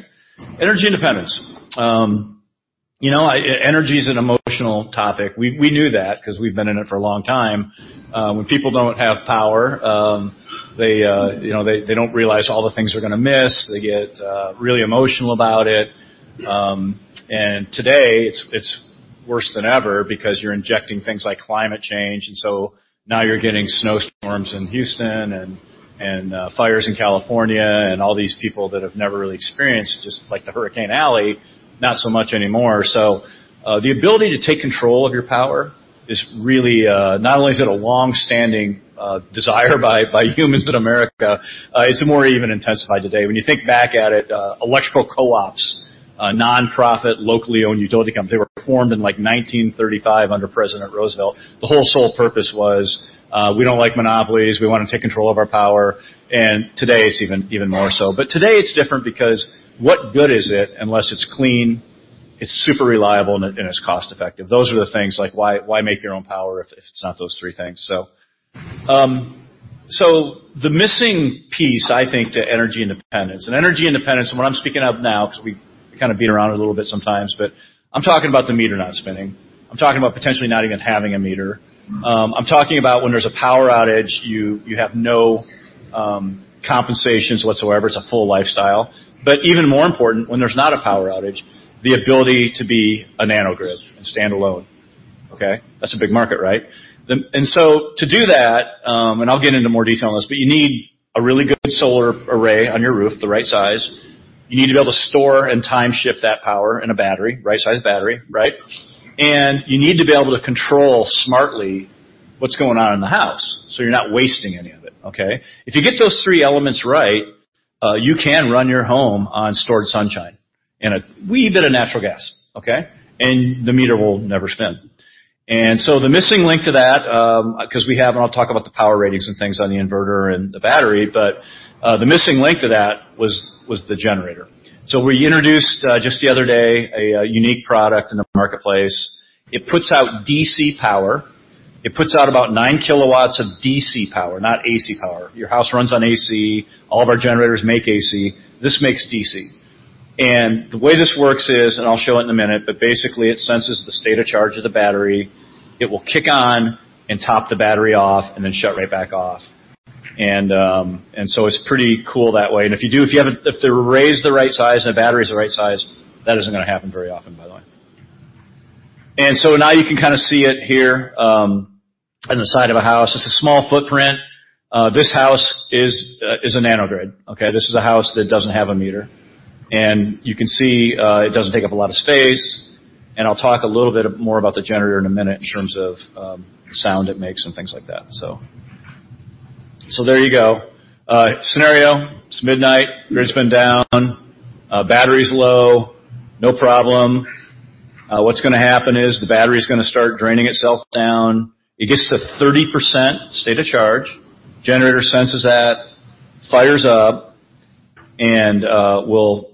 Energy independence. Energy is an emotional topic. We knew that because we've been in it for a long time. When people don't have power, they don't realize all the things they're going to miss. They get really emotional about it. Today, it's worse than ever because you're injecting things like climate change, and so now you're getting snowstorms in Houston and fires in California and all these people that have never really experienced it, just like the Hurricane Alley, not so much anymore. The ability to take control of your power is really, not only is it a long-standing desire by humans in America, it's more even intensified today. When you think back at it, electrical co-ops, nonprofit, locally-owned utility companies, they were formed in 1935 under President Roosevelt. The whole sole purpose was we don't like monopolies, we want to take control of our power, and today it's even more so. Today it's different because what good is it unless it's clean, it's super reliable, and it's cost-effective? Those are the things. Why make your own power if it's not those three things? The missing piece, I think, to energy independence And energy independence, and what I'm speaking of now, because we kind of beat around it a little bit sometimes, but I'm talking about the meter not spinning. I'm talking about potentially not even having a meter. I'm talking about when there's a power outage, you have no compensations whatsoever. It's a full lifestyle. Even more important, when there's not a power outage, the ability to be a nanogrid and standalone. Okay? That's a big market, right? To do that, and I'll get into more detail on this, but you need a really good solar array on your roof, the right size. You need to be able to store and time shift that power in a battery, right size battery. Right? You need to be able to control smartly what's going on in the house, so you're not wasting any of it, okay? If you get those three elements right, you can run your home on stored sunshine and a wee bit of natural gas, okay? The meter will never spin. The missing link to that, because we have, and I'll talk about the power ratings and things on the inverter and the battery, but the missing link to that was the generator. We introduced, just the other day, a unique product in the marketplace. It puts out DC power. It puts out about 9 kW of DC power, not AC power. Your house runs on AC. All of our generators make AC. This makes DC. The way this works is, and I'll show it in a minute, but basically, it senses the state of charge of the battery. It will kick on and top the battery off, and then shut right back off. It's pretty cool that way. If the array is the right size and the battery is the right size, that isn't going to happen very often, by the way. Now you can kind of see it here on the side of a house. It's a small footprint. This house is a nanogrid. Okay. This is a house that doesn't have a meter. You can see it doesn't take up a lot of space, and I'll talk a little bit more about the generator in a minute in terms of sound it makes and things like that. There you go. Scenario, it's midnight, grid's been down, battery's low. No problem. What's going to happen is the battery's going to start draining itself down. It gets to 30% state of charge, generator senses that, fires up, and will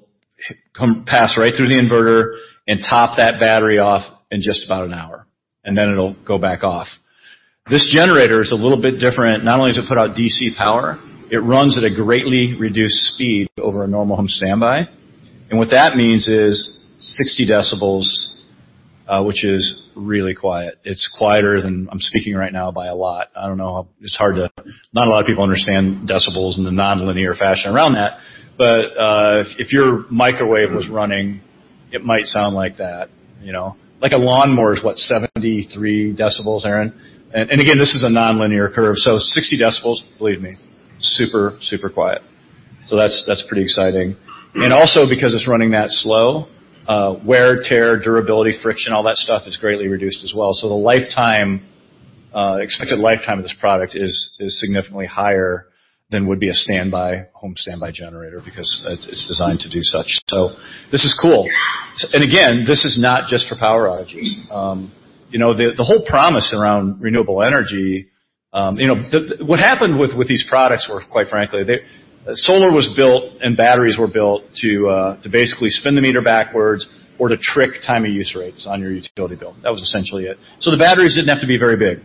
pass right through the inverter and top that battery off in just about an hour, and then it'll go back off. This generator is a little bit different. Not only does it put out DC power, it runs at a greatly reduced speed over a normal home standby. What that means is 60 decibels, which is really quiet. It's quieter than I'm speaking right now by a lot. I don't know. Not a lot of people understand decibels in the nonlinear fashion around that. If your microwave was running, it might sound like that. Like a lawnmower is, what, 73 decibels, Aaron? Again, this is a nonlinear curve, so 60 decibels, believe me, super quiet. That's pretty exciting. Also because it's running that slow, wear and tear, durability, friction, all that stuff is greatly reduced as well. The expected lifetime of this product is significantly higher than would be a home standby generator because it's designed to do such. This is cool. Again, this is not just for power outages. The whole promise around renewable energy. What happened with these products were, quite frankly, solar was built and batteries were built to basically spin the meter backwards or to trick time of use rates on your utility bill. That was essentially it. The batteries didn't have to be very big.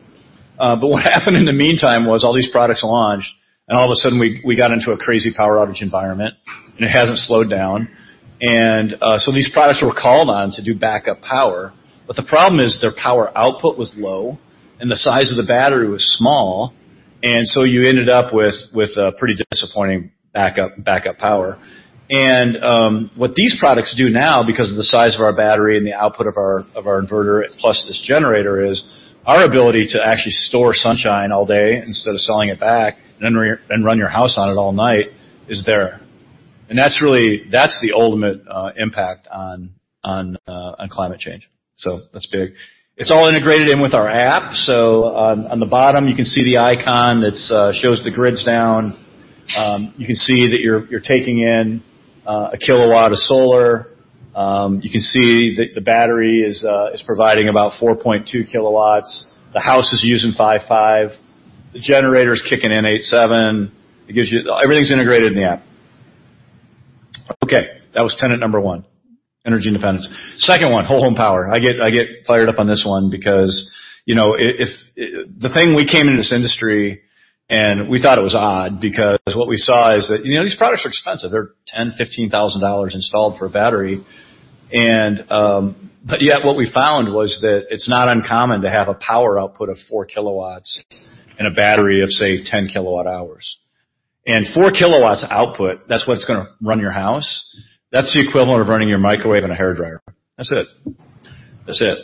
What happened in the meantime was all these products launched, and all of a sudden, we got into a crazy power outage environment, and it hasn't slowed down. These products were called on to do backup power. The problem is their power output was low, and the size of the battery was small, and so you ended up with a pretty disappointing backup power. What these products do now, because of the size of our battery and the output of our inverter plus this generator, is our ability to actually store sunshine all day instead of selling it back and then run your house on it all night is there. That's the ultimate impact on climate change. That's big. It's all integrated in with our app. On the bottom, you can see the icon that shows the grid's down. You can see that you're taking in 1kW of solar. You can see the battery is providing about 4.2 kW. The house is using five. The generator is kicking in at seven. Everything's integrated in the app. Okay. That was tenet number one, energy independence. Second 1, whole home power. I get fired up on this one because the thing we came into this industry, and we thought it was odd because what we saw is that these products are expensive. They're $10,000, $15,000 installed for a battery. Yet what we found was that it's not uncommon to have a power output of 4 kW and a battery of, say, 10 kWh. 4 kW output, that's what's going to run your house. That's the equivalent of running your microwave and a hairdryer. That's it. That's it.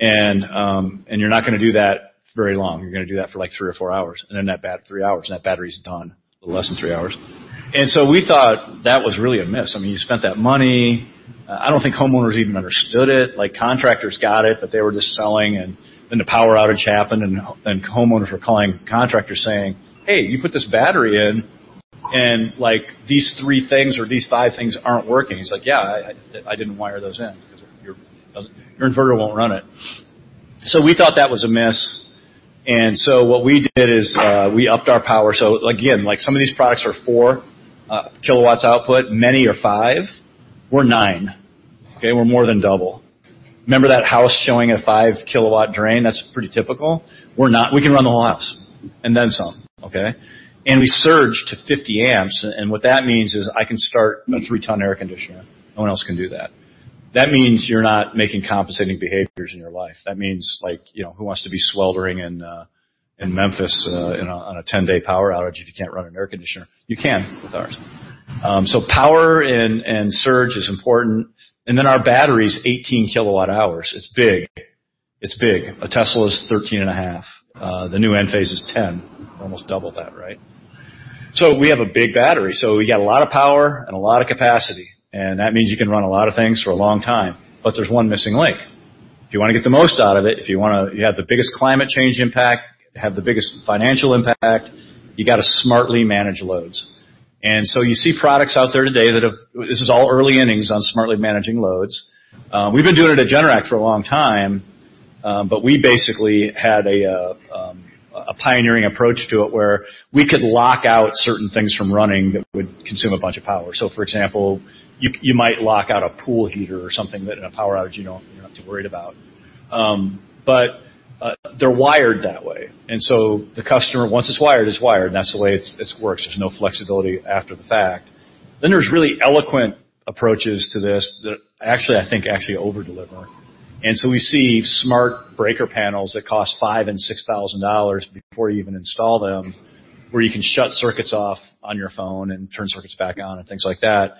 You're not going to do that very long. You're going to do that for three or three hours. In that three hours, and that battery's done, less than three hours. So we thought that was really a miss. You spent that money. I don't think homeowners even understood it. Contractors got it. They were just selling. Then the power outage happened. Homeowners were calling contractors saying, "Hey, you put this battery in, and these three things or these five things aren't working." He's like, "Yeah, I didn't wire those in because your inverter won't run it." We thought that was a miss. What we did is we upped our power. Again, some of these products are 4 kW output, many are five. We're nine. Okay. We're more than double. Remember that house showing a 5-kW drain? That's pretty typical. We're not. We can run the whole house and then some. Okay. We surge to 50 amps, and what that means is I can start a 3-ton air conditioner. No one else can do that. That means you're not making compensating behaviors in your life. That means, who wants to be sweltering in Memphis on a 10-day power outage if you can't run an air conditioner? You can with ours. Power and surge is important. Our battery is 18 kW hours. It's big. It's big. A Tesla is 13.5. The new Enphase is 10. Almost double that, right? We have a big battery. We got a lot of power and a lot of capacity, and that means you can run a lot of things for a long time. There's one missing link. If you want to get the most out of it, if you have the biggest climate change impact, have the biggest financial impact, you got to smartly manage loads. You see products out there today that have This is all early innings on smartly managing loads. We've been doing it at Generac for a long time. We basically had a pioneering approach to it where we could lock out certain things from running that would consume a bunch of power. For example, you might lock out a pool heater or something that in a power outage, you don't have to worry about. They're wired that way. The customer, once it's wired, it's wired, and that's the way it works. There's no flexibility after the fact. There's really eloquent approaches to this that actually, I think, actually over-deliver. We see smart breaker panels that cost $5,000 and $6,000 before you even install them, where you can shut circuits off on your phone and turn circuits back on and things like that.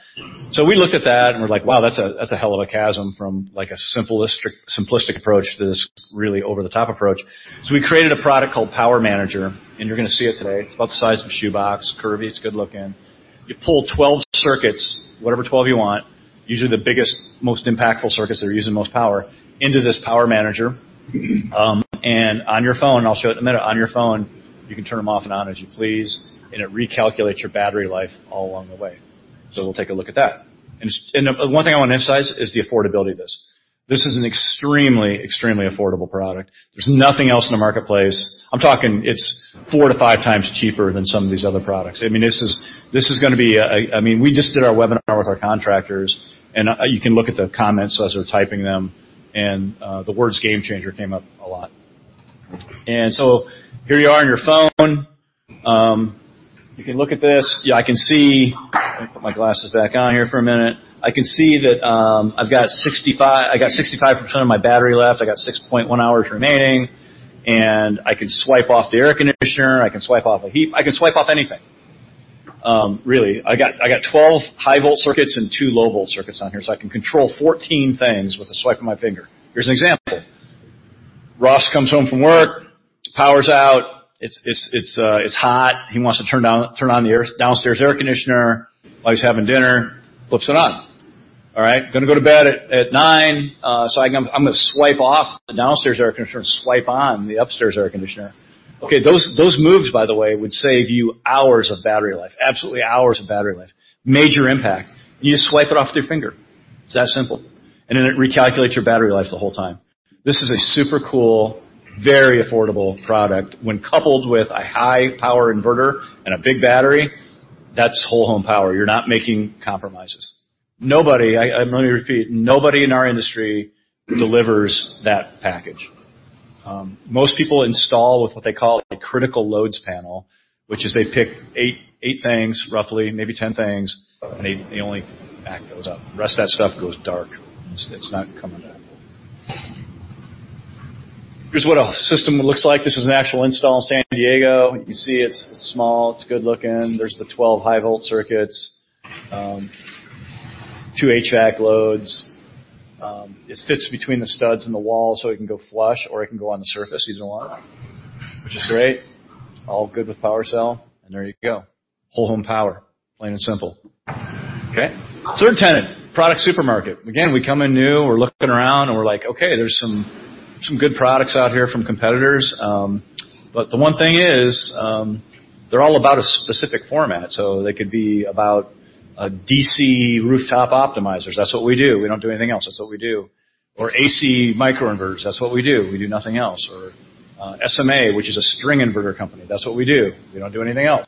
We looked at that and we're like, "Wow, that's a hell of a chasm from a simplistic approach to this really over-the-top approach." We created a product called Power Manager, and you're going to see it today. It's about the size of a shoebox, curvy, it's good-looking. You pull 12 circuits, whatever 12 you want, usually the biggest, most impactful circuits that are using the most power, into this Power Manager. On your phone, I'll show it in a minute, on your phone, you can turn them off and on as you please, and it recalculates your battery life all along the way. We'll take a look at that. One thing I want to emphasize is the affordability of this. This is an extremely affordable product. There's nothing else in the marketplace. I'm talking it's 4 to 5x cheaper than some of these other products. We just did our webinar with our contractors, you can look at the comments as they're typing them, the words game changer came up a lot. Here you are on your phone. You can look at this. Let me put my glasses back on here for a minute. I can see that I got 65% of my battery left. I got 6.1 hours remaining, I can swipe off the air conditioner, I can swipe off the heat, I can swipe off anything, really. I got 12 high-volt circuits and two low-volt circuits on here, I can control 14 things with a swipe of my finger. Here's an example. Russ comes home from work, power's out, it's hot. He wants to turn on the downstairs air conditioner while he's having dinner, flips it on. All right. Going to go to bed at 9:00, so I'm going to swipe off the downstairs air conditioner and swipe on the upstairs air conditioner. Okay, those moves, by the way, would save you hours of battery life. Absolutely hours of battery life. Major impact. You just swipe it off with your finger. It's that simple. It recalculates your battery life the whole time. This is a super cool, very affordable product. When coupled with a high-power inverter and a big battery, that's whole home power. You're not making compromises. Nobody, I'm going to repeat, nobody in our industry delivers that package. Most people install with what they call a critical loads panel, which is they pick eight things roughly, maybe 10 things, and they only back those up. The rest of that stuff goes dark, and it's not coming back. Here's what a system looks like. This is an actual install in San Diego. You can see it's small. It's good looking. There's the 12 high-volt circuits, two HVAC loads. It fits between the studs and the wall, so it can go flush, or it can go on the surface easily, which is great. It's all good with PowerCell, and there you go. Whole home power, plain and simple. Okay? Third tenant, product supermarket. Again, we come in new, we're looking around, and we're like, "Okay, there's some good products out here from competitors." The one thing is, they're all about a specific format. They could be about DC Rooftop optimizers. That's what we do. We don't do anything else. That's what we do. AC micro inverters. That's what we do. We do nothing else. SMA, which is a string inverter company. That's what we do. We don't do anything else.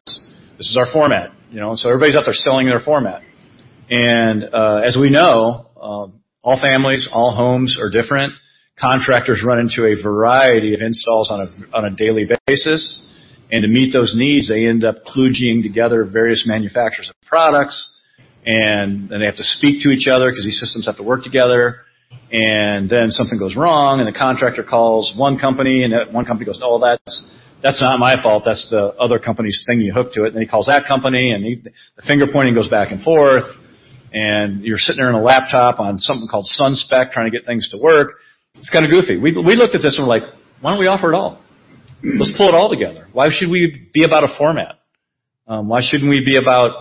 This is our format. Everybody's out there selling their format. As we know, all families, all homes are different. Contractors run into a variety of installs on a daily basis. To meet those needs, they end up kludging together various manufacturers of products. They have to speak to each other because these systems have to work together. Something goes wrong, and the contractor calls one company, and that one company goes, "Oh, well, that's not my fault. That's the other company's thing you hook to it." He calls that company, and the finger-pointing goes back and forth. You're sitting there in a laptop on something called SunSpec trying to get things to work. It's kind of goofy. We looked at this and we're like, "Why don't we offer it all? Let's pull it all together. Why should we be about a format? Why shouldn't we be about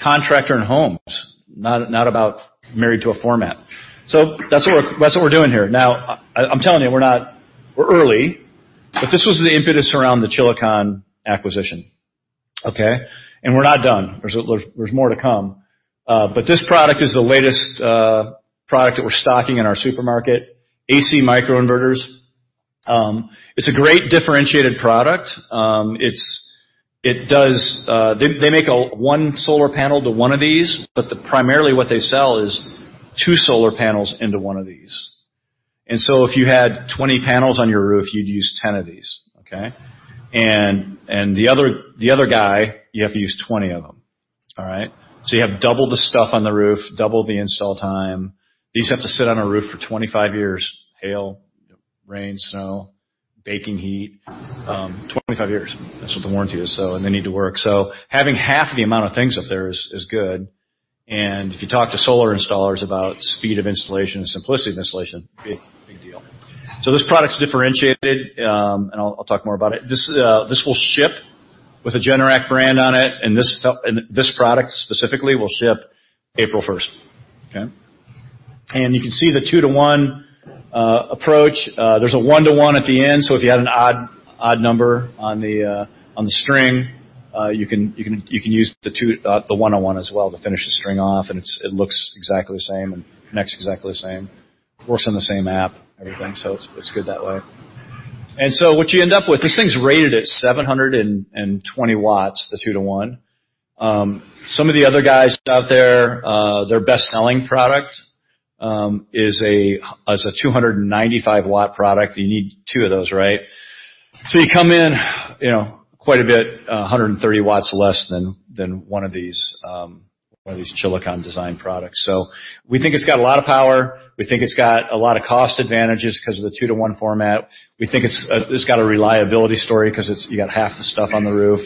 contractor and homes, not about married to a format?" That's what we're doing here. Now, I'm telling you, we're early, but this was the impetus around the Chilicon acquisition. Okay? We're not done. There's more to come. This product is the latest product that we're stocking in our supermarket, AC micro inverters. It's a great differentiated product. They make one solar panel to one of these, but primarily what they sell is two solar panels into one of these. If you had 20 panels on your roof, you'd use 10 of these. Okay? The other guy, you have to use 20 of them. All right? You have double the stuff on the roof, double the install time. These have to sit on a roof for 25 years, hail, rain, snow, baking heat, 25 years. That's what the warranty is. They need to work. Having half the amount of things up there is good. If you talk to solar installers about speed of installation and simplicity of installation, big deal. This product's differentiated, and I'll talk more about it. This will ship with a Generac brand on it, and this product specifically will ship April 1st 2022. Okay. You can see the two-to-one approach. There's a one-to-one at the end, if you had an odd number on the string, you can use the one-to-one as well to finish the string off, it looks exactly the same and connects exactly the same. Works on the same app, everything, so it's good that way. What you end up with, this thing's rated at 720 watts, the two to one. Some of the other guys out there, their best-selling product is a 295-watt product. You need two of those, right? You come in quite a bit, 130 watts less than one of these Chilicon design products. We think it's got a lot of power. We think it's got a lot of cost advantages because of the two-to-one format. We think it's got a reliability story because you got half the stuff on the roof.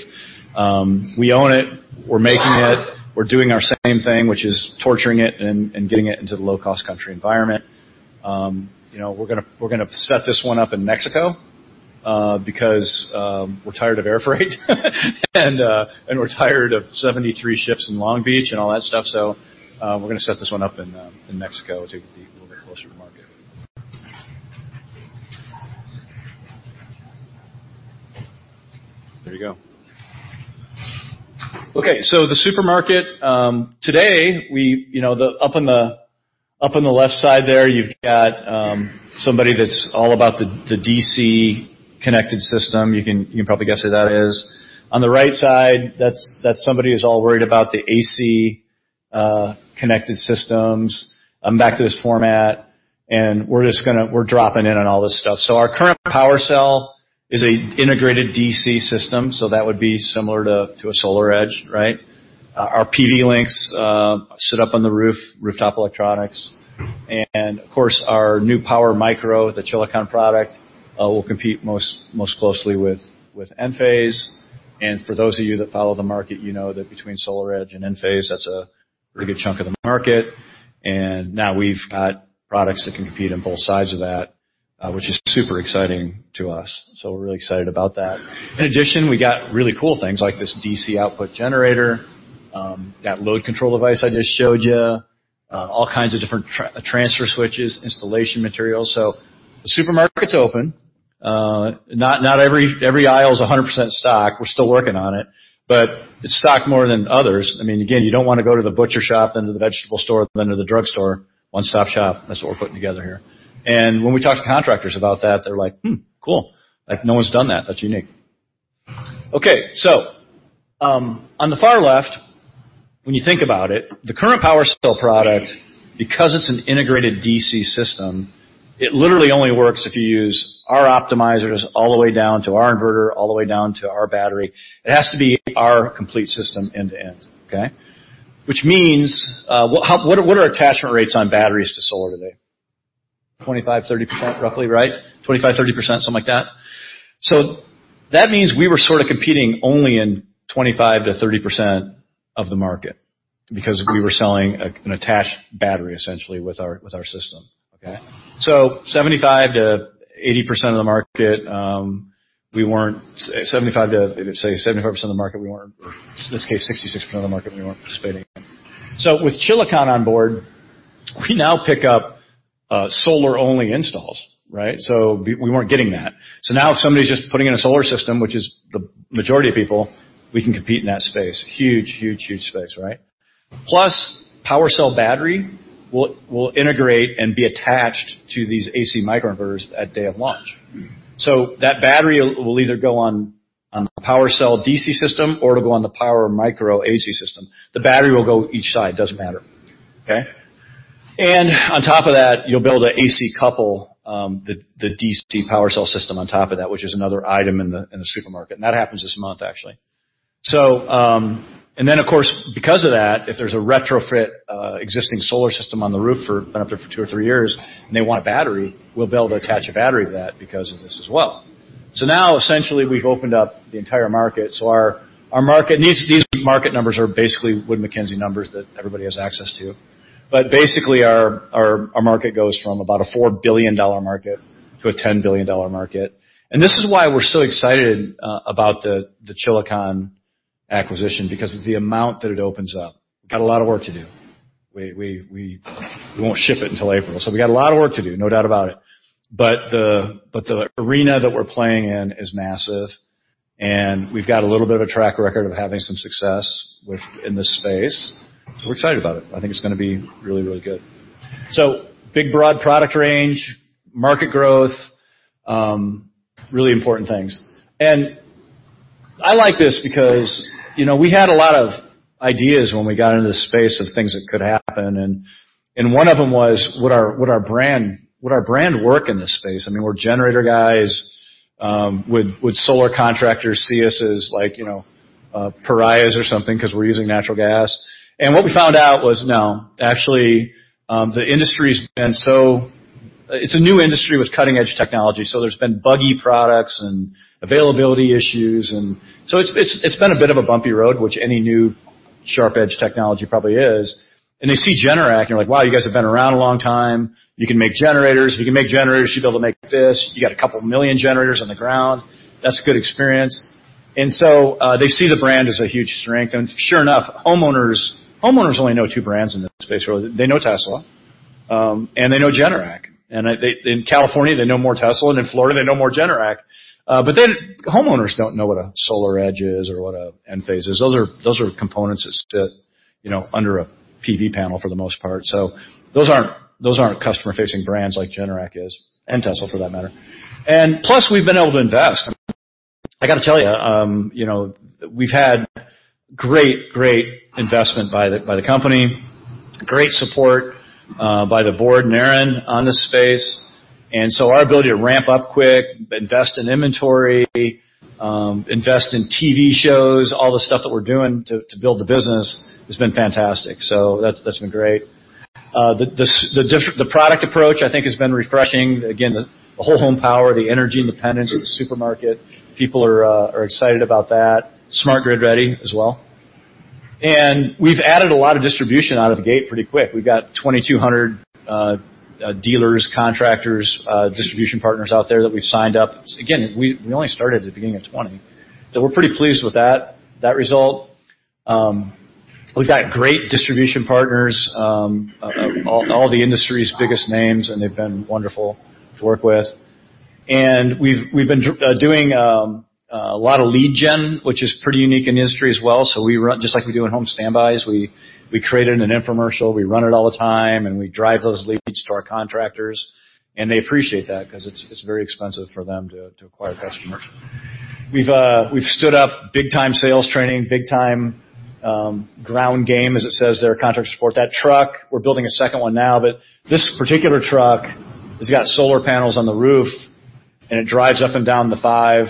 We own it. We're making it. We're doing our same thing, which is torturing it and getting it into the low-cost country environment. We're going to set this one up in Mexico, because we're tired of air freight and we're tired of 73 ships in Long Beach and all that stuff. We're going to set this one up in Mexico to be a little bit closer to market. There you go. The supermarket. Today, up on the left side there, you've got somebody that's all about the DC-connected system. You can probably guess who that is. On the right side, that's somebody who's all worried about the AC-connected systems. I'm back to this format, and we're dropping in on all this stuff. Our current PWRcell is an integrated DC system, so that would be similar to a SolarEdge, right? Our PV Link sit up on the rooftop electronics. Of course, our new PWRMicro, the Chilicon product, will compete most closely with Enphase. For those of you that follow the market, you know that between SolarEdge and Enphase, that's a pretty good chunk of the market. Which is super exciting to us. We're really excited about that. In addition, we got really cool things like this DC output generator, that load control device I just showed you, all kinds of different transfer switches, installation materials. The supermarket's open. Not every aisle is 100% stocked. We're still working on it, but it's stocked more than others. Again, you don't want to go to the butcher shop, then to the vegetable store, then to the drugstore. One-stop-shop, that's what we're putting together here. When we talk to contractors about that, they're like, "Hmm, cool." No one's done that. That's unique. Okay. On the far left, when you think about it, the current PWRcell product, because it's an integrated DC system, it literally only works if you use our optimizers all the way down to our inverter, all the way down to our battery. It has to be our complete system end-to-end. Okay? What are attachment rates on batteries to solar today? 25%, 30%, roughly, right? 25%, 30%, something like that. That means we were sort of competing only in 25%-30% of the market because we were selling an attached battery, essentially, with our system. Okay? 75%-80% of the market we weren't 75%-75% of the market we weren't, or this case, 66% of the market we weren't participating in. With Chilicon on board, we now pick up solar-only installs, right? We weren't getting that. Now if somebody's just putting in a solar system, which is the majority of people, we can compete in that space. Huge space, right? PWRcell battery will integrate and be attached to these AC microinverters at day of launch. That battery will either go on the PWRcell DC system or it'll go on the PWRMicro AC system. The battery will go each side, doesn't matter. Okay? On top of that, you'll be able to AC couple the DC PWRcell system on top of that, which is another item in the supermarket, and that happens this month, actually. Of course, because of that, if there's a retrofit existing solar system on the roof, been up there for two or three years, and they want a battery, we'll be able to attach a battery to that because of this as well. Now essentially we've opened up the entire market. These market numbers are basically Wood Mackenzie numbers that everybody has access to. Basically, our market goes from about a $4 billion market to a $10 billion market. This is why we're so excited about the Chilicon acquisition because of the amount that it opens up. We've got a lot of work to do. We won't ship it until April, so we got a lot of work to do, no doubt about it. The arena that we're playing in is massive, and we've got a little bit of a track record of having some success in this space, so we're excited about it. I think it's going to be really good. Big, broad product range, market growth, really important things. I like this because we had a lot of ideas when we got into this space of things that could happen, and one of them was: Would our brand work in this space? We're generator guys. Would solar contractors see us as pariahs or something because we're using natural gas? What we found out was no. It's a new industry with cutting-edge technology, so there's been buggy products and availability issues, and so it's been a bit of a bumpy road, which any new sharp edge technology probably is. They see Generac and they're like, "Wow, you guys have been around a long time. You can make generators. If you can make generators, you'd be able to make this. You got a couple million generators on the ground. That's good experience." So they see the brand as a huge strength. Sure enough, homeowners only know two brands in this space, really. They know Tesla, and they know Generac. In California, they know more Tesla, and in Florida, they know more Generac. Homeowners don't know what a SolarEdge is or what a Enphase is. Those are components that sit under a PV panel for the most part. Those aren't customer-facing brands like Generac is, and Tesla for that matter. Plus, we've been able to invest. I got to tell you, we've had great investment by the company, great support by the board and Aaron on this space, and so our ability to ramp up quick, invest in inventory, invest in TV shows, all the stuff that we're doing to build the business has been fantastic. That's been great. The product approach, I think, has been refreshing. The whole home power, the energy independence of the supermarket, people are excited about that. Smart Grid ready as well. We've added a lot of distribution out of the gate pretty quick. We've got 2,200 dealers, contractors, distribution partners out there that we've signed up. We only started at the beginning of 2020. We're pretty pleased with that result. We've got great distribution partners, all the industry's biggest names, and they've been wonderful to work with. We've been doing a lot of lead gen, which is pretty unique in the industry as well. Just like we do in home standbys, we created an infomercial, we run it all the time, and we drive those leads to our contractors, and they appreciate that because it's very expensive for them to acquire customers. We've stood up big time sales training, big time ground game, as it says there, contract support. That truck, we're building a second one now, but this particular truck has got solar panels on the roof, and it drives up and down the five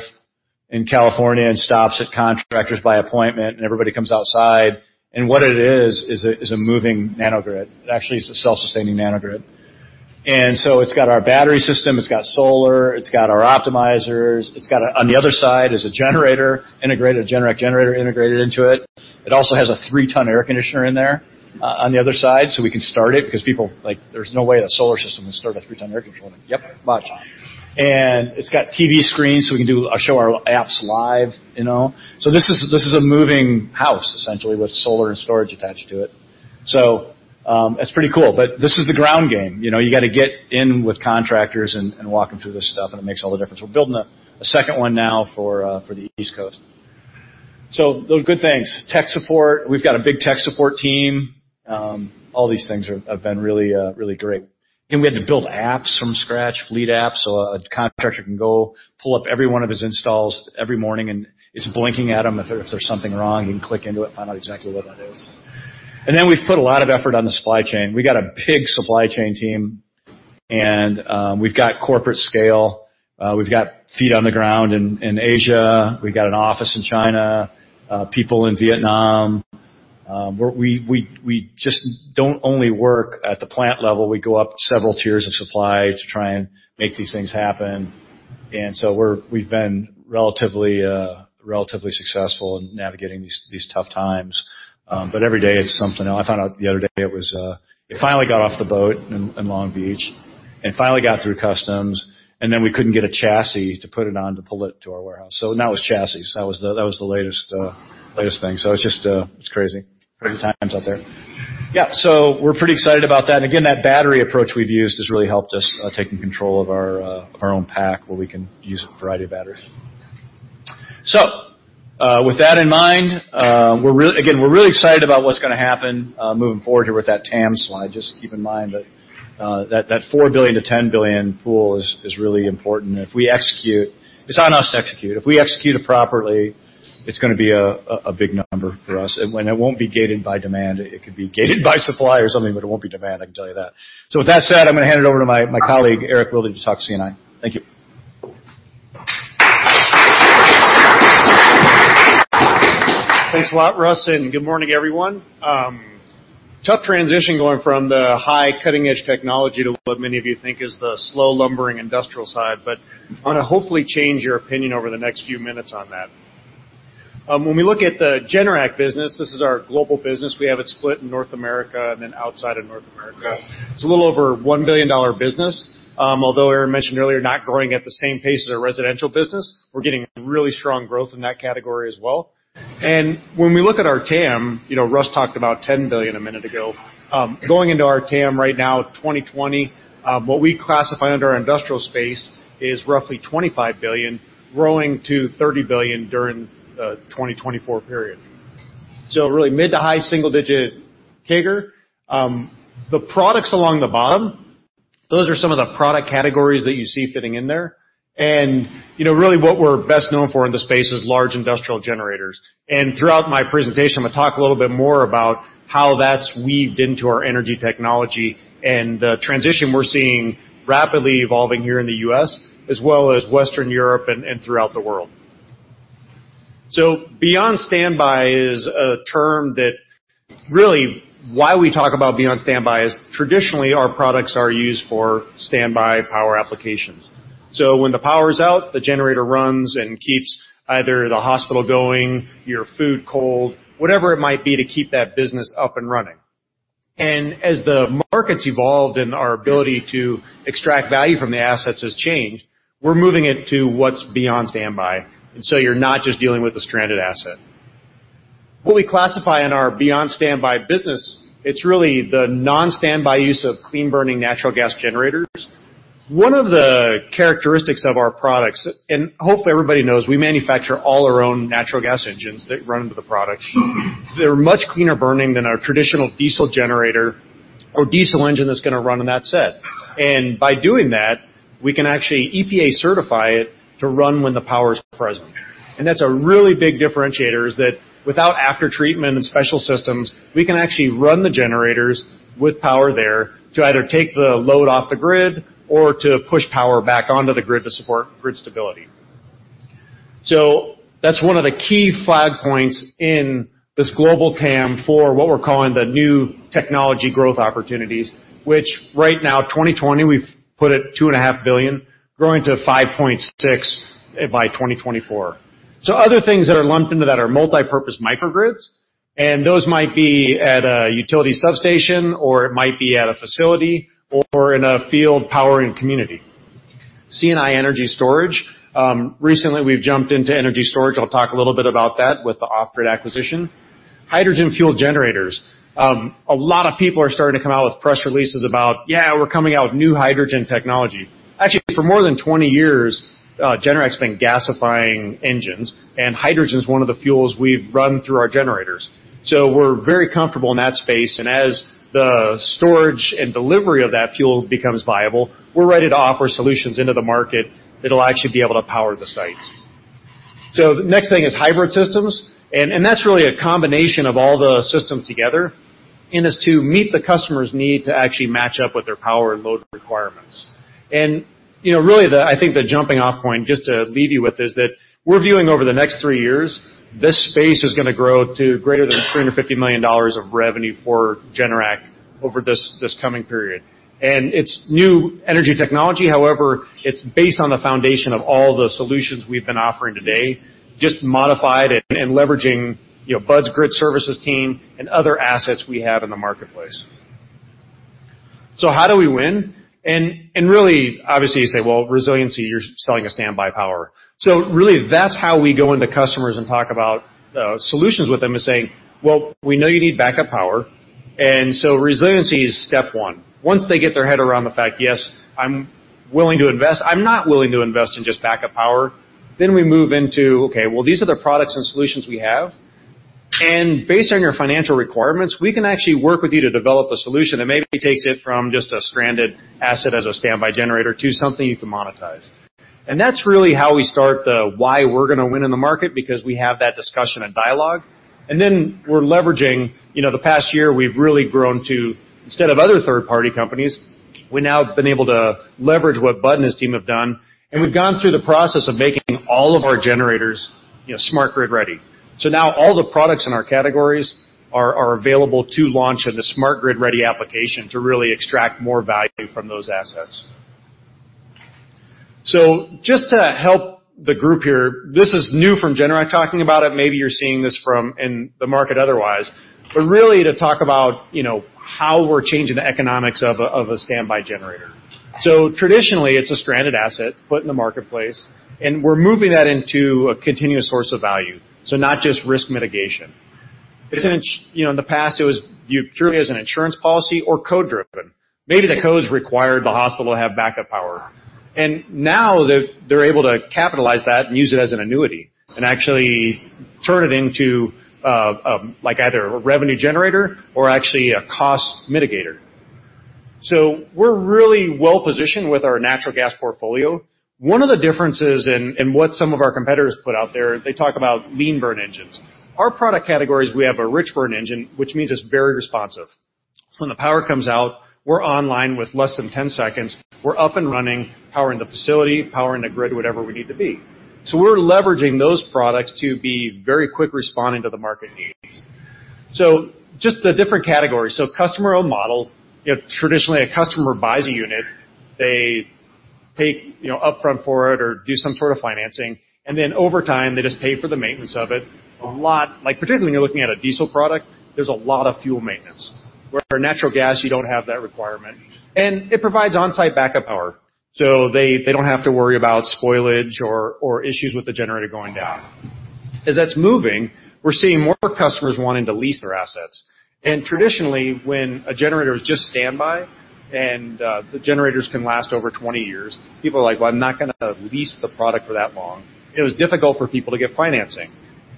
in California and stops at contractors by appointment, and everybody comes outside. What it is a moving nanogrid. It actually is a self-sustaining nanogrid. So it's got our battery system, it's got solar, it's got our optimizers. On the other side is a Generac generator integrated into it. It also has a 3-ton air conditioner in there on the other side, so we can start it because people are like, "There's no way a solar system can start a 3-ton air conditioner." Yep, watch. It's got TV screens, so we can show our apps live. This is a moving house, essentially, with solar and storage attached to it. It's pretty cool. This is the ground game. You got to get in with contractors and walk them through this stuff, and it makes all the difference. We're building a second one now for the East Coast. Those are good things. Tech support. We've got a big tech support team. All these things have been really great. Again, we had to build apps from scratch, fleet apps, so a contractor can go pull up every one of his installs every morning, and it's blinking at him. If there's something wrong, he can click into it and find out exactly what that is. Then we've put a lot of effort on the supply chain. We've got a big supply chain team, and we've got corporate scale. We've got feet on the ground in Asia. We've got an office in China, people in Vietnam. We just don't only work at the plant level, we go up several tiers of supply to try and make these things happen. We've been relatively successful in navigating these tough times. Every day it's something else. I found out the other day, it finally got off the boat in Long Beach, and finally got through customs, and then we couldn't get a chassis to put it on to pull it to our warehouse. Now it's chassis. That was the latest thing. It's crazy. Crazy times out there. Yeah. We're pretty excited about that. Again, that battery approach we've used has really helped us taking control of our own pack where we can use a variety of batteries. With that in mind, again, we're really excited about what's going to happen moving forward here with that TAM slide. Just keep in mind that that $4 billion to $10 billion pool is really important. It's on us to execute. If we execute it properly, it's going to be a big number for us. It won't be gated by demand. It could be gated by supply or something, but it won't be demand, I can tell you that. With that said, I'm going to hand it over to my colleague, Erik Wilde, to talk C&I. Thank you. Thanks a lot, Russ. Good morning, everyone. Tough transition going from the high cutting-edge technology to what many of you think is the slow, lumbering industrial side. I'm going to hopefully change your opinion over the next few minutes on that. When we look at the Generac business, this is our global business. We have it split in North America and then outside of North America. It's a little over a $1 billion business. Although Aaron mentioned earlier, not growing at the same pace as our residential business, we're getting really strong growth in that category as well. When we look at our TAM, Russ talked about $10 billion a minute ago. Going into our TAM right now, 2020, what we classify under our industrial space is roughly $25 billion, growing to $30 billion during the 2024 period. Really mid to high single-digit CAGR. The products along the bottom, those are some of the product categories that you see fitting in there. Really what we're best known for in the space is large industrial generators. Throughout my presentation, I'm going to talk a little bit more about how that's weaved into our energy technology and the transition we're seeing rapidly evolving here in the U.S., as well as Western Europe and throughout the world. Beyond standby is a term that really why we talk about beyond standby is traditionally our products are used for standby power applications. When the power's out, the generator runs and keeps either the hospital going, your food cold, whatever it might be to keep that business up and running. As the market's evolved and our ability to extract value from the assets has changed, we're moving it to what's beyond standby, and so you're not just dealing with a stranded asset. What we classify in our beyond standby business, it's really the non-standby use of clean-burning natural gas generators. One of the characteristics of our products, and hopefully everybody knows we manufacture all our own natural gas engines that run into the products. They're much cleaner burning than our traditional diesel generator or diesel engine that's going to run on that set. By doing that, we can actually EPA certify it to run when the power's present. That's a really big differentiator, is that without after-treatment and special systems, we can actually run the generators with power there to either take the load off the grid or to push power back onto the grid to support grid stability. That's one of the key flag points in this global TAM for what we're calling the new technology growth opportunities, which right now, 2020, we've put at $2.5 billion-$5.6 billion by 2024. Other things that are lumped into that are multipurpose microgrids, and those might be at a utility substation, or it might be at a facility or in a field powering community. C&I energy storage. Recently we've jumped into energy storage. I'll talk a little bit about that with the Off Grid acquisition. Hydrogen fuel generators. A lot of people are starting to come out with press releases about, "Yeah, we're coming out with new hydrogen technology." Actually, for more than 20 years, Generac's been gasifying engines, and hydrogen's one of the fuels we've run through our generators. We're very comfortable in that space, and as the storage and delivery of that fuel becomes viable, we're ready to offer solutions into the market that'll actually be able to power the sites. The next thing is hybrid systems, and that's really a combination of all the systems together, and it's to meet the customer's need to actually match up with their power and load requirements. Really, I think the jumping off point, just to leave you with, is that we're viewing over the next three years, this space is going to grow to greater than $350 million of revenue for Generac over this coming period. It's new energy technology, however, it's based on the foundation of all the solutions we've been offering today, just modified and leveraging Bud's Grid Services team and other assets we have in the marketplace. How do we win? Really, obviously, you say, well, resiliency, you're selling a standby power. Really that's how we go into customers and talk about solutions with them is saying, "Well, we know you need backup power, and so resiliency is step one." Once they get their head around the fact, yes, I'm willing to invest. I'm not willing to invest in just backup power. We move into, okay, well, these are the products and solutions we have. Based on your financial requirements, we can actually work with you to develop a solution that maybe takes it from just a stranded asset as a standby generator to something you can monetize. That's really how we start, why we're going to win in the market, because we have that discussion and dialogue. We're leveraging. The past year, we've really grown to, instead of other third-party companies, we now have been able to leverage what Bud and his team have done. We've gone through the process of making all of our generators Smart Grid-Ready. Now all the products in our categories are available to launch in the Smart Grid-Ready application to really extract more value from those assets. Just to help the group here, this is new from Generac talking about it. Maybe you're seeing this from in the market otherwise. Really to talk about how we're changing the economics of a standby generator. Traditionally, it's a stranded asset put in the marketplace, and we're moving that into a continuous source of value, so not just risk mitigation. In the past, it was viewed purely as an insurance policy or code-driven. Maybe the codes required the hospital to have backup power. Now they're able to capitalize that and use it as an annuity and actually turn it into either a revenue generator or actually a cost mitigator. We're really well-positioned with our natural gas portfolio. One of the differences in what some of our competitors put out there, they talk about lean burn engines. Our product categories, we have a rich burn engine, which means it's very responsive. When the power comes out, we're online with less than 10 seconds. We're up and running, powering the facility, powering the grid, whatever we need to be. We're leveraging those products to be very quick responding to the market needs. Just the different categories. Customer-owned model, traditionally, a customer buys a unit. They pay upfront for it or do some sort of financing, and then over time, they just pay for the maintenance of it. Particularly when you're looking at a diesel product, there's a lot of fuel maintenance. Whereas natural gas, you don't have that requirement. It provides on-site backup power, so they don't have to worry about spoilage or issues with the generator going down. As that's moving, we're seeing more customers wanting to lease their assets. Traditionally, when a generator is just standby and, the generators can last over 20 years, people are like, "Well, I'm not going to lease the product for that long." It was difficult for people to get financing.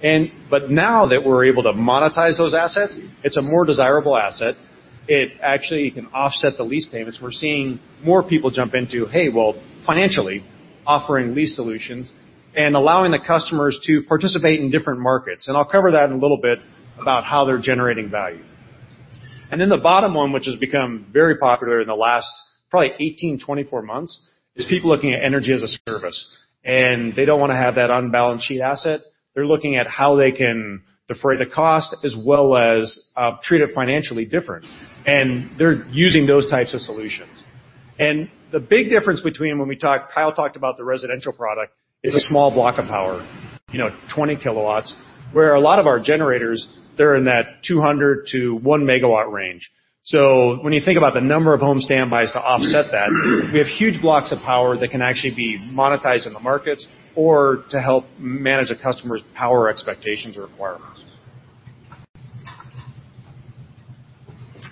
Now that we're able to monetize those assets, it's a more desirable asset. It actually can offset the lease payments. We're seeing more people jump into, hey, well, financially offering lease solutions and allowing the customers to participate in different markets. I'll cover that in a little bit about how they're generating value. Then the bottom one, which has become very popular in the last probably 18, 24 months, is people looking at energy as a service. They don't want to have that on-balance-sheet asset. They're looking at how they can defray the cost as well as treat it financially different. They're using those types of solutions. The big difference between when Kyle talked about the residential product, is a small block of power, 20 kW, where a lot of our generators, they're in that 200 kW to 1 MW range. When you think about the number of home standbys to offset that, we have huge blocks of power that can actually be monetized in the markets or to help manage a customer's power expectations or requirements.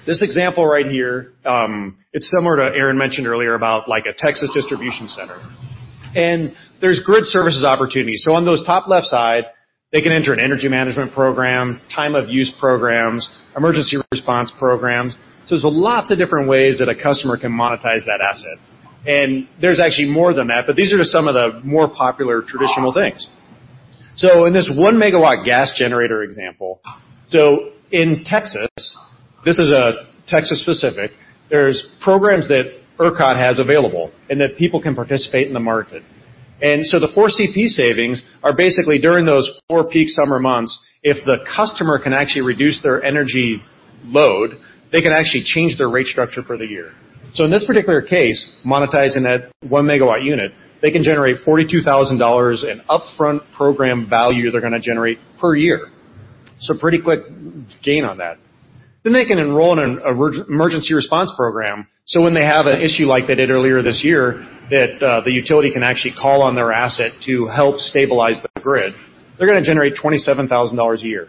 This example right here, it's similar to Aaron mentioned earlier about like a Texas distribution center. There's Grid Services opportunities. On those top left side, they can enter an energy management program, time of use programs, emergency response programs. There's lots of different ways that a customer can monetize that asset. There's actually more than that, but these are just some of the more popular traditional things. In this 1 MW gas generator example, in Texas, this is Texas-specific. There's programs that ERCOT has available and that people can participate in the market. The 4CP savings are basically during those four peak summer months, if the customer can actually reduce their energy load, they can actually change their rate structure for the year. In this particular case, monetizing that 1 MW unit, they can generate $42,000 in upfront program value they're going to generate per year. They can enroll in an emergency response program, so when they have an issue like they did earlier this year, that the utility can actually call on their asset to help stabilize the grid. They're going to generate $27,000 a year.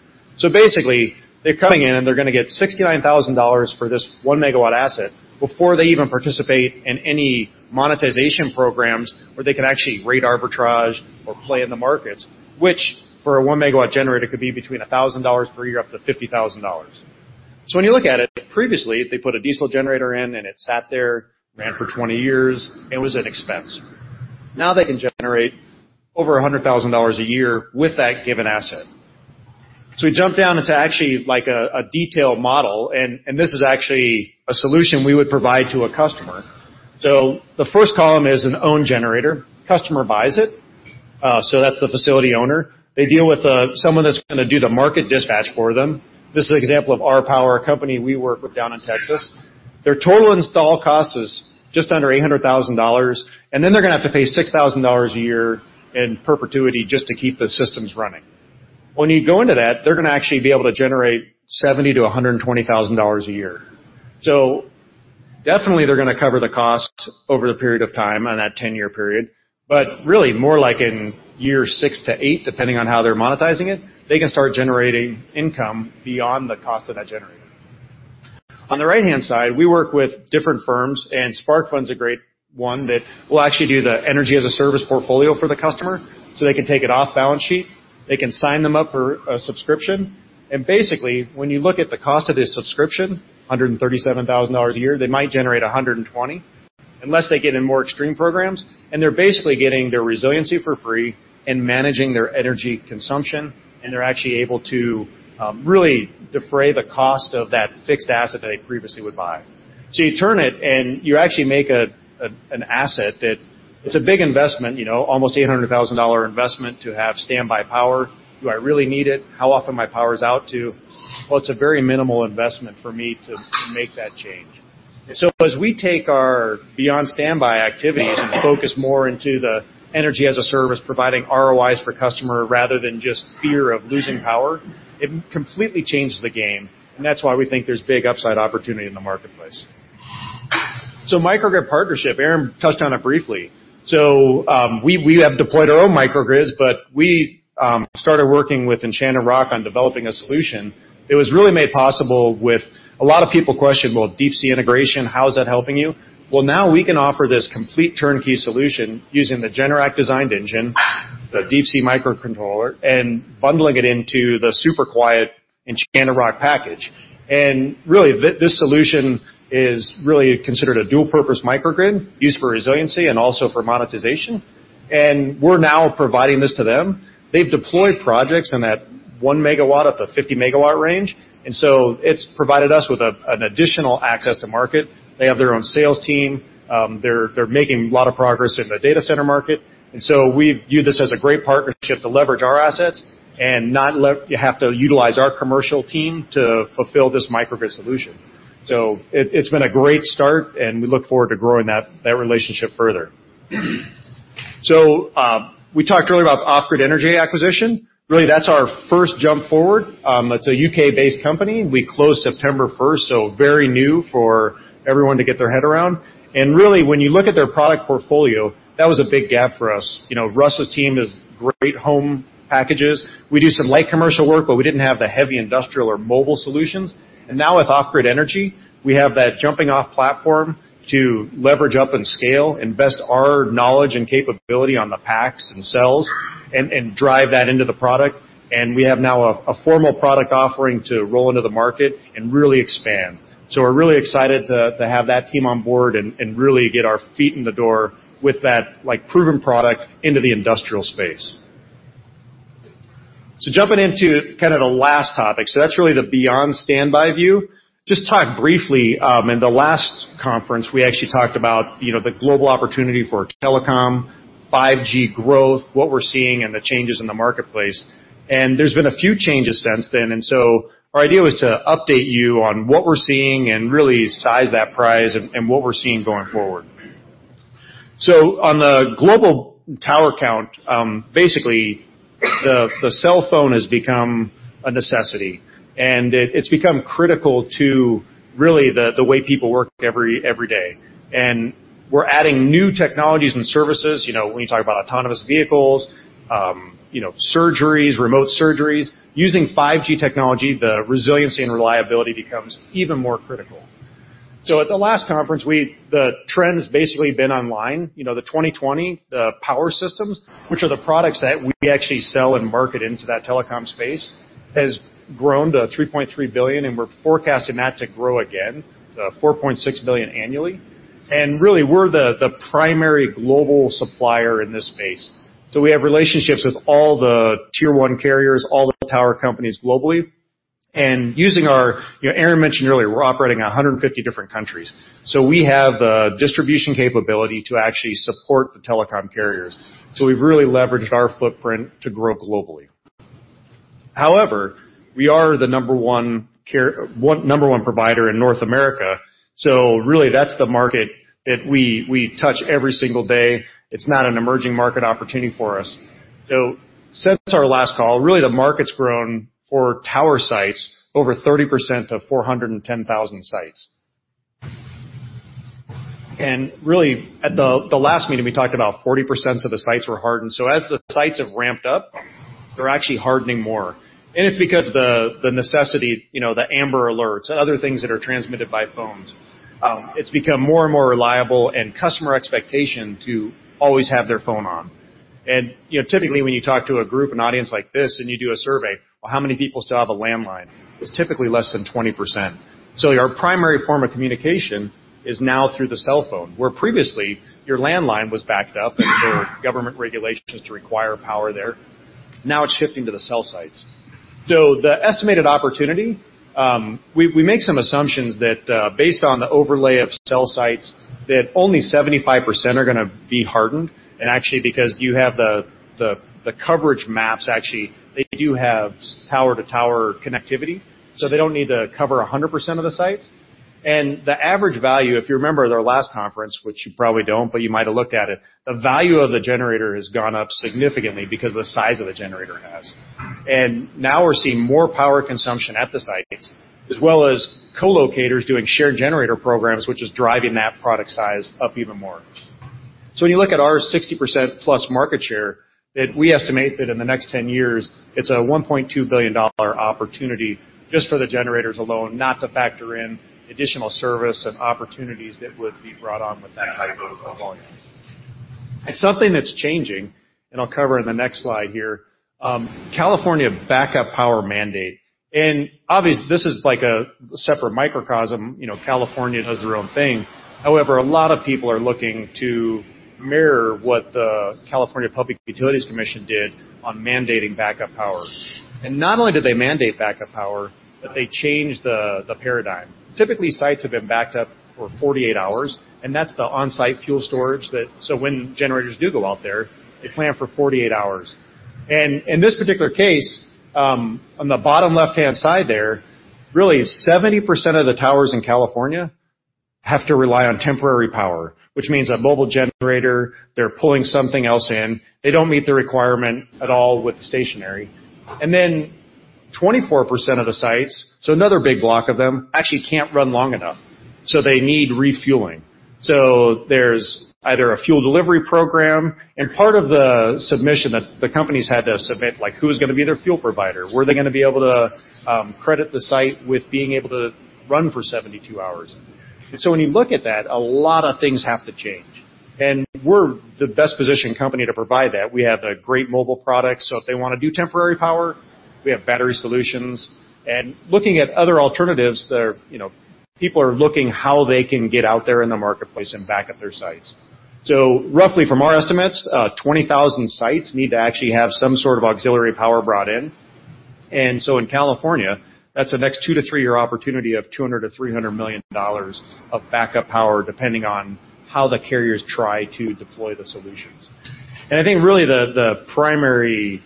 Basically, they're coming in and they're going to get $69,000 for this 1 MW asset before they even participate in any monetization programs where they can actually rate arbitrage or play in the markets, which for a 1 MW generator, could be between $1,000 per year up to $50,000. When you look at it, previously, they put a diesel generator in and it sat there, ran for 20 years. It was an expense. Now they can generate over $100,000 a year with that given asset. We jump down into actually a detailed model, and this is actually a solution we would provide to a customer. The first column is an owned generator. Customer buys it. That's the facility owner. They deal with someone that's going to do the market dispatch for them. This is an example of RPower, a company we work with down in Texas. Their total install cost is just under $800,000. They're going to have to pay $6,000 a year in perpetuity just to keep the systems running. When you go into that, they're going to actually be able to generate $70,000-$120,000 a year. Definitely, they're going to cover the cost over the period of time on that 10-year period. Really more like in year six to eight, depending on how they're monetizing it, they can start generating income beyond the cost of that generator. On the right-hand side, we work with different firms. Sparkfund's a great one that will actually do the energy-as-a-service portfolio for the customer so they can take it off-balance sheet. They can sign them up for a subscription. Basically, when you look at the cost of this subscription, $137,000 a year, they might generate $120,000 unless they get in more extreme programs. They're basically getting their resiliency for free and managing their energy consumption, and they're actually able to really defray the cost of that fixed asset that they previously would buy. You turn it, and you actually make an asset that it's a big investment, almost $800,000 investment to have standby power. Do I really need it? How often my power's out to? Well, it's a very minimal investment for me to make that change. As we take our beyond standby activities and focus more into the energy-as-a-service, providing ROIs for customer rather than just fear of losing power, it completely changes the game, and that's why we think there's big upside opportunity in the marketplace. Microgrid partnership, Aaron touched on it briefly. We have deployed our own microgrids, but we started working with Enchanted Rock on developing a solution. It was really made possible with a lot of people question, well, Deep Sea integration, how is that helping you? Now we can offer this complete turnkey solution using the Generac designed engine, the Deep Sea microcontroller, and bundling it into the super quiet Enchanted Rock package. Really, this solution is really considered a dual-purpose microgrid used for resiliency and also for monetization. We're now providing this to them. They've deployed projects in that 1 MW up to 50-megawatt range. It's provided us with an additional access to market. They have their own sales team. They're making a lot of progress in the data center market. We view this as a great partnership to leverage our assets and not have to utilize our commercial team to fulfill this microgrid solution. It's been a great start, and we look forward to growing that relationship further. We talked earlier about the Off-Grid Energy acquisition. Really, that's our first jump forward. It's a U.K.-based company. We closed September 1st, so very new for everyone to get their head around. Really, when you look at their product portfolio, that was a big gap for us. Russ' team is great home packages. We do some light commercial work, but we didn't have the heavy industrial or mobile solutions. Now with Off-Grid Energy, we have that jumping-off platform to leverage up and scale, invest our knowledge and capability on the packs and cells and drive that into the product. We have now a formal product offering to roll into the market and really expand. We're really excited to have that team on board and really get our feet in the door with that proven product into the industrial space. Jumping into the last topic. That's really the beyond standby view. Just talk briefly. In the last conference, we actually talked about the global opportunity for telecom, 5G growth, what we're seeing, and the changes in the marketplace. There's been a few changes since then. Our idea was to update you on what we're seeing and really size that prize and what we're seeing going forward. On the global tower count, basically, the cellphone has become a necessity, and it's become critical to really the way people work every day. We're adding new technologies and services. When you talk about autonomous vehicles, surgeries, remote surgeries. Using 5G technology, the resiliency and reliability becomes even more critical. At the last conference, the trend's basically been online. The 2020, the power systems, which are the products that we actually sell and market into that telecom space, has grown to $3.3 billion, and we're forecasting that to grow again to $4.6 billion annually. Really, we're the primary global supplier in this space. We have relationships with all the tier 1 carriers, all the tower companies globally. Aaron mentioned earlier, we're operating in 150 different countries. We have the distribution capability to actually support the telecom carriers. We've really leveraged our footprint to grow globally. However, we are the number one provider in North America. Really that's the market that we touch every single day. It's not an emerging market opportunity for us. Since our last call, really the market's grown for tower sites over 30% to 410,000 sites. Really, at the last meeting, we talked about 40% of the sites were hardened. As the sites have ramped up, they're actually hardening more. It's because the necessity, the AMBER alerts, and other things that are transmitted by phones. It's become more and more reliable and customer expectation to always have their phone on. Typically, when you talk to a group, an audience like this, and you do a survey, well, how many people still have a landline? It's typically less than 20%. Your primary form of communication is now through the cellphone, where previously your landline was backed up and there were government regulations to require power there. Now it's shifting to the cell sites. The estimated opportunity, we make some assumptions that based on the overlay of cell sites, that only 75% are going to be hardened. Actually, because you have the coverage maps, actually, they do have tower-to-tower connectivity, so they don't need to cover 100% of the sites. The average value, if you remember their last conference, which you probably don't, but you might have looked at it, the value of the generator has gone up significantly because the size of the generator has. Now we're seeing more power consumption at the sites, as well as co-locators doing shared generator programs, which is driving that product size up even more. When you look at our 60%+ market share, that we estimate that in the next 10 years, it's a $1.2 billion opportunity just for the generators alone, not to factor in additional service and opportunities that would be brought on with that type of volume. Something that's changing, I'll cover in the next slide here, California backup power mandate. Obviously, this is like a separate microcosm. California does their own thing. However, a lot of people are looking to mirror what the California Public Utilities Commission did on mandating backup power. Not only did they mandate backup power, but they changed the paradigm. Typically, sites have been backed up for 48 hours, and that's the on-site fuel storage so when generators do go out there, they plan for 48 hours. In this particular case, on the bottom left-hand side there, really 70% of the towers in California have to rely on temporary power, which means a mobile generator, they're pulling something else in. They don't meet the requirement at all with stationary. Then 24% of the sites, so another big block of them, actually can't run long enough, so they need refueling. There's either a fuel delivery program. Part of the submission that the companies had to submit, like who's going to be their fuel provider? Were they going to be able to credit the site with being able to run for 72 hours? When you look at that, a lot of things have to change. We're the best-positioned company to provide that. We have a great mobile product. If they want to do temporary power, we have battery solutions. Looking at other alternatives, people are looking how they can get out there in the marketplace and back up their sites. Roughly from our estimates, 20,000 sites need to actually have some sort of auxiliary power brought in. In California, that's the next two-three-year opportunity of $200 million-$300 million of backup power, depending on how the carriers try to deploy the solutions. I think really the primary,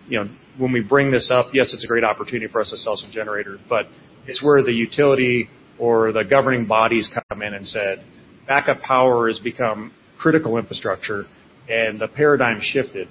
when we bring this up, yes, it's a great opportunity for us to sell some generators, but it's where the utility or the governing bodies come in and said, "Backup power has become critical infrastructure," and the paradigm shifted.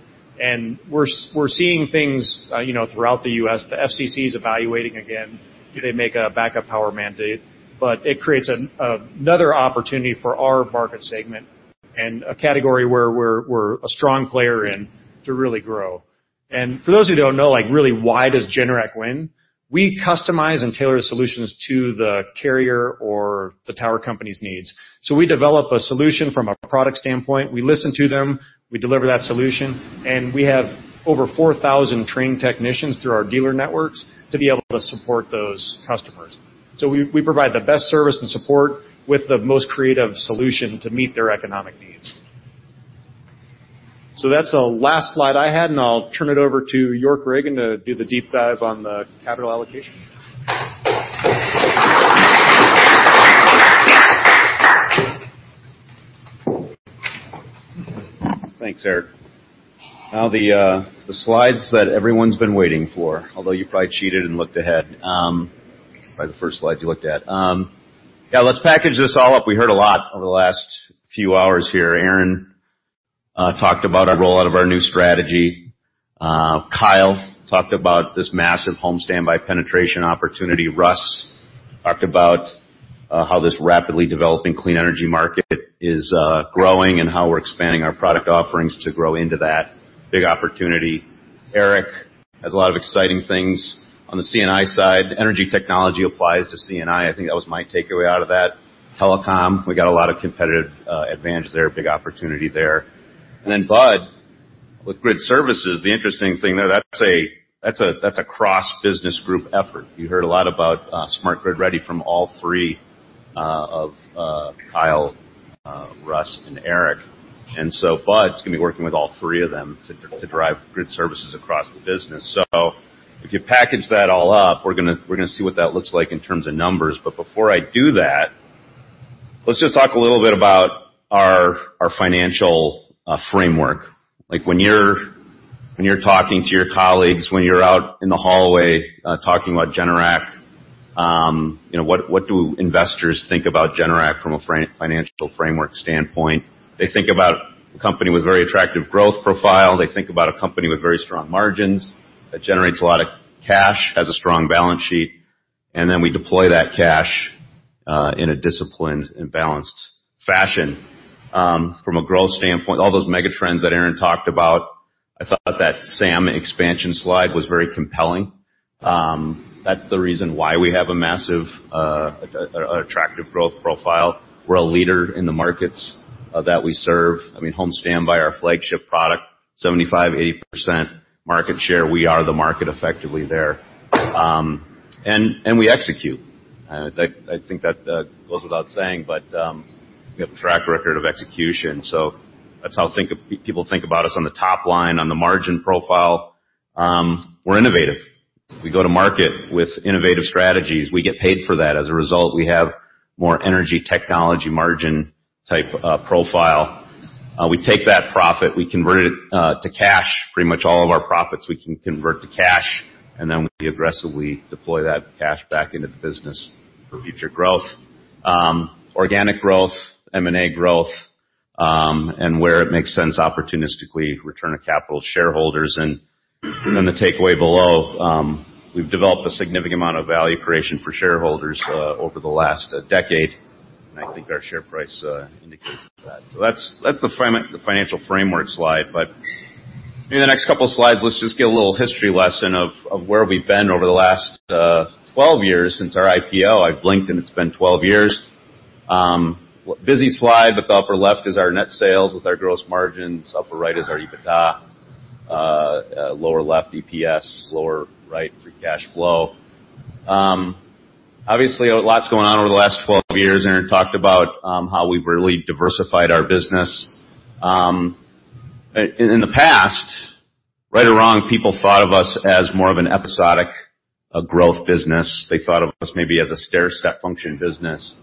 We're seeing things throughout the U.S. The FCC is evaluating again, do they make a backup power mandate? It creates another opportunity for our market segment and a category where we're a strong player in to really grow. For those who don't know, really why does Generac win? We customize and tailor solutions to the carrier or the tower company's needs. We develop a solution from a product standpoint. We listen to them, we deliver that solution, and we have over 4,000 trained technicians through our dealer networks to be able to support those customers. We provide the best service and support with the most creative solution to meet their economic needs. That's the last slide I had, and I'll turn it over to York Ragen to do the deep dive on the capital allocation. Thanks, Erik. The slides that everyone's been waiting for, although you probably cheated and looked ahead by the first slides you looked at. Let's package this all up. We heard a lot over the last few hours here. Aaron talked about our rollout of our new strategy. Kyle talked about this massive home standby penetration opportunity. Russ talked about how this rapidly developing clean energy market is growing and how we're expanding our product offerings to grow into that big opportunity. Erik has a lot of exciting things on the C&I side. Energy technology applies to C&I. I think that was my takeaway out of that. Telecom, we got a lot of competitive advantages there, big opportunity there. Bud, with Grid Services, the interesting thing there, that's a cross-business group effort. You heard a lot about smart grid ready from all three of Kyle, Russ, and Erik. Bud's going to be working with all three of them to drive Grid Services across the business. If you package that all up, we're going to see what that looks like in terms of numbers. Before I do that, let's just talk a little bit about our financial framework. When you're talking to your colleagues, when you're out in the hallway talking about Generac, what do investors think about Generac from a financial framework standpoint? They think about a company with very attractive growth profile. They think about a company with very strong margins, that generates a lot of cash, has a strong balance sheet, and then we deploy that cash in a disciplined and balanced fashion. From a growth standpoint, all those mega trends that Aaron talked about, I thought that SAM expansion slide was very compelling. That's the reason why we have a massive attractive growth profile. We're a leader in the markets that we serve. Home standby, our flagship product, 75%-80% market share. We are the market effectively there. We execute. I think that goes without saying, but we have a track record of execution. That's how people think about us on the top line, on the margin profile. We're innovative. We go to market with innovative strategies. We get paid for that. As a result, we have more energy technology margin type profile. We take that profit, we convert it to cash. Pretty much all of our profits we can convert to cash, and then we aggressively deploy that cash back into the business for future growth. Organic growth, M&A growth, and where it makes sense, opportunistically return a capital to shareholders. The takeaway below, we've developed a significant amount of value creation for shareholders over the last decade, and I think our share price indicates that. That's the financial framework slide. In the next couple of slides, let's just give a little history lesson of where we've been over the last 12 years since our IPO. I blinked and it's been 12 years. Busy slide, but the upper left is our net sales with our gross margins. Upper right is our EBITDA. Lower left, EPS. Lower right, free cash flow. Obviously, a lot's going on over the last 12 years, and Aaron talked about how we've really diversified our business. In the past, right or wrong, people thought of us as more of an episodic growth business. They thought of us maybe as a stair-step function business.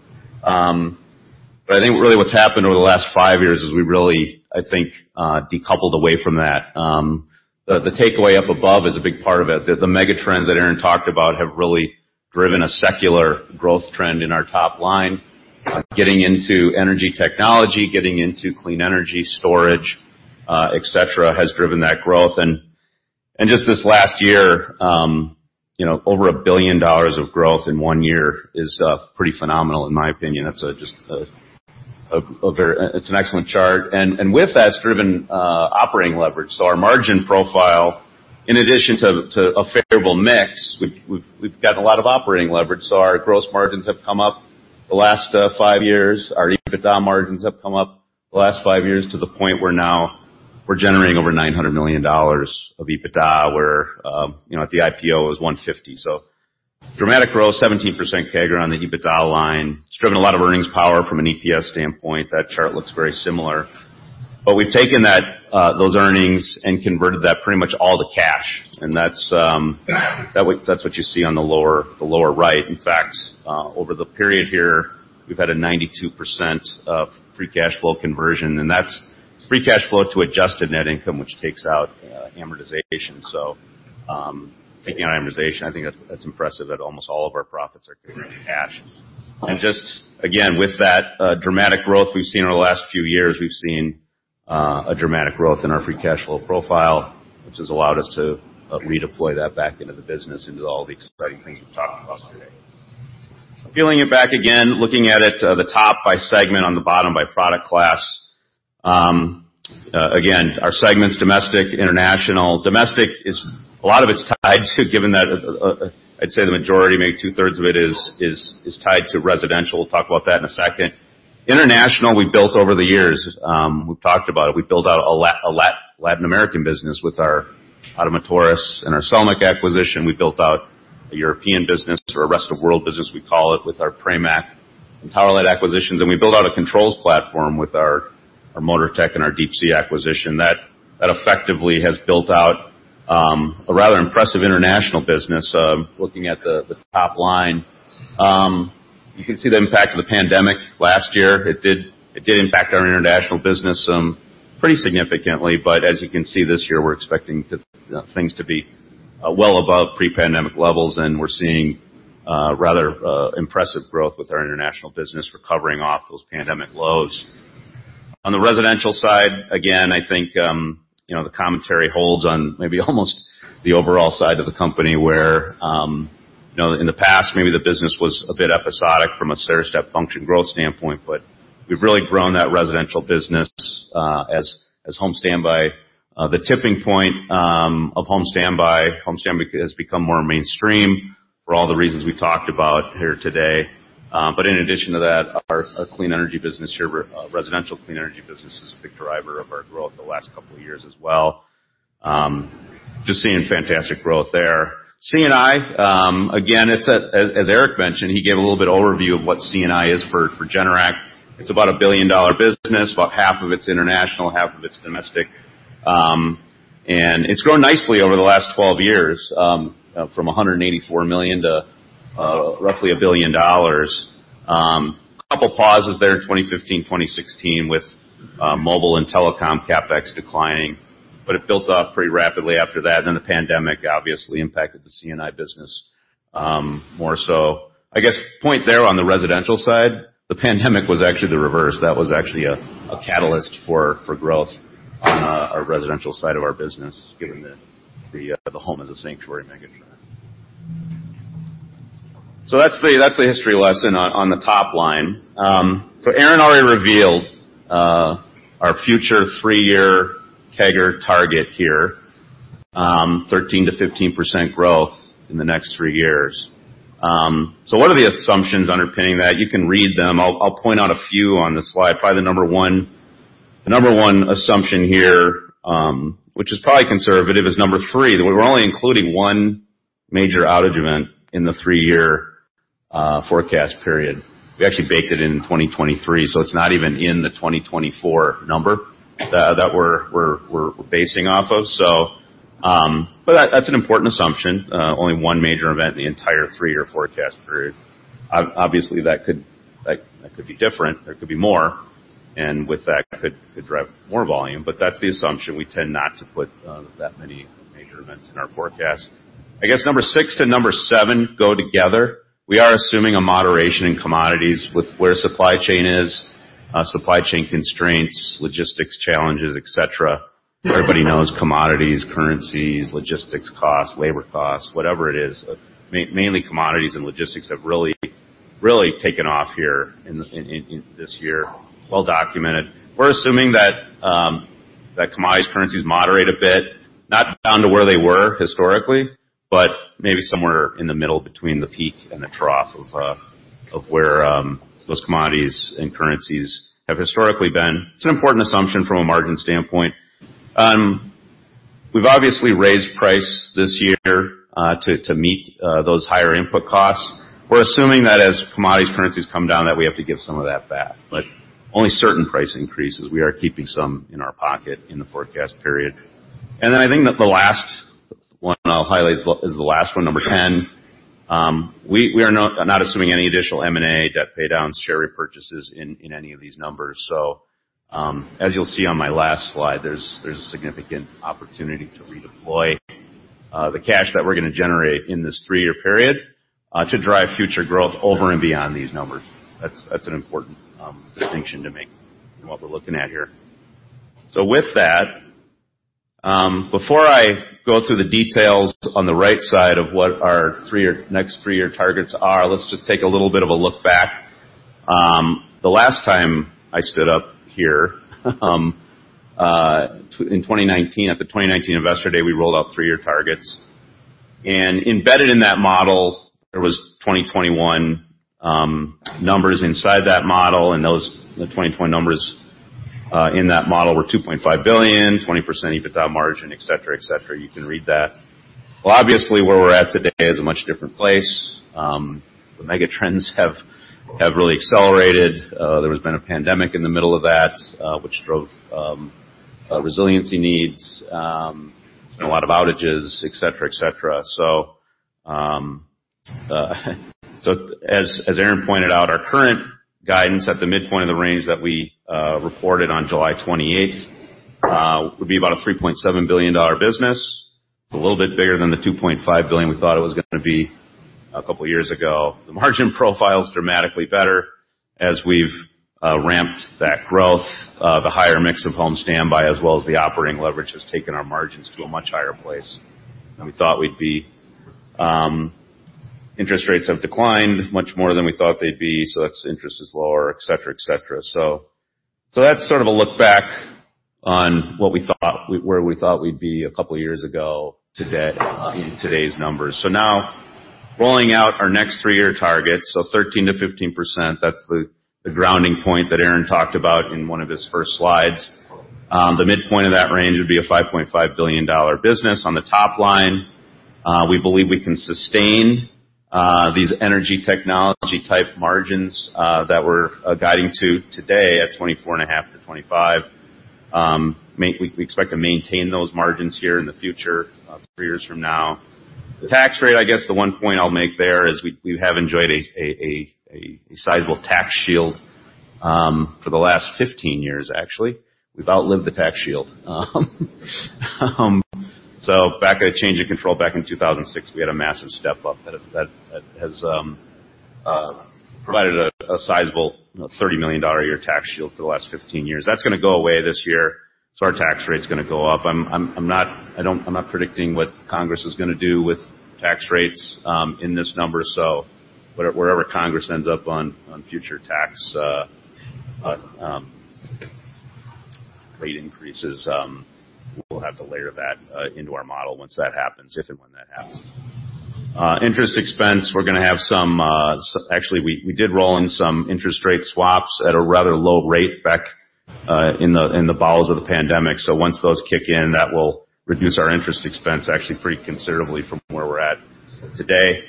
I think really what's happened over the last five years is we really, I think, decoupled away from that. The takeaway up above is a big part of it. The megatrends that Aaron talked about have really driven a secular growth trend in our top line. Getting into energy technology, getting into clean energy storage, et cetera, has driven that growth. Just this last year, over $1 billion of growth in one year is pretty phenomenal, in my opinion. It's an excellent chart. With that it's driven operating leverage. Our margin profile, in addition to a favorable mix, we've gotten a lot of operating leverage. Our gross margins have come up the last five years. Our EBITDA margins have come up the last five years to the point where now we're generating over $900 million of EBITDA, where at the IPO, it was $150. Dramatic growth, 17% CAGR on the EBITDA line. It's driven a lot of earnings power from an EPS standpoint. That chart looks very similar. We've taken those earnings and converted that pretty much all to cash. That's what you see on the lower right. In fact, over the period here, we've had a 92% of free cash flow conversion. That's free cash flow to adjusted net income, which takes out amortization. Taking out amortization, I think that's impressive that almost all of our profits are converted to cash. Just, again, with that dramatic growth we've seen over the last few years, we've seen a dramatic growth in our free cash flow profile, which has allowed us to redeploy that back into the business, into all the exciting things we've talked about today. Peeling it back again, looking at it, the top by segment, on the bottom by product class. Again, our segments domestic, international. Domestic, a lot of it's tied to, given that I'd say the majority, maybe 2/3 of it is tied to residential. We'll talk about that in a second. International, we built over the years. We've talked about it. We built out a Latin American business with our Ottomotores and our Selmec acquisition. We built out a European business or a rest of world business, we call it, with our Pramac and Powerlite acquisitions. We built out a controls platform with our MOTORTECH and our Deep Sea acquisition. That effectively has built out a rather impressive international business. Looking at the top line. You can see the impact of the pandemic last year. It did impact our international business pretty significantly. As you can see this year, we're expecting things to be well above pre-pandemic levels, and we're seeing rather impressive growth with our international business recovering off those pandemic lows. On the residential side, again, I think, the commentary holds on maybe almost the overall side of the company, where in the past, maybe the business was a bit episodic from a stair-step function growth standpoint, but we've really grown that residential business as Home Standby. The tipping point of Home Standby has become more mainstream for all the reasons we've talked about here today. In addition to that, our clean energy business here, residential clean energy business is a big driver of our growth the last couple of years as well. Just seeing fantastic growth there. C&I, again, as Erik mentioned, he gave a little bit of overview of what C&I is for Generac. It's about a billion-dollar business, about half of it's international, half of it's domestic. It's grown nicely over the last 12 years, from $184 million to roughly $1 billion. A couple pauses there in 2015, 2016 with mobile and telecom CapEx declining, but it built up pretty rapidly after that. The pandemic obviously impacted the C&I business more so. I guess point there on the residential side, the pandemic was actually the reverse. That was actually a catalyst for growth on our residential side of our business, given the home as a sanctuary megatrend. That's the history lesson on the top line. Aaron already revealed our future three-year CAGR target here, 13%-15% growth in the next three years. What are the assumptions underpinning that? You can read them. I'll point out a few on this slide. Probably the number one assumption here, which is probably conservative, is number three, that we're only including one major outage event in the three-year forecast period. We actually baked it in 2023, so it's not even in the 2024 number that we're basing off of. That's an important assumption. Only one major event in the entire three-year forecast period. Obviously, that could be different. There could be more, and with that, could drive more volume. That's the assumption. We tend not to put that many major events in our forecast. I guess, number six and number seven go together. We are assuming a moderation in commodities with where supply chain is, supply chain constraints, logistics challenges, et cetera. Everybody knows commodities, currencies, logistics costs, labor costs, whatever it is. Mainly commodities and logistics have really taken off here this year. Well documented. We're assuming that commodities, currencies moderate a bit, not down to where they were historically, but maybe somewhere in the middle between the peak and the trough of where those commodities and currencies have historically been. It's an important assumption from a margin standpoint. We've obviously raised price this year to meet those higher input costs. We're assuming that as commodities, currencies come down, that we have to give some of that back, but only certain price increases. We are keeping some in our pocket in the forecast period. Then I think that the last one I'll highlight is the last one, number 10. We are not assuming any additional M&A, debt pay-downs, share repurchases in any of these numbers. As you'll see on my last slide, there's a significant opportunity to redeploy the cash that we're going to generate in this three-year period to drive future growth over and beyond these numbers. That's an important distinction to make in what we're looking at here. With that, before I go through the details on the right side of what our next three-year targets are, let's just take a little bit of a look back. The last time I stood up here in 2019, at the 2019 Investor Day, we rolled out three-year targets. Embedded in that model, there was 2021 numbers inside that model, and the 2020 numbers in that model were $2.5 billion, 20% EBITDA margin, et cetera. You can read that. Obviously, where we're at today is a much different place. The mega trends have really accelerated. There has been a pandemic in the middle of that, which drove resiliency needs and a lot of outages, et cetera. As Aaron pointed out, our current guidance at the midpoint of the range that we reported on July 28th, would be about a $3.7 billion business. It's a little bit bigger than the $2.5 billion we thought it was going to be a couple of years ago. The margin profile is dramatically better as we've ramped that growth. The higher mix of home standby as well as the operating leverage has taken our margins to a much higher place than we thought we'd be. Interest rates have declined much more than we thought they'd be, its interest is lower, et cetera. That's sort of a look back on where we thought we'd be a couple of years ago today in today's numbers. Now rolling out our next three-year target. 13%-15%, that's the grounding point that Aaron talked about in one of his first slides. The midpoint of that range would be a $5.5 billion business. On the top line, we believe we can sustain these energy technology-type margins that we're guiding to today at 24.5%-25%. We expect to maintain those margins here in the future, three years from now. The tax rate, I guess, the one point I'll make there is we have enjoyed a sizable tax shield for the last 15 years, actually. We've outlived the tax shield. Back at a change in control back in 2006, we had a massive step-up that has provided a sizable $30 million a year tax shield for the last 15 years. That's going to go away this year. Our tax rate's going to go up. I'm not predicting what Congress is going to do with tax rates in this number. Wherever Congress ends up on future tax rate increases, we'll have to layer that into our model once that happens, if and when that happens. Interest expense, actually we did roll in some interest rate swaps at a rather low rate back in the bowels of the pandemic. Once those kick in, that will reduce our interest expense actually pretty considerably from where we're at today.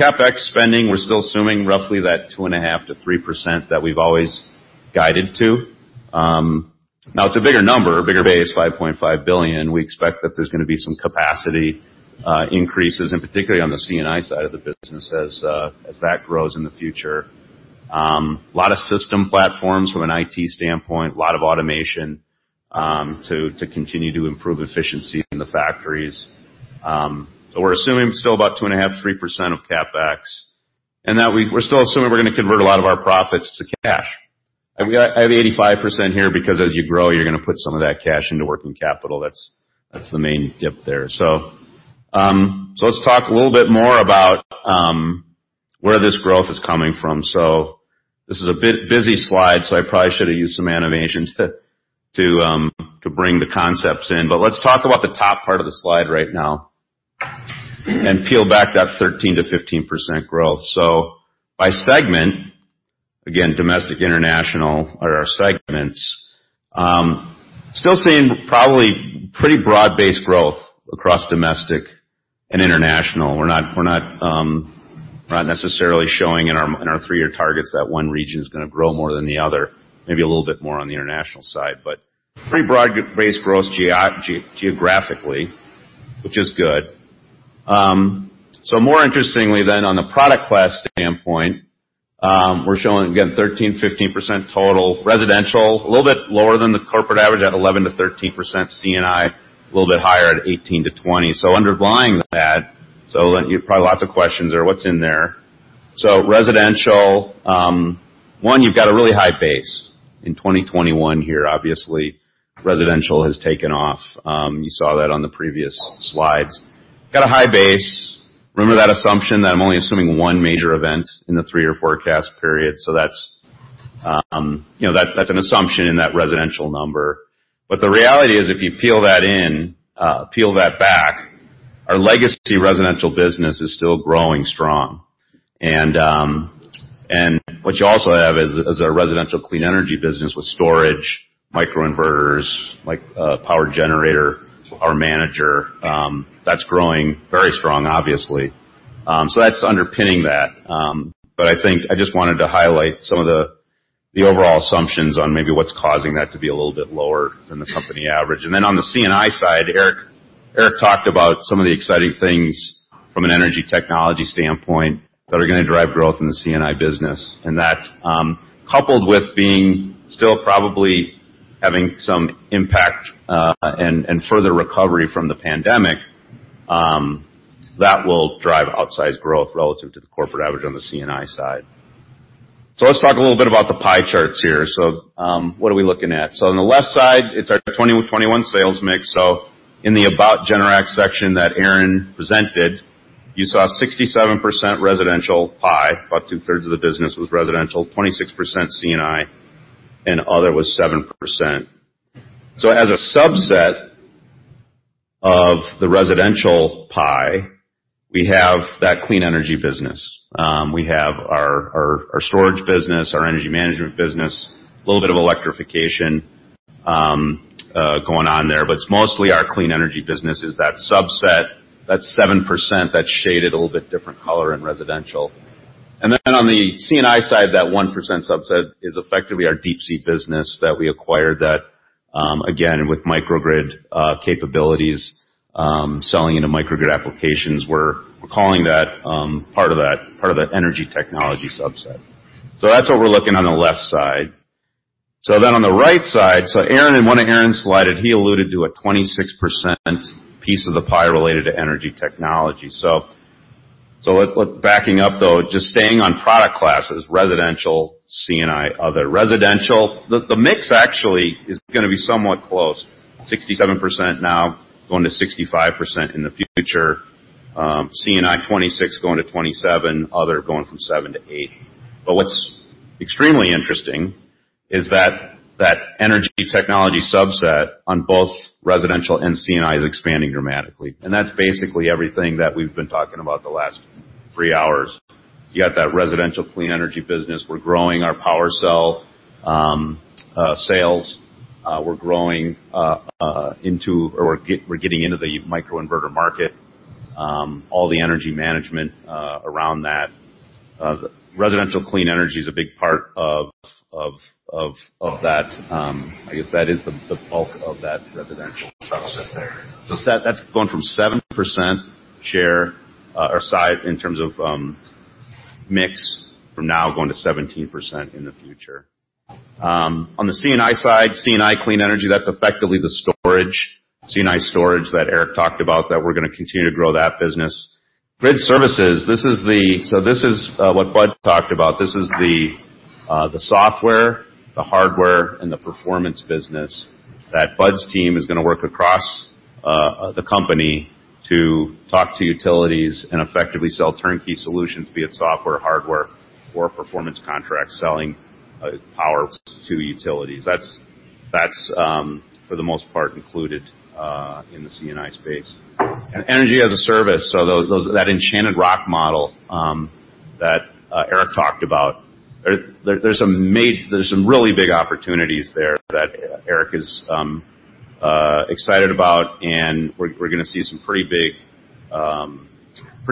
CapEx spending, we're still assuming roughly that 2.5% to 3% that we've always guided to. It's a bigger number, a bigger base, $5.5 billion. We expect that there's going to be some capacity increases, and particularly on the C&I side of the business as that grows in the future. A lot of system platforms from an IT standpoint, a lot of automation to continue to improve efficiency in the factories. We're assuming still about 2.5, 3% of CapEx, and that we're still assuming we're going to convert a lot of our profits to cash. I have 85% here because as you grow, you're going to put some of that cash into working capital. That's the main dip there. Let's talk a little bit more about where this growth is coming from. This is a busy slide, so I probably should have used some animations to bring the concepts in. Let's talk about the top part of the slide right now. And peel back that 13%-15% growth. By segment, again, domestic, international are our segments. Still seeing probably pretty broad-based growth across domestic and international. We're not necessarily showing in our three-year targets that one region is going to grow more than the other, maybe a little bit more on the international side, but pretty broad-based growth geographically, which is good. More interestingly then on the product class standpoint, we're showing again 13%-15% total. Residential, a little bit lower than the corporate average at 11%-13%. C&I, a little bit higher at 18%-20%. Underlying that, probably lots of questions there. What's in there? Residential, one, you've got a really high base in 2021 here. Obviously, residential has taken off. You saw that on the previous slides. Got a high base. Remember that assumption that I'm only assuming one major event in the three-year forecast period. That's an assumption in that residential number. The reality is, if you peel that back, our legacy residential business is still growing strong. What you also have is a residential Clean Energy business with storage, microinverters, like a power generator, Power Manager, that's growing very strong obviously. That's underpinning that. I think I just wanted to highlight some of the overall assumptions on maybe what's causing that to be a little bit lower than the company average. On the C&I side, Erik talked about some of the exciting things from an energy technology standpoint that are going to drive growth in the C&I business. That, coupled with being still probably having some impact and further recovery from the pandemic, that will drive outsized growth relative to the corporate average on the C&I side. Let's talk a little bit about the pie charts here. What are we looking at? On the left side, it's our 2021 sales mix. In the About Generac section that Aaron presented, you saw a 67% residential pie. About two-thirds of the business was residential, 26% C&I, and other was 7%. As a subset of the residential pie, we have that clean energy business. We have our storage business, our energy management business, a little bit of electrification going on there. It's mostly our clean energy business is that subset, that 7% that's shaded a little bit different color in residential. On the C&I side, that 1% subset is effectively our DeepSea business that we acquired that, again, with microgrid capabilities, selling into microgrid applications. We're calling that part of that Energy Technology subset. That's what we're looking on the left side. On the right side, in one of Aaron's slide he alluded to a 26% piece of the pie related to Energy Technology. Backing up, though, just staying on product classes, residential, C&I, other. Residential, the mix actually is going to be somewhat close. 67% now, going to 65% in the future. C&I, 26% going to 27%, other going from 7% to 8%. What's extremely interesting is that that Energy Technology subset on both residential and C&I is expanding dramatically. That's basically everything that we've been talking about the last three hours. You got that residential Clean Energy business. We're growing our PWRcell sales. We're getting into the microinverter market, all the energy management around that. Residential clean energy is a big part of that. I guess that is the bulk of that residential subset there. That's going from 7% share, or size in terms of mix from now, going to 17% in the future. On the C&I side, C&I clean energy, that's effectively the storage, C&I storage that Erik talked about that we're going to continue to grow that business. Grid Services, this is what Bud talked about. This is the software, the hardware, and the performance business that Bud's team is going to work across the company to talk to utilities and effectively sell turnkey solutions, be it software, hardware, or performance contracts, selling power to utilities. That's for the most part included in the C&I space. Energy as a service, so that Enchanted Rock model that Erik talked about. There's some really big opportunities there that Erik is excited about, and we're going to see some pretty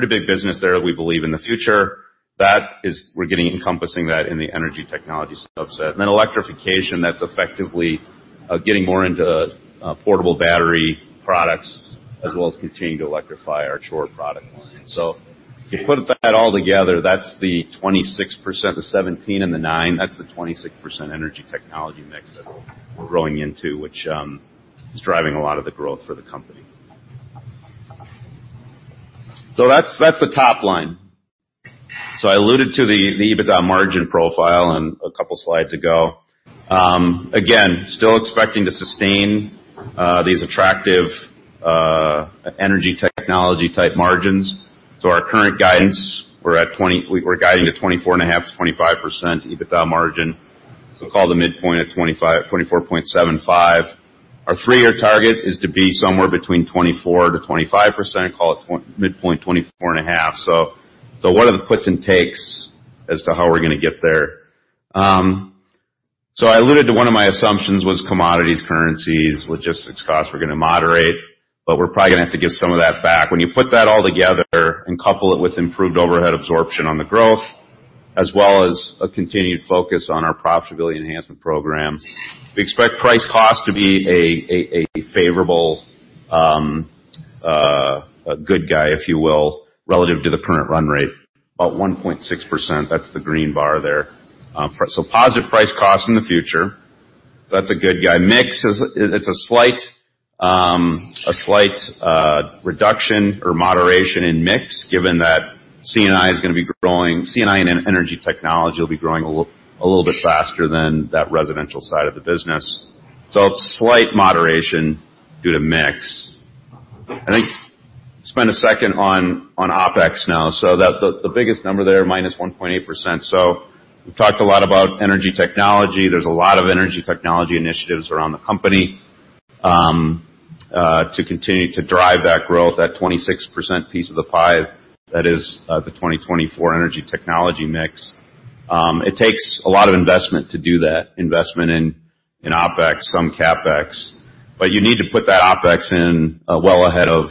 big business there, we believe, in the future. That is, we're encompassing that in the energy technology subset. Electrification, that's effectively getting more into portable battery products as well as continuing to electrify our core product line. If you put that all together, that's the 26%, the 17% and the 9%, that's the 26% energy technology mix that we're growing into, which is driving a lot of the growth for the company. That's the top line. I alluded to the EBITDA margin profile a couple of slides ago. Again, still expecting to sustain these attractive energy technology-type margins. Our current guidance, we're guiding to 24.5%-25% EBITDA margin. Call the midpoint at 24.75. Our three-year target is to be somewhere between 24%-25%, call it midpoint 24.5%. What are the puts and takes as to how we're going to get there? I alluded to one of my assumptions was commodities, currencies, logistics costs were going to moderate, but we're probably going to have to give some of that back. When you put that all together and couple it with improved overhead absorption on the growth, as well as a continued focus on our profitability enhancement program, we expect price cost to be a favorable, good guy, if you will, relative to the current run rate, about 1.6%. That's the green bar there. Positive price cost in the future. That's a good guy. Mix, it's a slight reduction or moderation in mix, given that C&I is going to be growing. C&I and Energy Technology will be growing a little bit faster than that residential side of the business. Slight moderation due to mix. I think spend a second on OpEx now. The biggest number there, minus 1.8%. We've talked a lot about Energy Technology. There's a lot of Energy Technology initiatives around the company to continue to drive that growth, that 26% piece of the pie that is the 2024 Energy Technology mix. It takes a lot of investment to do that, investment in OpEx, some CapEx. You need to put that OpEx in well ahead of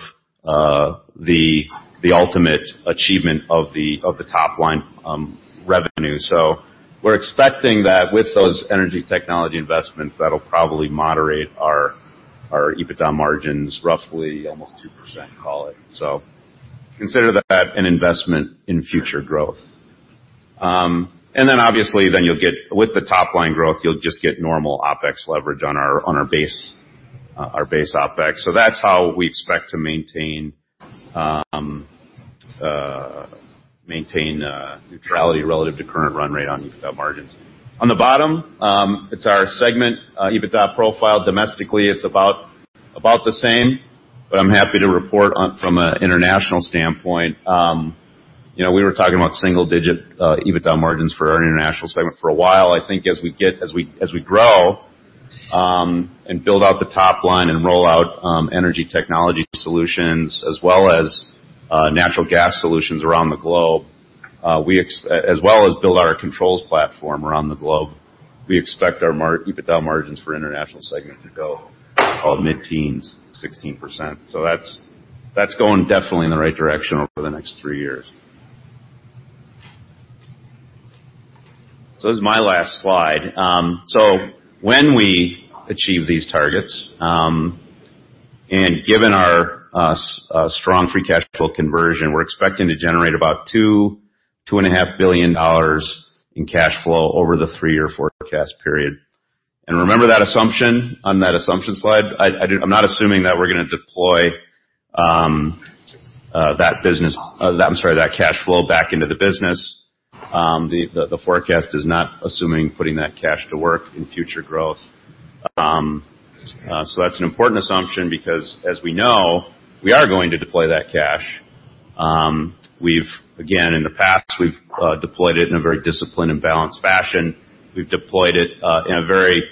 the ultimate achievement of the top line revenue. We're expecting that with those Energy Technology investments, that'll probably moderate our EBITDA margins roughly almost 2%, call it. Consider that an investment in future growth. Obviously, then with the top line growth, you'll just get normal OpEx leverage on our base OpEx. That's how we expect to maintain neutrality relative to current run rate on EBITDA margins. On the bottom, it's our segment EBITDA profile. Domestically, it's about the same, but I'm happy to report from an international standpoint. We were talking about single-digit EBITDA margins for our international segment for a while. I think as we grow, and build out the top line and roll out Energy Technology solutions, as well as natural gas solutions around the globe, as well as build out our controls platform around the globe, we expect our EBITDA margins for international segment to go mid-teens, 16%. That's going definitely in the right direction over the next three years. This is my last slide. When we achieve these targets, and given our strong free cash flow conversion, we're expecting to generate about $2 billion-$2.5 billion in cash flow over the three-year forecast period. Remember that assumption on that assumption slide? I'm not assuming that we're going to deploy that cash flow back into the business. The forecast is not assuming putting that cash to work in future growth. That's an important assumption because as we know, we are going to deploy that cash. Again, in the past, we've deployed it in a very disciplined and balanced fashion. We've deployed it in a very,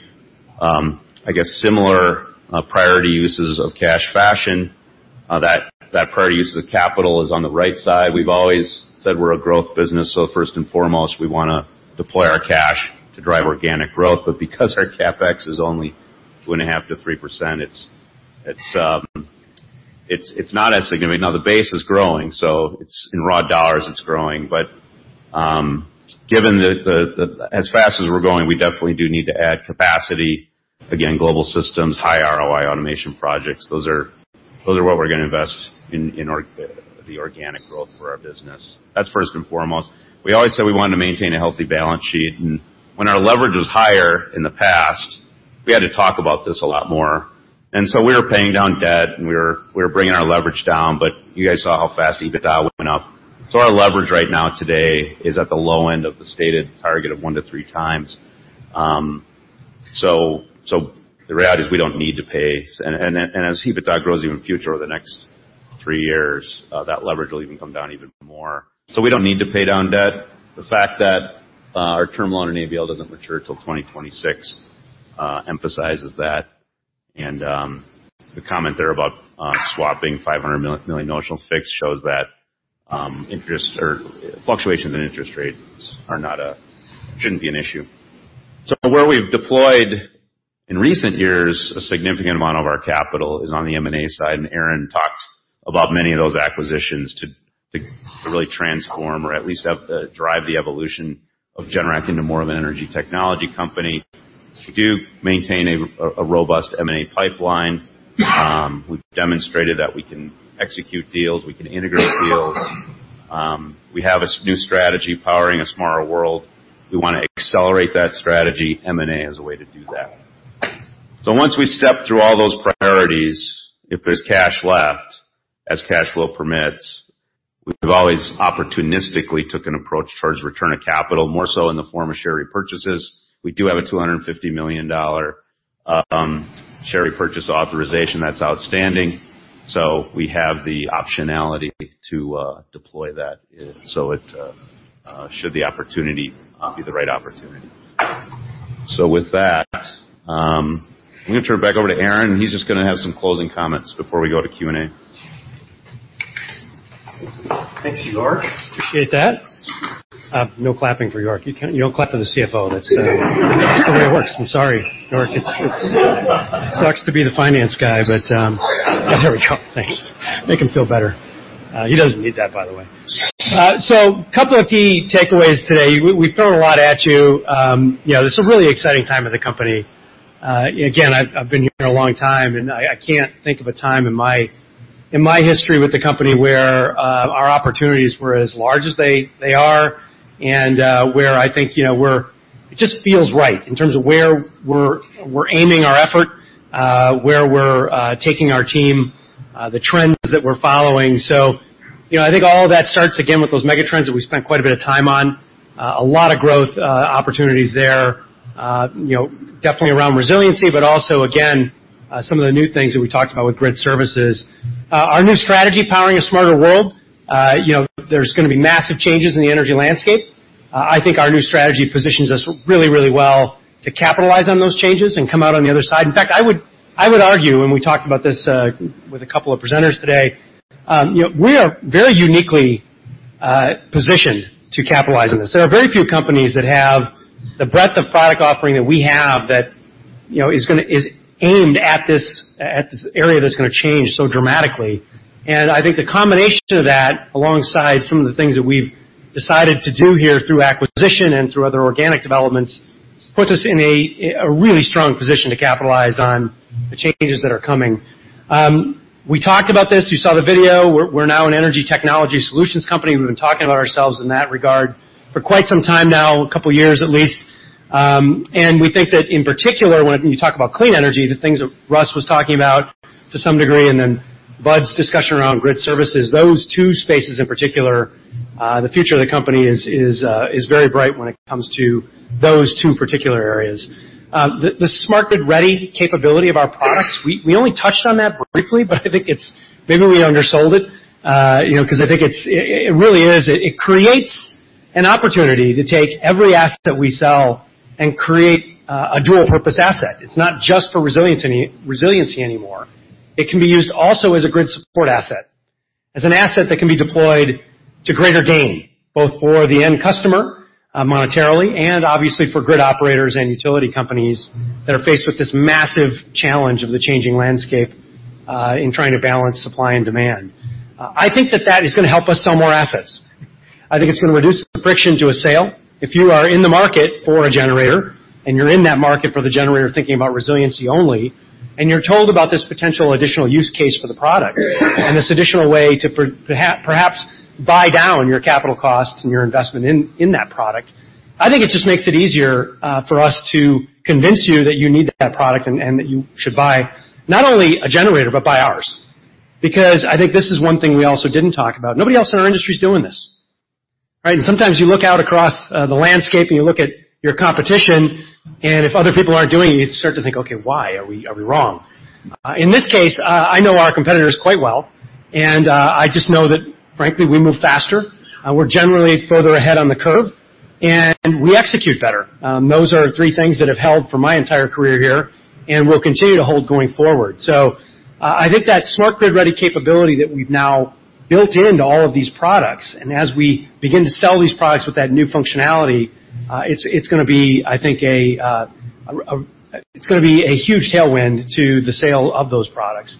I guess, similar priority uses of cash fashion. That priority uses of capital is on the right side. We've always said we're a growth business, so first and foremost, we want to deploy our cash to drive organic growth. Because our CapEx is only 2.5%-3%, it's not as significant. The base is growing, so in raw dollars, it's growing. Given as fast as we're growing, we definitely do need to add capacity. Global systems, high ROI automation projects, those are what we're going to invest in the organic growth for our business. That's first and foremost. We always said we wanted to maintain a healthy balance sheet, and when our leverage was higher in the past, we had to talk about this a lot more. We were paying down debt, and we were bringing our leverage down, but you guys saw how fast EBITDA went up. Our leverage right now today is at the low end of the stated target of 1x to 3x. The reality is we don't need to pay. As EBITDA grows even future over the next three years, that leverage will even come down even more. We don't need to pay down debt. The fact that our term loan and ABL doesn't mature till 2026 emphasizes that. The comment there about swapping $500 million notional fixed shows that fluctuations in interest rates shouldn't be an issue. Where we've deployed in recent years, a significant amount of our capital is on the M&A side, and Aaron talked about many of those acquisitions to really transform or at least drive the evolution of Generac into more of an energy technology company. We do maintain a robust M&A pipeline. We've demonstrated that we can execute deals, we can integrate deals. We have a new strategy, Powering a Smarter World. We want to accelerate that strategy. M&A is a way to do that. Once we step through all those priorities, if there's cash left, as cash flow permits, we've always opportunistically took an approach towards return of capital, more so in the form of share repurchases. We do have a $250 million share repurchase authorization that's outstanding. We have the optionality to deploy that should the opportunity be the right opportunity. With that, I'm going to turn it back over to Aaron, and he's just going to have some closing comments before we go to Q&A. Thank you, York. Appreciate that. No clapping for York. You don't clap for the CFO. That's the way it works. I'm sorry, York. It sucks to be the finance guy. There we go. Thanks. Make him feel better. He doesn't need that, by the way. A couple of key takeaways today. We throw a lot at you. This is a really exciting time for the company. Again, I've been here a long time. I can't think of a time in my history with the company where our opportunities were as large as they are and where I think it just feels right in terms of where we're aiming our effort, where we're taking our team, the trends that we're following. I think all of that starts, again, with those mega trends that we spent quite a bit of time on. A lot of growth opportunities there, definitely around resiliency, also, again, some of the new things that we talked about with Grid Services. Our new strategy, Powering a Smarter World, there's going to be massive changes in the energy landscape. I think our new strategy positions us really well to capitalize on those changes and come out on the other side. In fact, I would argue, we talked about this with a couple of presenters today, we are very uniquely positioned to capitalize on this. There are very few companies that have the breadth of product offering that we have that is aimed at this area that's going to change so dramatically. I think the combination of that, alongside some of the things that we've decided to do here through acquisition and through other organic developments, puts us in a really strong position to capitalize on the changes that are coming. We talked about this. You saw the video. We're now an energy technology solutions company. We've been talking about ourselves in that regard for quite some time now, a couple of years at least. We think that, in particular, when you talk about clean energy, the things that Russ was talking about to some degree, and then Bud's discussion around Grid Services, those two spaces in particular, the future of the company is very bright when it comes to those two particular areas. The Smart Grid-Ready capability of our products, we only touched on that briefly, I think maybe we undersold it, because I think it creates an opportunity to take every asset we sell and create a dual-purpose asset. It's not just for resiliency anymore. It can be used also as a grid support asset, as an asset that can be deployed to greater gain, both for the end customer, monetarily, and obviously for grid operators and utility companies that are faced with this massive challenge of the changing landscape in trying to balance supply and demand. I think that that is going to help us sell more assets. I think it's going to reduce the friction to a sale. If you are in the market for a generator, and you're in that market for the generator thinking about resiliency only, and you're told about this potential additional use case for the product and this additional way to perhaps buy down your capital costs and your investment in that product, I think it just makes it easier for us to convince you that you need that product and that you should buy not only a generator but buy ours. I think this is one thing we also didn't talk about. Nobody else in our industry is doing this, right? Sometimes you look out across the landscape and you look at your competition, and if other people aren't doing it, you start to think, "Okay, why? Are we wrong?" In this case, I know our competitors quite well, and I just know that, frankly, we move faster, we're generally further ahead on the curve, and we execute better. Those are three things that have held for my entire career here and will continue to hold going forward. I think that Smart Grid-Ready capability that we've now built into all of these products, and as we begin to sell these products with that new functionality, it's going to be a huge tailwind to the sale of those products.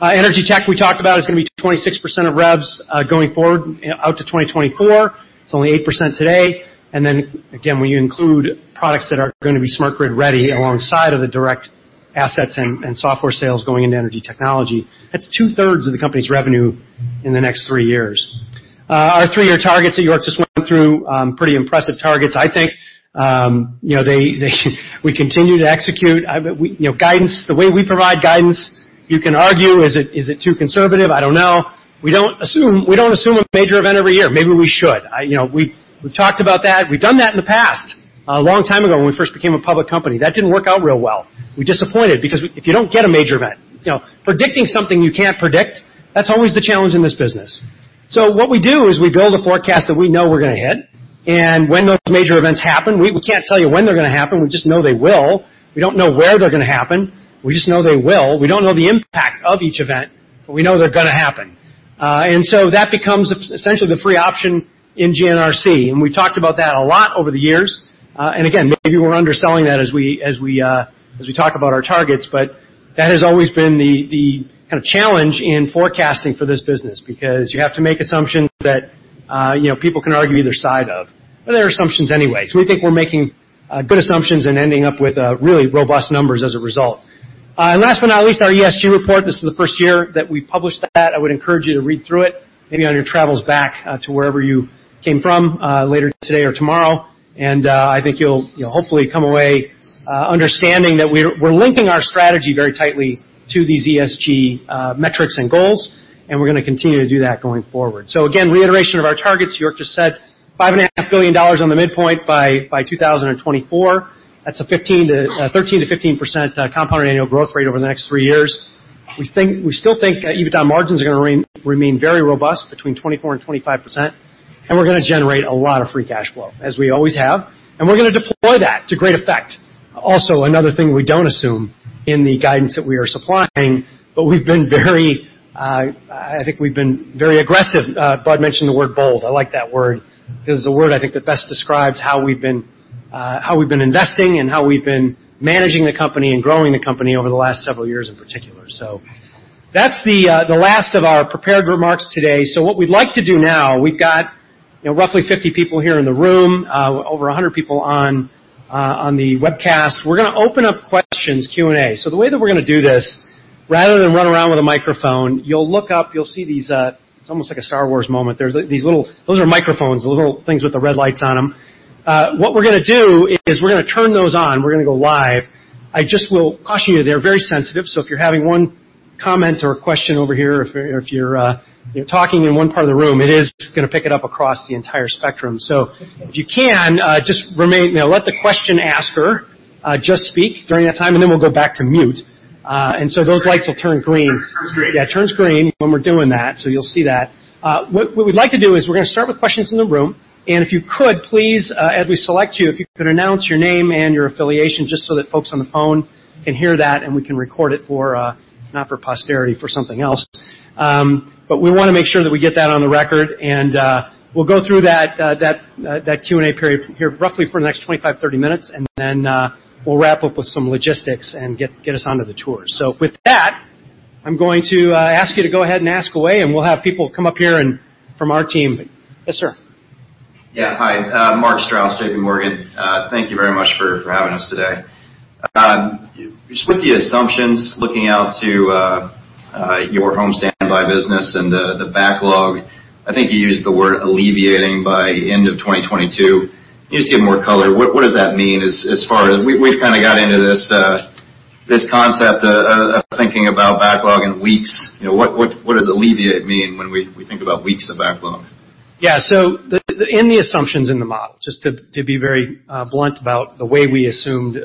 Energy tech we talked about is going to be 26% of revs, going forward out to 2024. It's only 8% today. When you include products that are going to be smart grid ready alongside of the direct assets and software sales going into energy technology. That's two-thirds of the company's revenue in the next three years. Our three-year targets that York just went through, pretty impressive targets, I think. We continue to execute. The way we provide guidance, you can argue, is it too conservative? I don't know. We don't assume a major event every year. Maybe we should. We've talked about that. We've done that in the past, a long time ago, when we first became a public company. That didn't work out real well. We disappointed because if you don't get a major event. Predicting something you can't predict, that's always the challenge in this business. What we do is we build a forecast that we know we're going to hit. When those major events happen, we can't tell you when they're going to happen. We just know they will. We don't know where they're going to happen. We just know they will. We don't know the impact of each event, we know they're going to happen. That becomes essentially the free option in GNRC, we've talked about that a lot over the years. Again, maybe we're underselling that as we talk about our targets, that has always been the challenge in forecasting for this business because you have to make assumptions that people can argue either side of. They're assumptions anyway. We think we're making good assumptions ending up with really robust numbers as a result. Last but not least, our ESG report. This is the first year that we published that. I would encourage you to read through it, maybe on your travels back to wherever you came from later today or tomorrow. I think you'll hopefully come away understanding that we're linking our strategy very tightly to these ESG metrics and goals, and we're going to continue to do that going forward. Again, reiteration of our targets. York just said $5.5 billion on the midpoint by 2024. That's a 13%-15% compounded annual growth rate over the next three years. We still think EBITDA margins are going to remain very robust between 24%-25%, and we're going to generate a lot of free cash flow, as we always have. We're going to deploy that to great effect. Also, another thing we don't assume in the guidance that we are supplying, I think we've been very aggressive. Bud mentioned the word bold. I like that word because it's a word I think that best describes how we've been investing and how we've been managing the company and growing the company over the last several years in particular. That's the last of our prepared remarks today. What we'd like to do now, we've got roughly 50 people here in the room, over 100 people on the webcast. We're going to open up questions, Q&A. The way that we're going to do this, rather than run around with a microphone, you'll look up, you'll see these, it's almost like a Star Wars moment. Those are microphones, the little things with the red lights on them. What we're going to do is we're going to turn those on. We're going to go live. I just will caution you, they're very sensitive, if you're having one comment or a question over here, or if you're talking in one part of the room, it is going to pick it up across the entire spectrum. If you can, let the question-asker just speak during that time, and then we'll go back to mute. Those lights will turn green. Turns green. It turns green when we're doing that, so you'll see that. What we'd like to do is we're going to start with questions in the room. If you could, please, as we select you, if you could announce your name and your affiliation just so that folks on the phone can hear that, and we can record it for, if not for posterity, for something else. We want to make sure that we get that on the record. We'll go through that Q&A period here roughly for the next 25-30 minutes. Then we'll wrap up with some logistics and get us onto the tour. With that, I'm going to ask you to go ahead and ask away. We'll have people come up here from our team. Yes, sir. Yeah. Hi. Mark Strouse, J.P. Morgan. Thank you very much for having us today. Just with the assumptions, looking out to your home standby business and the backlog, I think you used the word alleviating by end of 2022. Can you just give more color? What does that mean? We've kind of got into this concept of thinking about backlog in weeks. What does alleviate mean when we think about weeks of backlog? Yeah. In the assumptions in the model, just to be very blunt about the way we assumed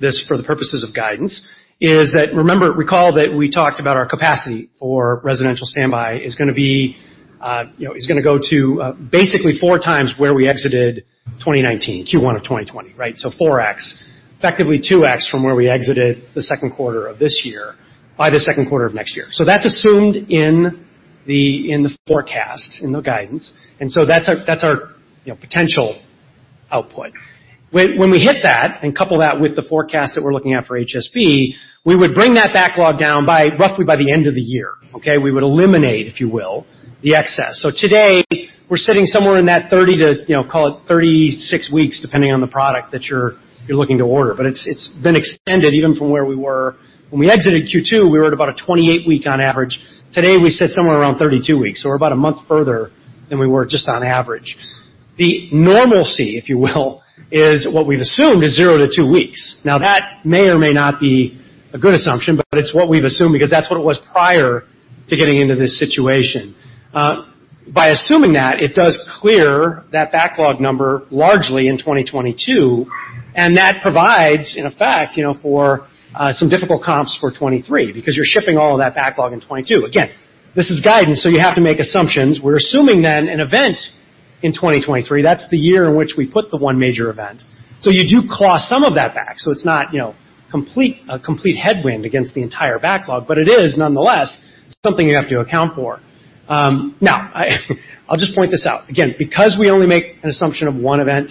this for the purposes of guidance, is that remember, recall that we talked about our capacity for residential standby is going to go to basically four times where we exited 2019, Q1 of 2020, right? 4X. Effectively 2X from where we exited the second quarter of this year by the second quarter of next year. That's assumed in the forecast, in the guidance. That's our potential output. When we hit that and couple that with the forecast that we're looking at for HSB, we would bring that backlog down roughly by the end of the year. Okay? We would eliminate, if you will, the excess. Today, we're sitting somewhere in that 30 to call it 36 weeks, depending on the product that you're looking to order. It's been extended even from where we were when we exited Q2, we were at about a 28-week on average. Today, we sit somewhere around 32 weeks. We're about a month further than we were just on average. The normalcy, if you will, is what we've assumed is zero-two weeks. That may or may not be a good assumption, but it's what we've assumed because that's what it was prior to getting into this situation. By assuming that, it does clear that backlog number largely in 2022, and that provides, in effect, for some difficult comps for 2023 because you're shifting all of that backlog in 2022. This is guidance, so you have to make assumptions. We're assuming then an event in 2023, that's the year in which we put the one major event. You do claw some of that back. It's not a complete headwind against the entire backlog, but it is, nonetheless, something you have to account for. I'll just point this out. Again, because we only make an assumption of one event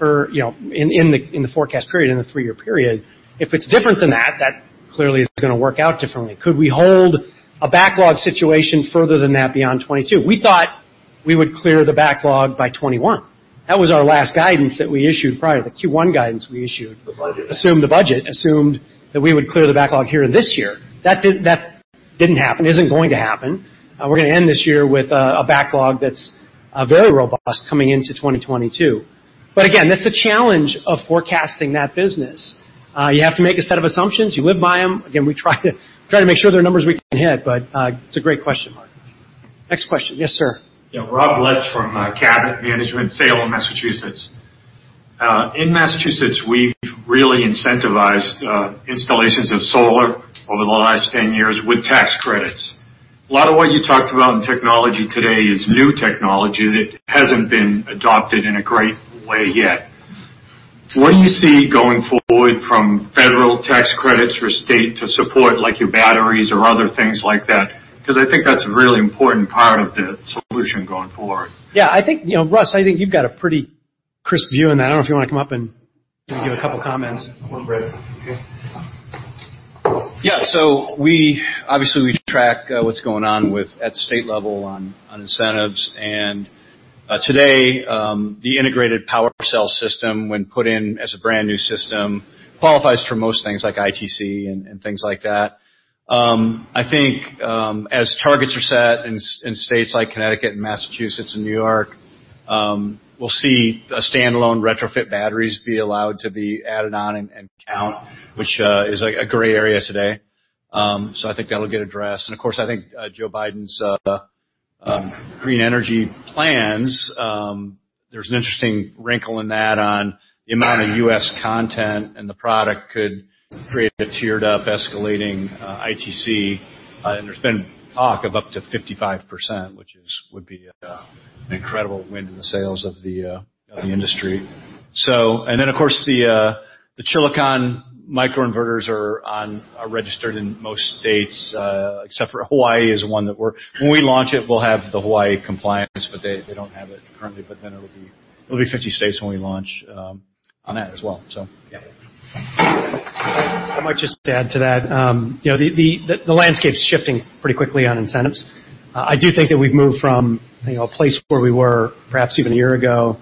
in the forecast period, in the three-year period, if it's different than that clearly is going to work out differently. Could we hold a backlog situation further than that beyond 2022? We thought we would clear the backlog by 2021. That was our last guidance that we issued prior to the Q1 guidance we issued. The budget. Assumed the budget, assumed that we would clear the backlog here in this year. That didn't happen, isn't going to happen. We're going to end this year with a backlog that's very robust coming into 2022. Again, that's the challenge of forecasting that business. You have to make a set of assumptions. You live by them. Again, we try to make sure they're numbers we can hit, but it's a great question, Mark. Next question. Yes, sir. Yeah, Rob Lutts from Cabot Management, Salem, Massachusetts. In Massachusetts, we've really incentivized installations of solar over the last 10 years with tax credits. A lot of what you talked about in technology today is new technology that hasn't been adopted in a great way yet. What do you see going forward from federal tax credits for state to support your batteries or other things like that? I think that's a really important part of the solution going forward. Yeah. Russ, I think you've got a pretty crisp view on that. I don't know if you want to come up and give a couple comments. One breath. Okay. Yeah. Obviously, we track what's going on at state level on incentives. Today, the integrated power cell system, when put in as a brand-new system, qualifies for most things like ITC and things like that. I think as targets are set in states like Connecticut and Massachusetts and New York, we'll see standalone retrofit batteries be allowed to be added on and count, which is a gray area today. I think that'll get addressed. Of course, I think Joe Biden's green energy plans, there's an interesting wrinkle in that on the amount of U.S. content, and the product could create a tiered-up escalating ITC. There's been talk of up to 55%, which would be an incredible win in the sales of the industry. Of course, the Chilicon microinverters are registered in most states, except for Hawaii is one that When we launch it, we'll have the Hawaii compliance, but they don't have it currently, it'll be 50 states when we launch on that as well. Yeah. I might just add to that. The landscape's shifting pretty quickly on incentives. I do think that we've moved from a place where we were perhaps even a year ago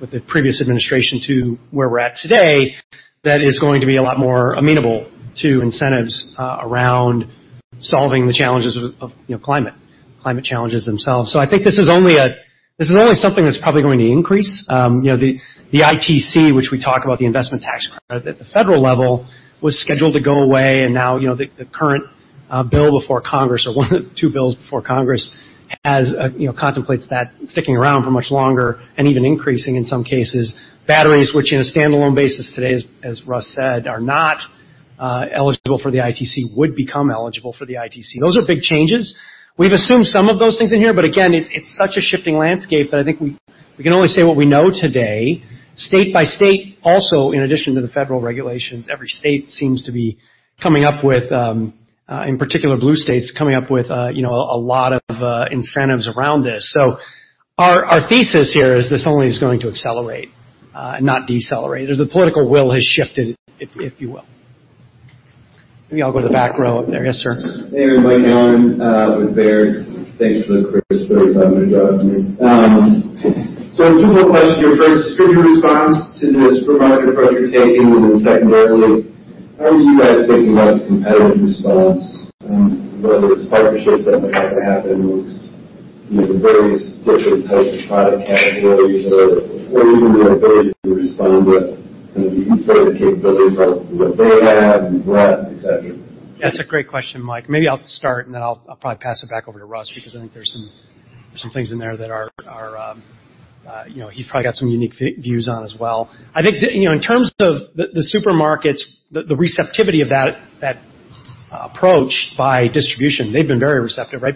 with the previous administration to where we're at today, that is going to be a lot more amenable to incentives around solving the challenges of climate challenges themselves. I think this is only something that's probably going to increase. The ITC, which we talk about, the Investment Tax Credit at the federal level, was scheduled to go away. Now the current bill before Congress or one of the two bills before Congress contemplates that sticking around for much longer and even increasing in some cases. Batteries, which in a standalone basis today, as Russ said, are not eligible for the ITC would become eligible for the ITC. Those are big changes. We've assumed some of those things in here, but again, it's such a shifting landscape that I think we can only say what we know today. State by state, also in addition to the federal regulations, every state seems to be coming up with, in particular blue states, coming up with a lot of incentives around this. Our thesis here is this only is going to accelerate, not decelerate, as the political will has shifted, if you will. Maybe I'll go to the back row up there. Yes, sir. Hey, everyone. Michael Halloran with Baird. Thanks for the crisp introduction. Two more questions here. First, distributor response to this supermarket approach you're taking, secondarily, how are you guys thinking about the competitive response and whether it's partnerships that might have to happen with the various different types of product categories or even the ability to respond to the capability relative to what they have and what, et cetera? That's a great question, Mike. Maybe I'll start, and then I'll probably pass it back over to Russ because I think there's some things in there that he probably got some unique views on as well. I think in terms of the supermarkets, the receptivity of that approach by distribution, they've been very receptive, right?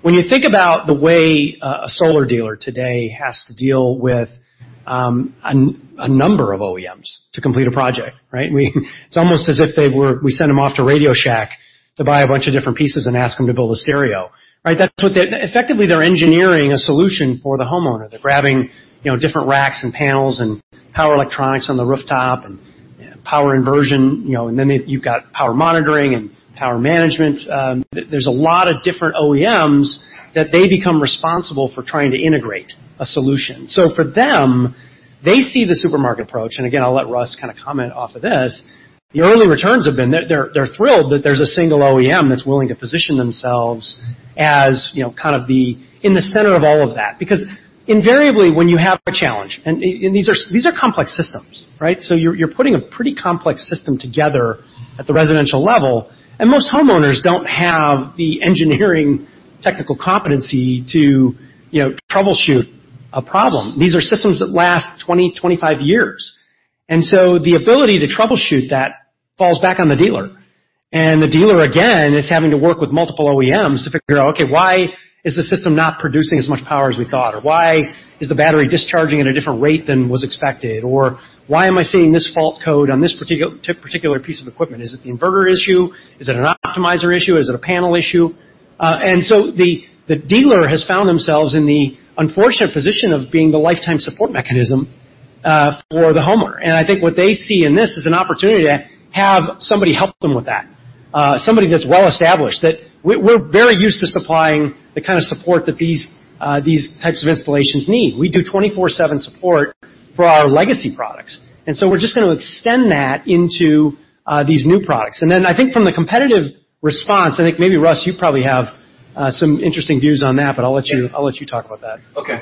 When you think about the way a solar dealer today has to deal with a number of OEMs to complete a project, right? It's almost as if we send them off to RadioShack to buy a bunch of different pieces and ask them to build a stereo, right? Effectively, they're engineering a solution for the homeowner. They're grabbing different racks and panels and power electronics on the rooftop and power inversion, and then you've got power monitoring and power management. There's a lot of different OEMs that they become responsible for trying to integrate a solution. For them, they see the supermarket approach, and again, I'll let Russ comment off of this. The early returns have been that they're thrilled that there's a single OEM that's willing to position themselves as in the center of all of that. Invariably, when you have a challenge, and these are complex systems, right? You're putting a pretty complex system together at the residential level, and most homeowners don't have the engineering technical competency to troubleshoot a problem. These are systems that last 20 to 25 years. The ability to troubleshoot that falls back on the dealer. The dealer, again, is having to work with multiple OEMs to figure out, "Okay, why is the system not producing as much power as we thought?" "Why is the battery discharging at a different rate than was expected?" "Why am I seeing this fault code on this particular piece of equipment? Is it the inverter issue? Is it an optimizer issue? Is it a panel issue?" The dealer has found themselves in the unfortunate position of being the lifetime support mechanism for the homeowner. I think what they see in this is an opportunity to have somebody help them with that, somebody that's well-established. That we're very used to supplying the kind of support that these types of installations need. We do 24/7 support for our legacy products, and so we're just going to extend that into these new products. I think from the competitive response, I think maybe Russ, you probably have some interesting views on that, but I'll let you talk about that. Okay.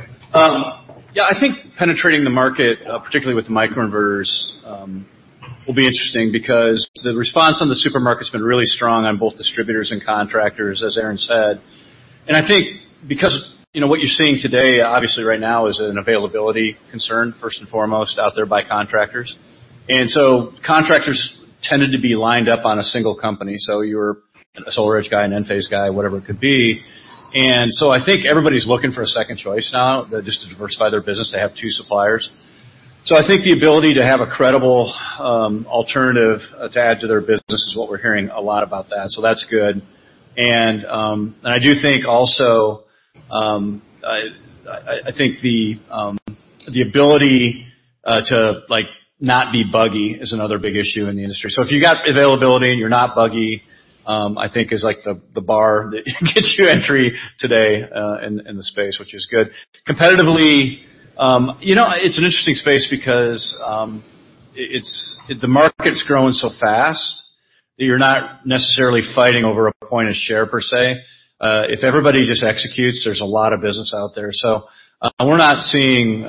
Yeah, I think penetrating the market, particularly with microinverters, will be interesting because the response from the solar market's been really strong on both distributors and contractors, as Aaron said. I think because what you're seeing today, obviously, right now is an availability concern, first and foremost, out there by contractors. Contractors tended to be lined up on a single company. You're a SolarEdge guy, an Enphase guy, whatever it could be. I think everybody's looking for a second choice now just to diversify their business to have two suppliers. I think the ability to have a credible alternative to add to their business is what we're hearing a lot about that, so that's good. I do think also the ability to not be buggy is another big issue in the industry. If you got availability and you're not buggy, I think is the bar that gets you entry today in the space, which is good. Competitively, it's an interesting space because the market's growing so fast that you're not necessarily fighting over a point of share per se. If everybody just executes, there's a lot of business out there. We're not seeing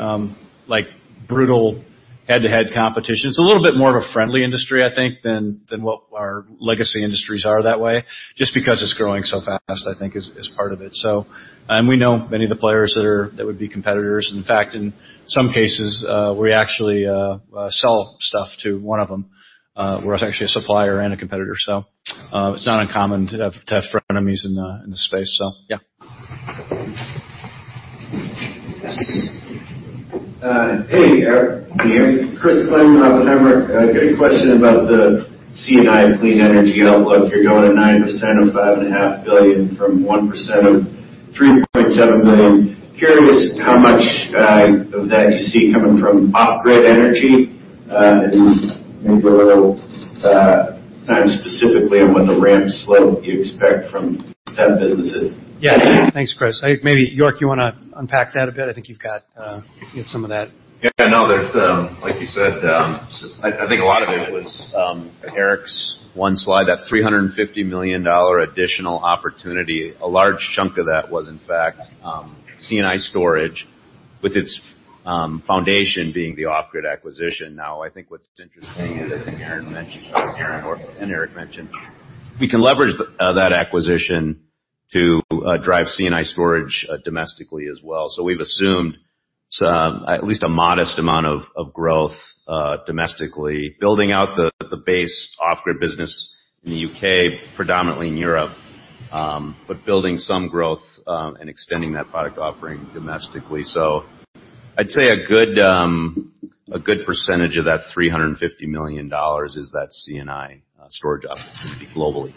brutal head-to-head competition. It's a little bit more of a friendly industry, I think, than what our legacy industries are that way, just because it's growing so fast, I think is part of it. We know many of the players that would be competitors. In fact, in some cases, we actually sell stuff to one of them, where it's actually a supplier and a competitor. It's not uncommon to have frenemies in the space. Yeah. Yes. Hey, Erik. Can you hear me? Chris Glynn with Piper. Quick question about the C&I clean energy outlook. You're going to 9% of $5.5 billion from 1% of $3.7 billion. Curious how much of that you see coming from Off Grid Energy, and maybe a little time specifically on what the ramp slope you expect from that businesses? Yeah. Thanks, Chris. I think maybe York, you want to unpack that a bit? I think you've got some of that. There's, like you said, I think a lot of it was Erik's one slide, that $350 million additional opportunity. A large chunk of that was, in fact, C&I storage with its foundation being the Off-Grid acquisition. I think what's interesting is I think Aaron mentioned, and Erik mentioned, we can leverage that acquisition to drive C&I storage domestically as well. We've assumed some, at least a modest amount of growth domestically, building out the base Off-Grid business in the U.K., predominantly in Europe, but building some growth and extending that product offering domestically. I'd say a good percentage of that $350 million is that C&I storage opportunity globally.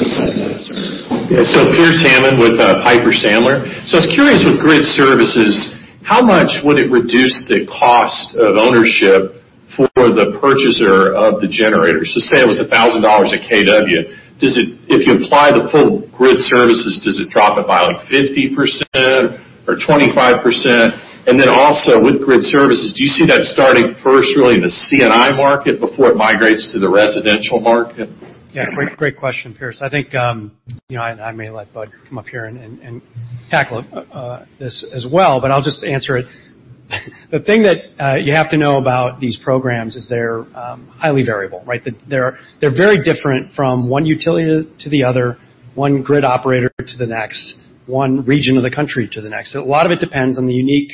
Yeah. Pearce Hammond with Piper Sandler. I was curious with Grid Services, how much would it reduce the cost of ownership for the purchaser of the generators? Just say it was $1,000 a kW. If you apply the full Grid Services, does it drop it by 50% or 25%? With Grid Services, do you see that starting first really in the C&I market before it migrates to the residential market? Yeah, great question, Pearce. I think, I may let Bud come up here and tackle this as well. I'll just answer it. The thing that you have to know about these programs is they're highly variable, right? They're very different from one utility to the other, one grid operator to the next, one region of the country to the next. A lot of it depends on the unique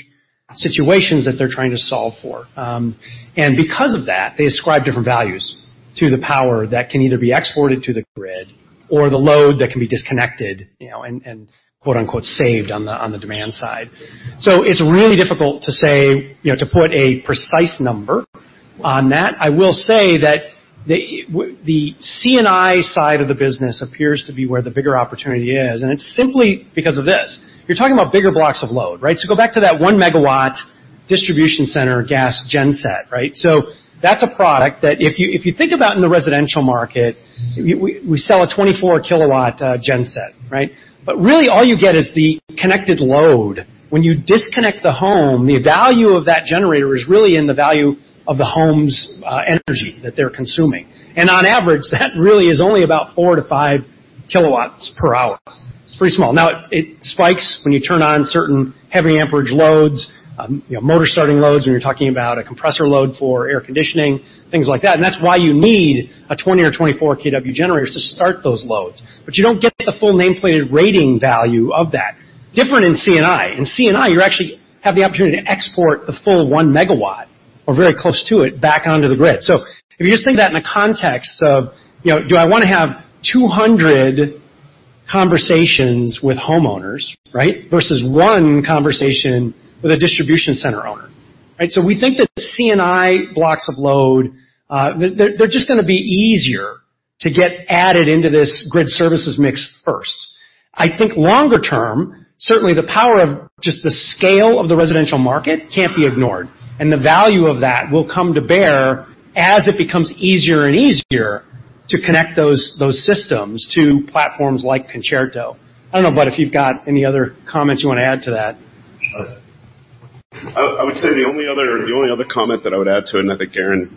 situations that they're trying to solve for. Because of that, they ascribe different values to the power that can either be exported to the grid or the load that can be disconnected, and quote unquote "saved" on the demand side. It's really difficult to put a precise number on that. I will say that the C&I side of the business appears to be where the bigger opportunity is. It's simply because of this. You're talking about bigger blocks of load, right? Go back to that 1 MW distribution center gas gen set, right? That's a product that if you think about in the residential market, we sell a 24 kW gen set, right? Really, all you get is the connected load. When you disconnect the home, the value of that generator is really in the value of the home's energy that they're consuming. On average, that really is only about 4 to 5 kWh. It's pretty small. Now, it spikes when you turn on certain heavy amperage loads, motor starting loads when you're talking about a compressor load for air conditioning, things like that. That's why you need a 20 or 24 kW generator is to start those loads. You don't get the full nameplated rating value of that. Different in C&I. In C&I, you actually have the opportunity to export the full 1 MW or very close to it back onto the grid. If you just think of that in the context of, do I want to have 200 conversations with homeowners, right? Versus one conversation with a distribution center owner, right? We think that C&I blocks of load, they're just going to be easier to get added into this Grid Services mix first. I think longer term, certainly the power of just the scale of the residential market can't be ignored. The value of that will come to bear as it becomes easier and easier to connect those systems to platforms like Concerto. I don't know, Bud, if you've got any other comments you want to add to that. I would say the only other comment that I would add to it, and I think Aaron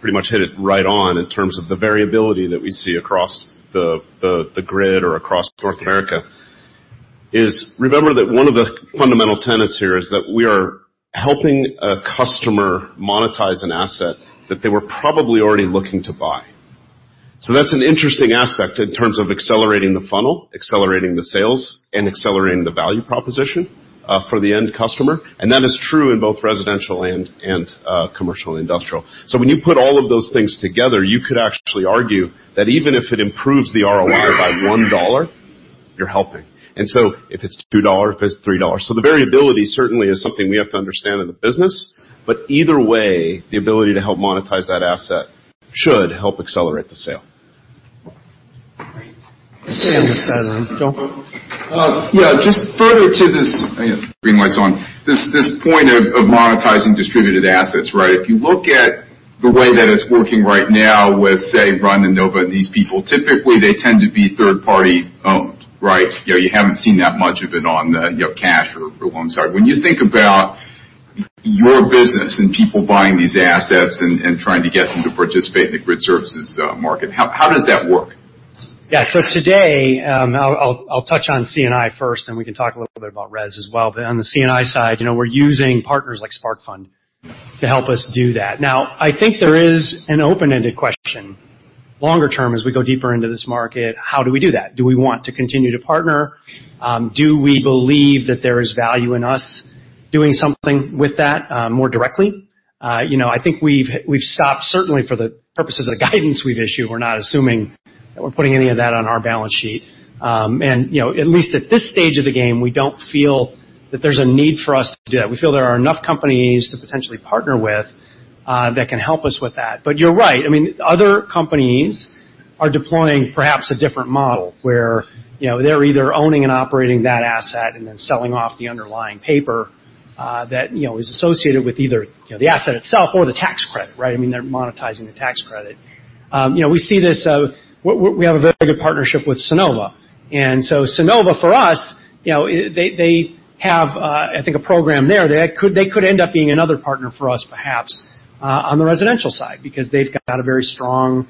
pretty much hit it right on in terms of the variability that we see across the grid or across North America, is remember that one of the fundamental tenets here is that we are helping a customer monetize an asset that they were probably already looking to buy. That's an interesting aspect in terms of accelerating the funnel, accelerating the sales, and accelerating the value proposition for the end customer, and that is true in both residential and commercial and industrial. When you put all of those things together, you could actually argue that even if it improves the ROI by $1, you're helping, if it's $2, if it's $3. The variability certainly is something we have to understand in the business. Either way, the ability to help monetize that asset should help accelerate the sale. Great. Joel. Yeah, just further to this, I think my screen light's on, this point of monetizing distributed assets, right? If you look at the way that it's working right now with, say, Sunrun and Sunnova and these people, typically, they tend to be third party owned, right? You haven't seen that much of it on the cash or loan side. When you think about your business and people buying these assets and trying to get them to participate in the Grid Services market, how does that work? Yeah. Today, I'll touch on C&I first, then we can talk a little bit about res as well. On the C&I side, we're using partners like Sparkfund to help us do that. Now, I think there is an open-ended question, longer term, as we go deeper into this market, how do we do that? Do we want to continue to partner? Do we believe that there is value in us doing something with that more directly? I think we've stopped, certainly for the purpose of the guidance we've issued, we're not assuming that we're putting any of that on our balance sheet. At least at this stage of the game, we don't feel that there's a need for us to do that. We feel there are enough companies to potentially partner with that can help us with that. You're right. Other companies are deploying perhaps a different model where they're either owning and operating that asset and then selling off the underlying paper that is associated with either the asset itself or the tax credit. They're monetizing the tax credit. We have a very good partnership with Sunnova. Sunnova, for us, they have I think a program there. They could end up being another partner for us perhaps on the residential side because they've got a very strong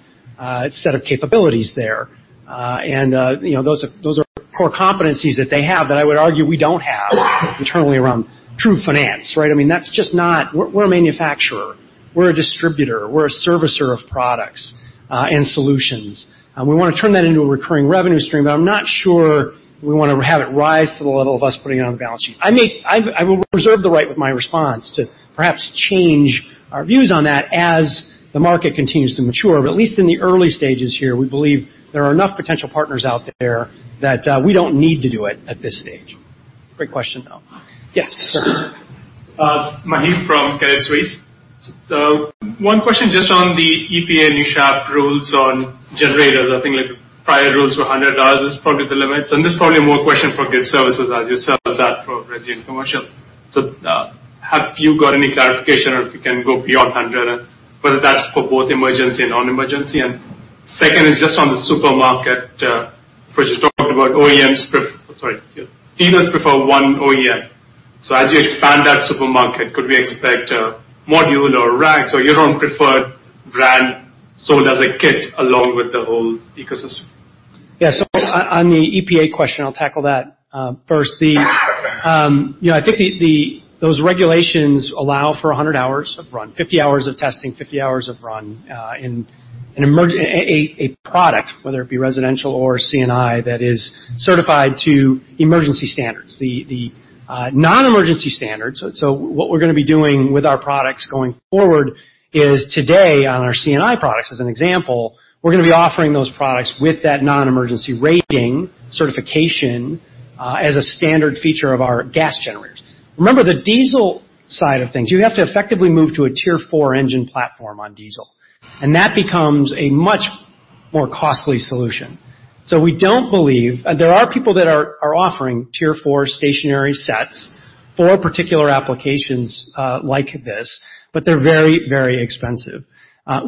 set of capabilities there. Those are core competencies that they have that I would argue we don't have internally around true finance, right? We're a manufacturer. We're a distributor. We're a servicer of products and solutions. We want to turn that into a recurring revenue stream, but I'm not sure we want to have it rise to the level of us putting it on the balance sheet. I will reserve the right with my response to perhaps change our views on that as the market continues to mature. At least in the early stages here, we believe there are enough potential partners out there that we don't need to do it at this stage. Great question, though. Yes, sir. Maheep from Credit Suisse. One question just on the EPA NESHAP rules on generators. I think the prior rules were 100 hours is probably the limit. This is probably more a question for Grid Services as you sell that for resi and commercial. Have you got any clarification or if you can go beyond 100 hours, whether that's for both emergency and non-emergency? Second is just on the supermarket, which you talked about OEMs Sorry, dealers prefer one OEM. As you expand that supermarket, could we expect a module or racks or your own preferred brand sold as a kit along with the whole ecosystem? Yes. On the EPA question, I'll tackle that first. I think those regulations allow for 100 hours of run, 50 hours of testing, 50 hours of run in a product, whether it be residential or C&I, that is certified to emergency standards. What we're going to be doing with our products going forward is today on our C&I products, as an example, we're going to be offering those products with that non-emergency rating certification as a standard feature of our gas generators. Remember the diesel side of things, you have to effectively move to a tier four engine platform on diesel. That becomes a much more costly solution. There are people that are offering tier four stationary sets for particular applications like this. They're very expensive.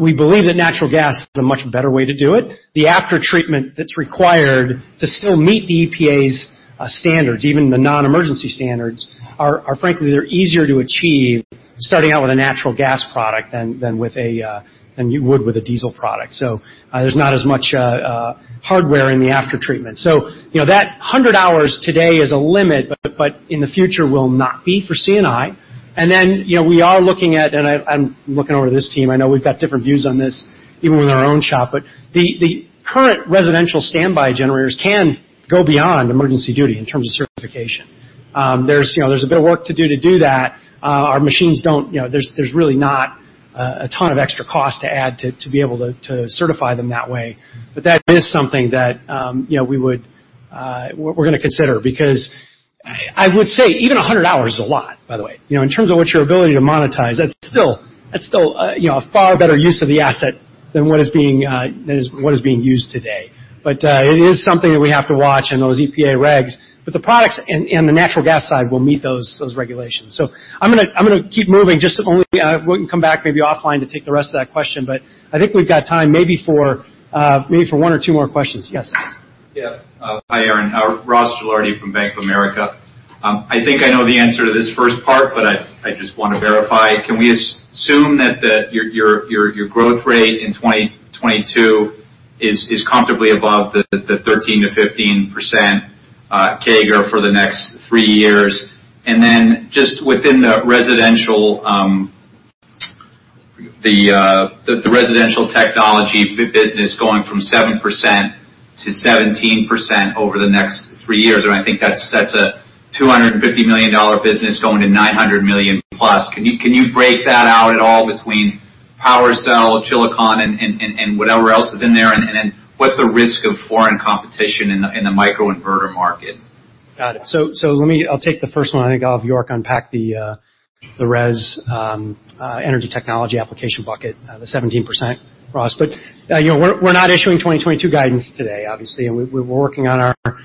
We believe that natural gas is a much better way to do it. The after-treatment that's required to still meet the EPA's standards, even the non-emergency standards are, frankly, they're easier to achieve starting out with a natural gas product than you would with a diesel product. There's not as much hardware in the aftertreatment. That 100 hours today is a limit, but in the future will not be for C&I. We are looking at, and I'm looking over to this team, I know we've got different views on this even within our own shop, but the current residential standby generators can go beyond emergency duty in terms of certification. There's a bit of work to do that. There's really not a ton of extra cost to add to be able to certify them that way. That is something that we're going to consider because I would say even 100 hours is a lot, by the way. In terms of what your ability to monetize, that's still a far better use of the asset than what is being used today. It is something that we have to watch in those EPA regs. The products in the natural gas side will meet those regulations. I'm going to keep moving. We can come back maybe offline to take the rest of that question, but I think we've got time maybe for one or two more questions. Yes. Yeah. Hi, Aaron. Ross Gilardi from Bank of America. I think I know the answer to this first part, but I just want to verify. Can we assume that your growth rate in 2022 is comfortably above the 13%-15% CAGR for the next three years? Just within the residential technology business going from 7%-17% over the next three years, I think that's a $250 million business going to $900 million+. Can you break that out at all between PWRcell, Chilicon, and whatever else is in there? What's the risk of foreign competition in the microinverter market? Got it. I'll take the first one. I think I'll have York Ragen unpack the res energy technology application bucket, the 17%, Ross. We're not issuing 2022 guidance today, obviously, and we're working on our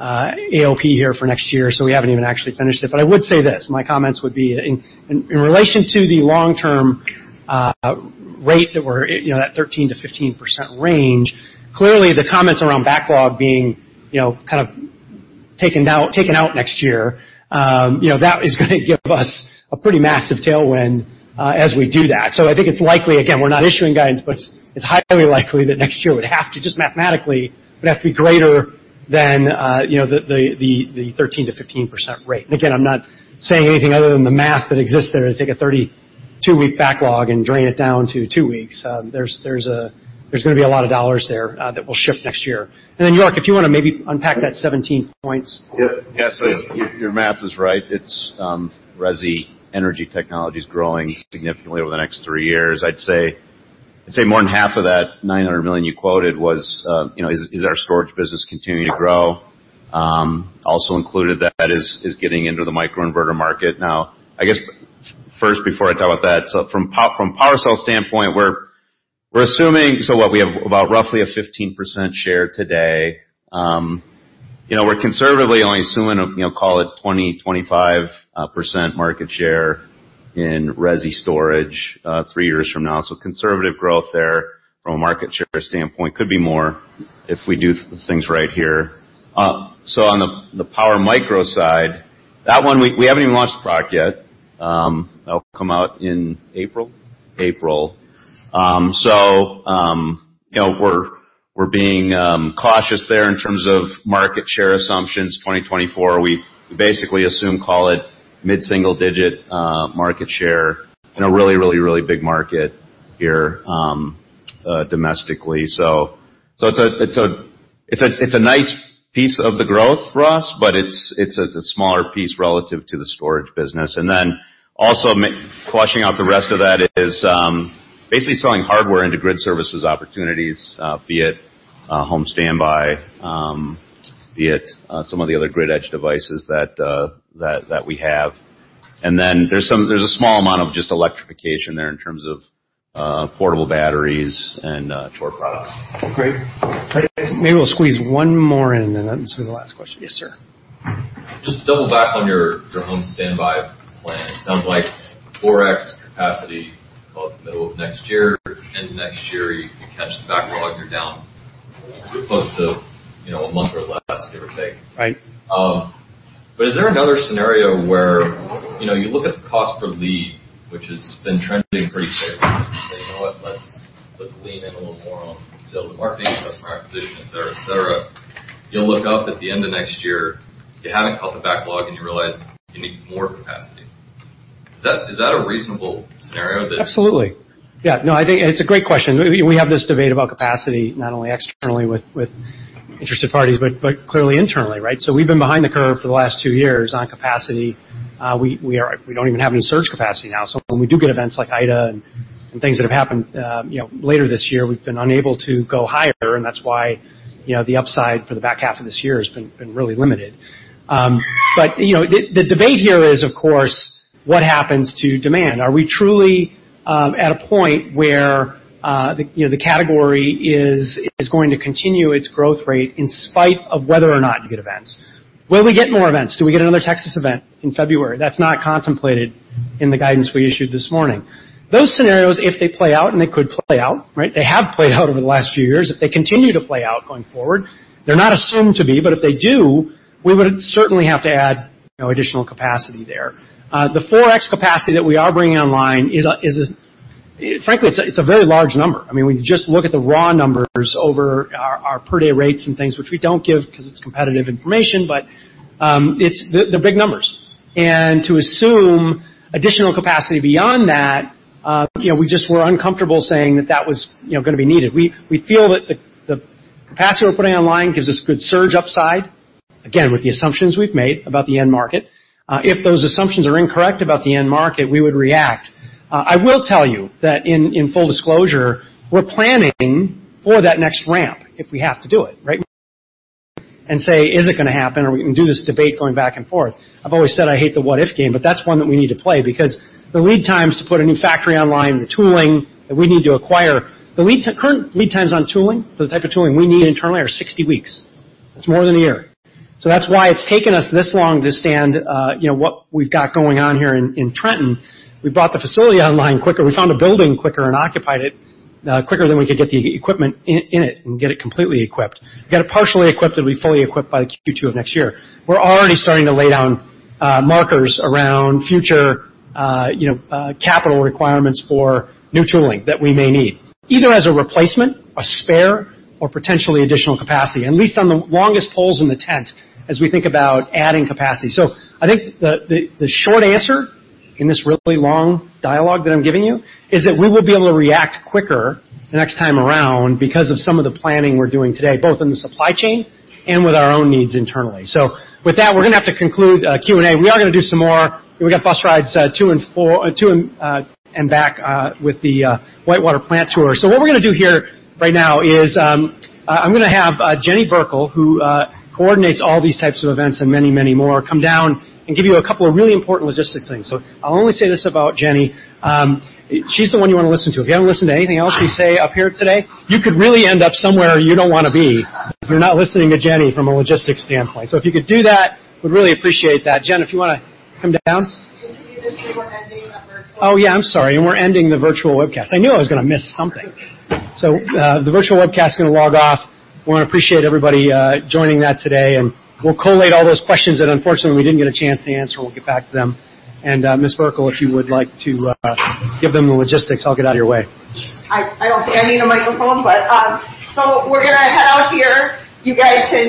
AOP here for next year, so we haven't even actually finished it. I would say this, my comments would be in relation to the long-term rate that we're at 13%-15% range. Clearly, the comments around backlog being taken out next year, that is going to give us a pretty massive tailwind as we do that. I think it's likely, again, we're not issuing guidance, but it's highly likely that next year would have to, just mathematically, would have to be greater than the 13%-15% rate. Again, I'm not saying anything other than the math that exists there to take a 32-week backlog and drain it down to two weeks. There's going to be a lot of dollars there that will shift next year. York, if you want to maybe unpack that 17 points. Yeah. Your math is right. Resi energy technology's growing significantly over the next three years. I'd say more than half of that $900 million you quoted is our storage business continuing to grow. Also included that is getting into the microinverter market. Now, I guess, first, before I talk about that, from a PWRcell standpoint, we're assuming, what we have about roughly a 15% share today. We're conservatively only assuming, call it 20%-25% market share in resi storage three years from now. Conservative growth there from a market share standpoint. Could be more if we do things right here. On the PWRMicro side, that one, we haven't even launched the product yet. That'll come out in April? April. We're being cautious there in terms of market share assumptions. 2024, we basically assume, call it mid-single digit market share in a really, really, really big market here domestically. It's a nice piece of the growth for us, but it's a smaller piece relative to the storage business. Also fleshing out the rest of that is basically selling hardware into Grid Services opportunities, be it home standby, be it some of the other grid edge devices that we have. There's a small amount of just electrification there in terms of portable batteries and chore products. Great. Maybe we'll squeeze one more in, and then this'll be the last question. Yes, sir. Just double back on your home standby plan. It sounds like 4X capacity by the middle of next year, or end of next year, you catch the backlog, you're down close to a month or less, give or take. Right. Is there another scenario where you look at the cost per lead, which has been trending pretty steadily, and you say, "You know what? Let's lean in a little more on the marketing and customer acquisition," et cetera, et cetera. You'll look up at the end of next year, you haven't caught the backlog, and you realize you need more capacity. Is that a reasonable scenario there? Absolutely. Yeah, no, I think it's a great question. We have this debate about capacity, not only externally with interested parties, but clearly internally, right? We've been behind the curve for the last two years on capacity. We don't even have any surge capacity now, so when we do get events like Ida and things that have happened later this year, we've been unable to go higher, and that's why the upside for the back half of this year has been really limited. The debate here is, of course, what happens to demand? Are we truly at a point where the category is going to continue its growth rate in spite of whether or not you get events? Will we get more events? Do we get another Texas event in February? That's not contemplated in the guidance we issued this morning. Those scenarios, if they play out, and they could play out, right? They have played out over the last few years. If they continue to play out going forward, they're not assumed to be, but if they do, we would certainly have to add additional capacity there. The 4X capacity that we are bringing online is, frankly, it's a very large number. When you just look at the raw numbers over our per-day rates and things, which we don't give because it's competitive information, but they're big numbers. To assume additional capacity beyond that, we just were uncomfortable saying that that was going to be needed. We feel that the capacity we're putting online gives us good surge upside, again, with the assumptions we've made about the end market. If those assumptions are incorrect about the end market, we would react. I will tell you that in full disclosure, we're planning for that next ramp if we have to do it, right? Say, is it going to happen, or we can do this debate going back and forth. I've always said I hate the what if game, but that's one that we need to play because the lead times to put a new factory online, the tooling that we need to acquire. The current lead times on tooling, for the type of tooling we need internally, are 60 weeks. That's more than a year. That's why it's taken us this long to stand what we've got going on here in Trenton. We brought the facility online quicker. We found a building quicker and occupied it quicker than we could get the equipment in it and get it completely equipped. We got it partially equipped, it'll be fully equipped by Q2 of next year. We're already starting to lay down markers around future capital requirements for new tooling that we may need, either as a replacement, a spare, or potentially additional capacity, at least on the longest poles in the tent as we think about adding capacity. I think the short answer in this really long dialogue that I'm giving you is that we will be able to react quicker the next time around because of some of the planning we're doing today, both in the supply chain and with our own needs internally. With that, we're going to have to conclude Q&A. We are going to do some more. We got bus rides two and back with the Whitewater plant tour. What we're going to do here right now is I'm going to have Jenny Burkle, who coordinates all these types of events and many, many more, come down and give you a couple of really important logistic things. I'll only say this about Jenny. She's the one you want to listen to. If you haven't listened to anything else we say up here today, you could really end up somewhere you don't want to be if you're not listening to Jenny from a logistics standpoint. If you could do that, we'd really appreciate that. Jen, if you want to come down. Can you just say we're ending the virtual webcast? Oh, yeah, I'm sorry. We're ending the virtual webcast. I knew I was going to miss something. The virtual webcast is going to log off. We want to appreciate everybody joining that today, and we'll collate all those questions that unfortunately we didn't get a chance to answer, and we'll get back to them. Ms. Burkle, if you would like to give them the logistics, I'll get out of your way. I don't think I need a microphone, but so we're going to head out here. You guys can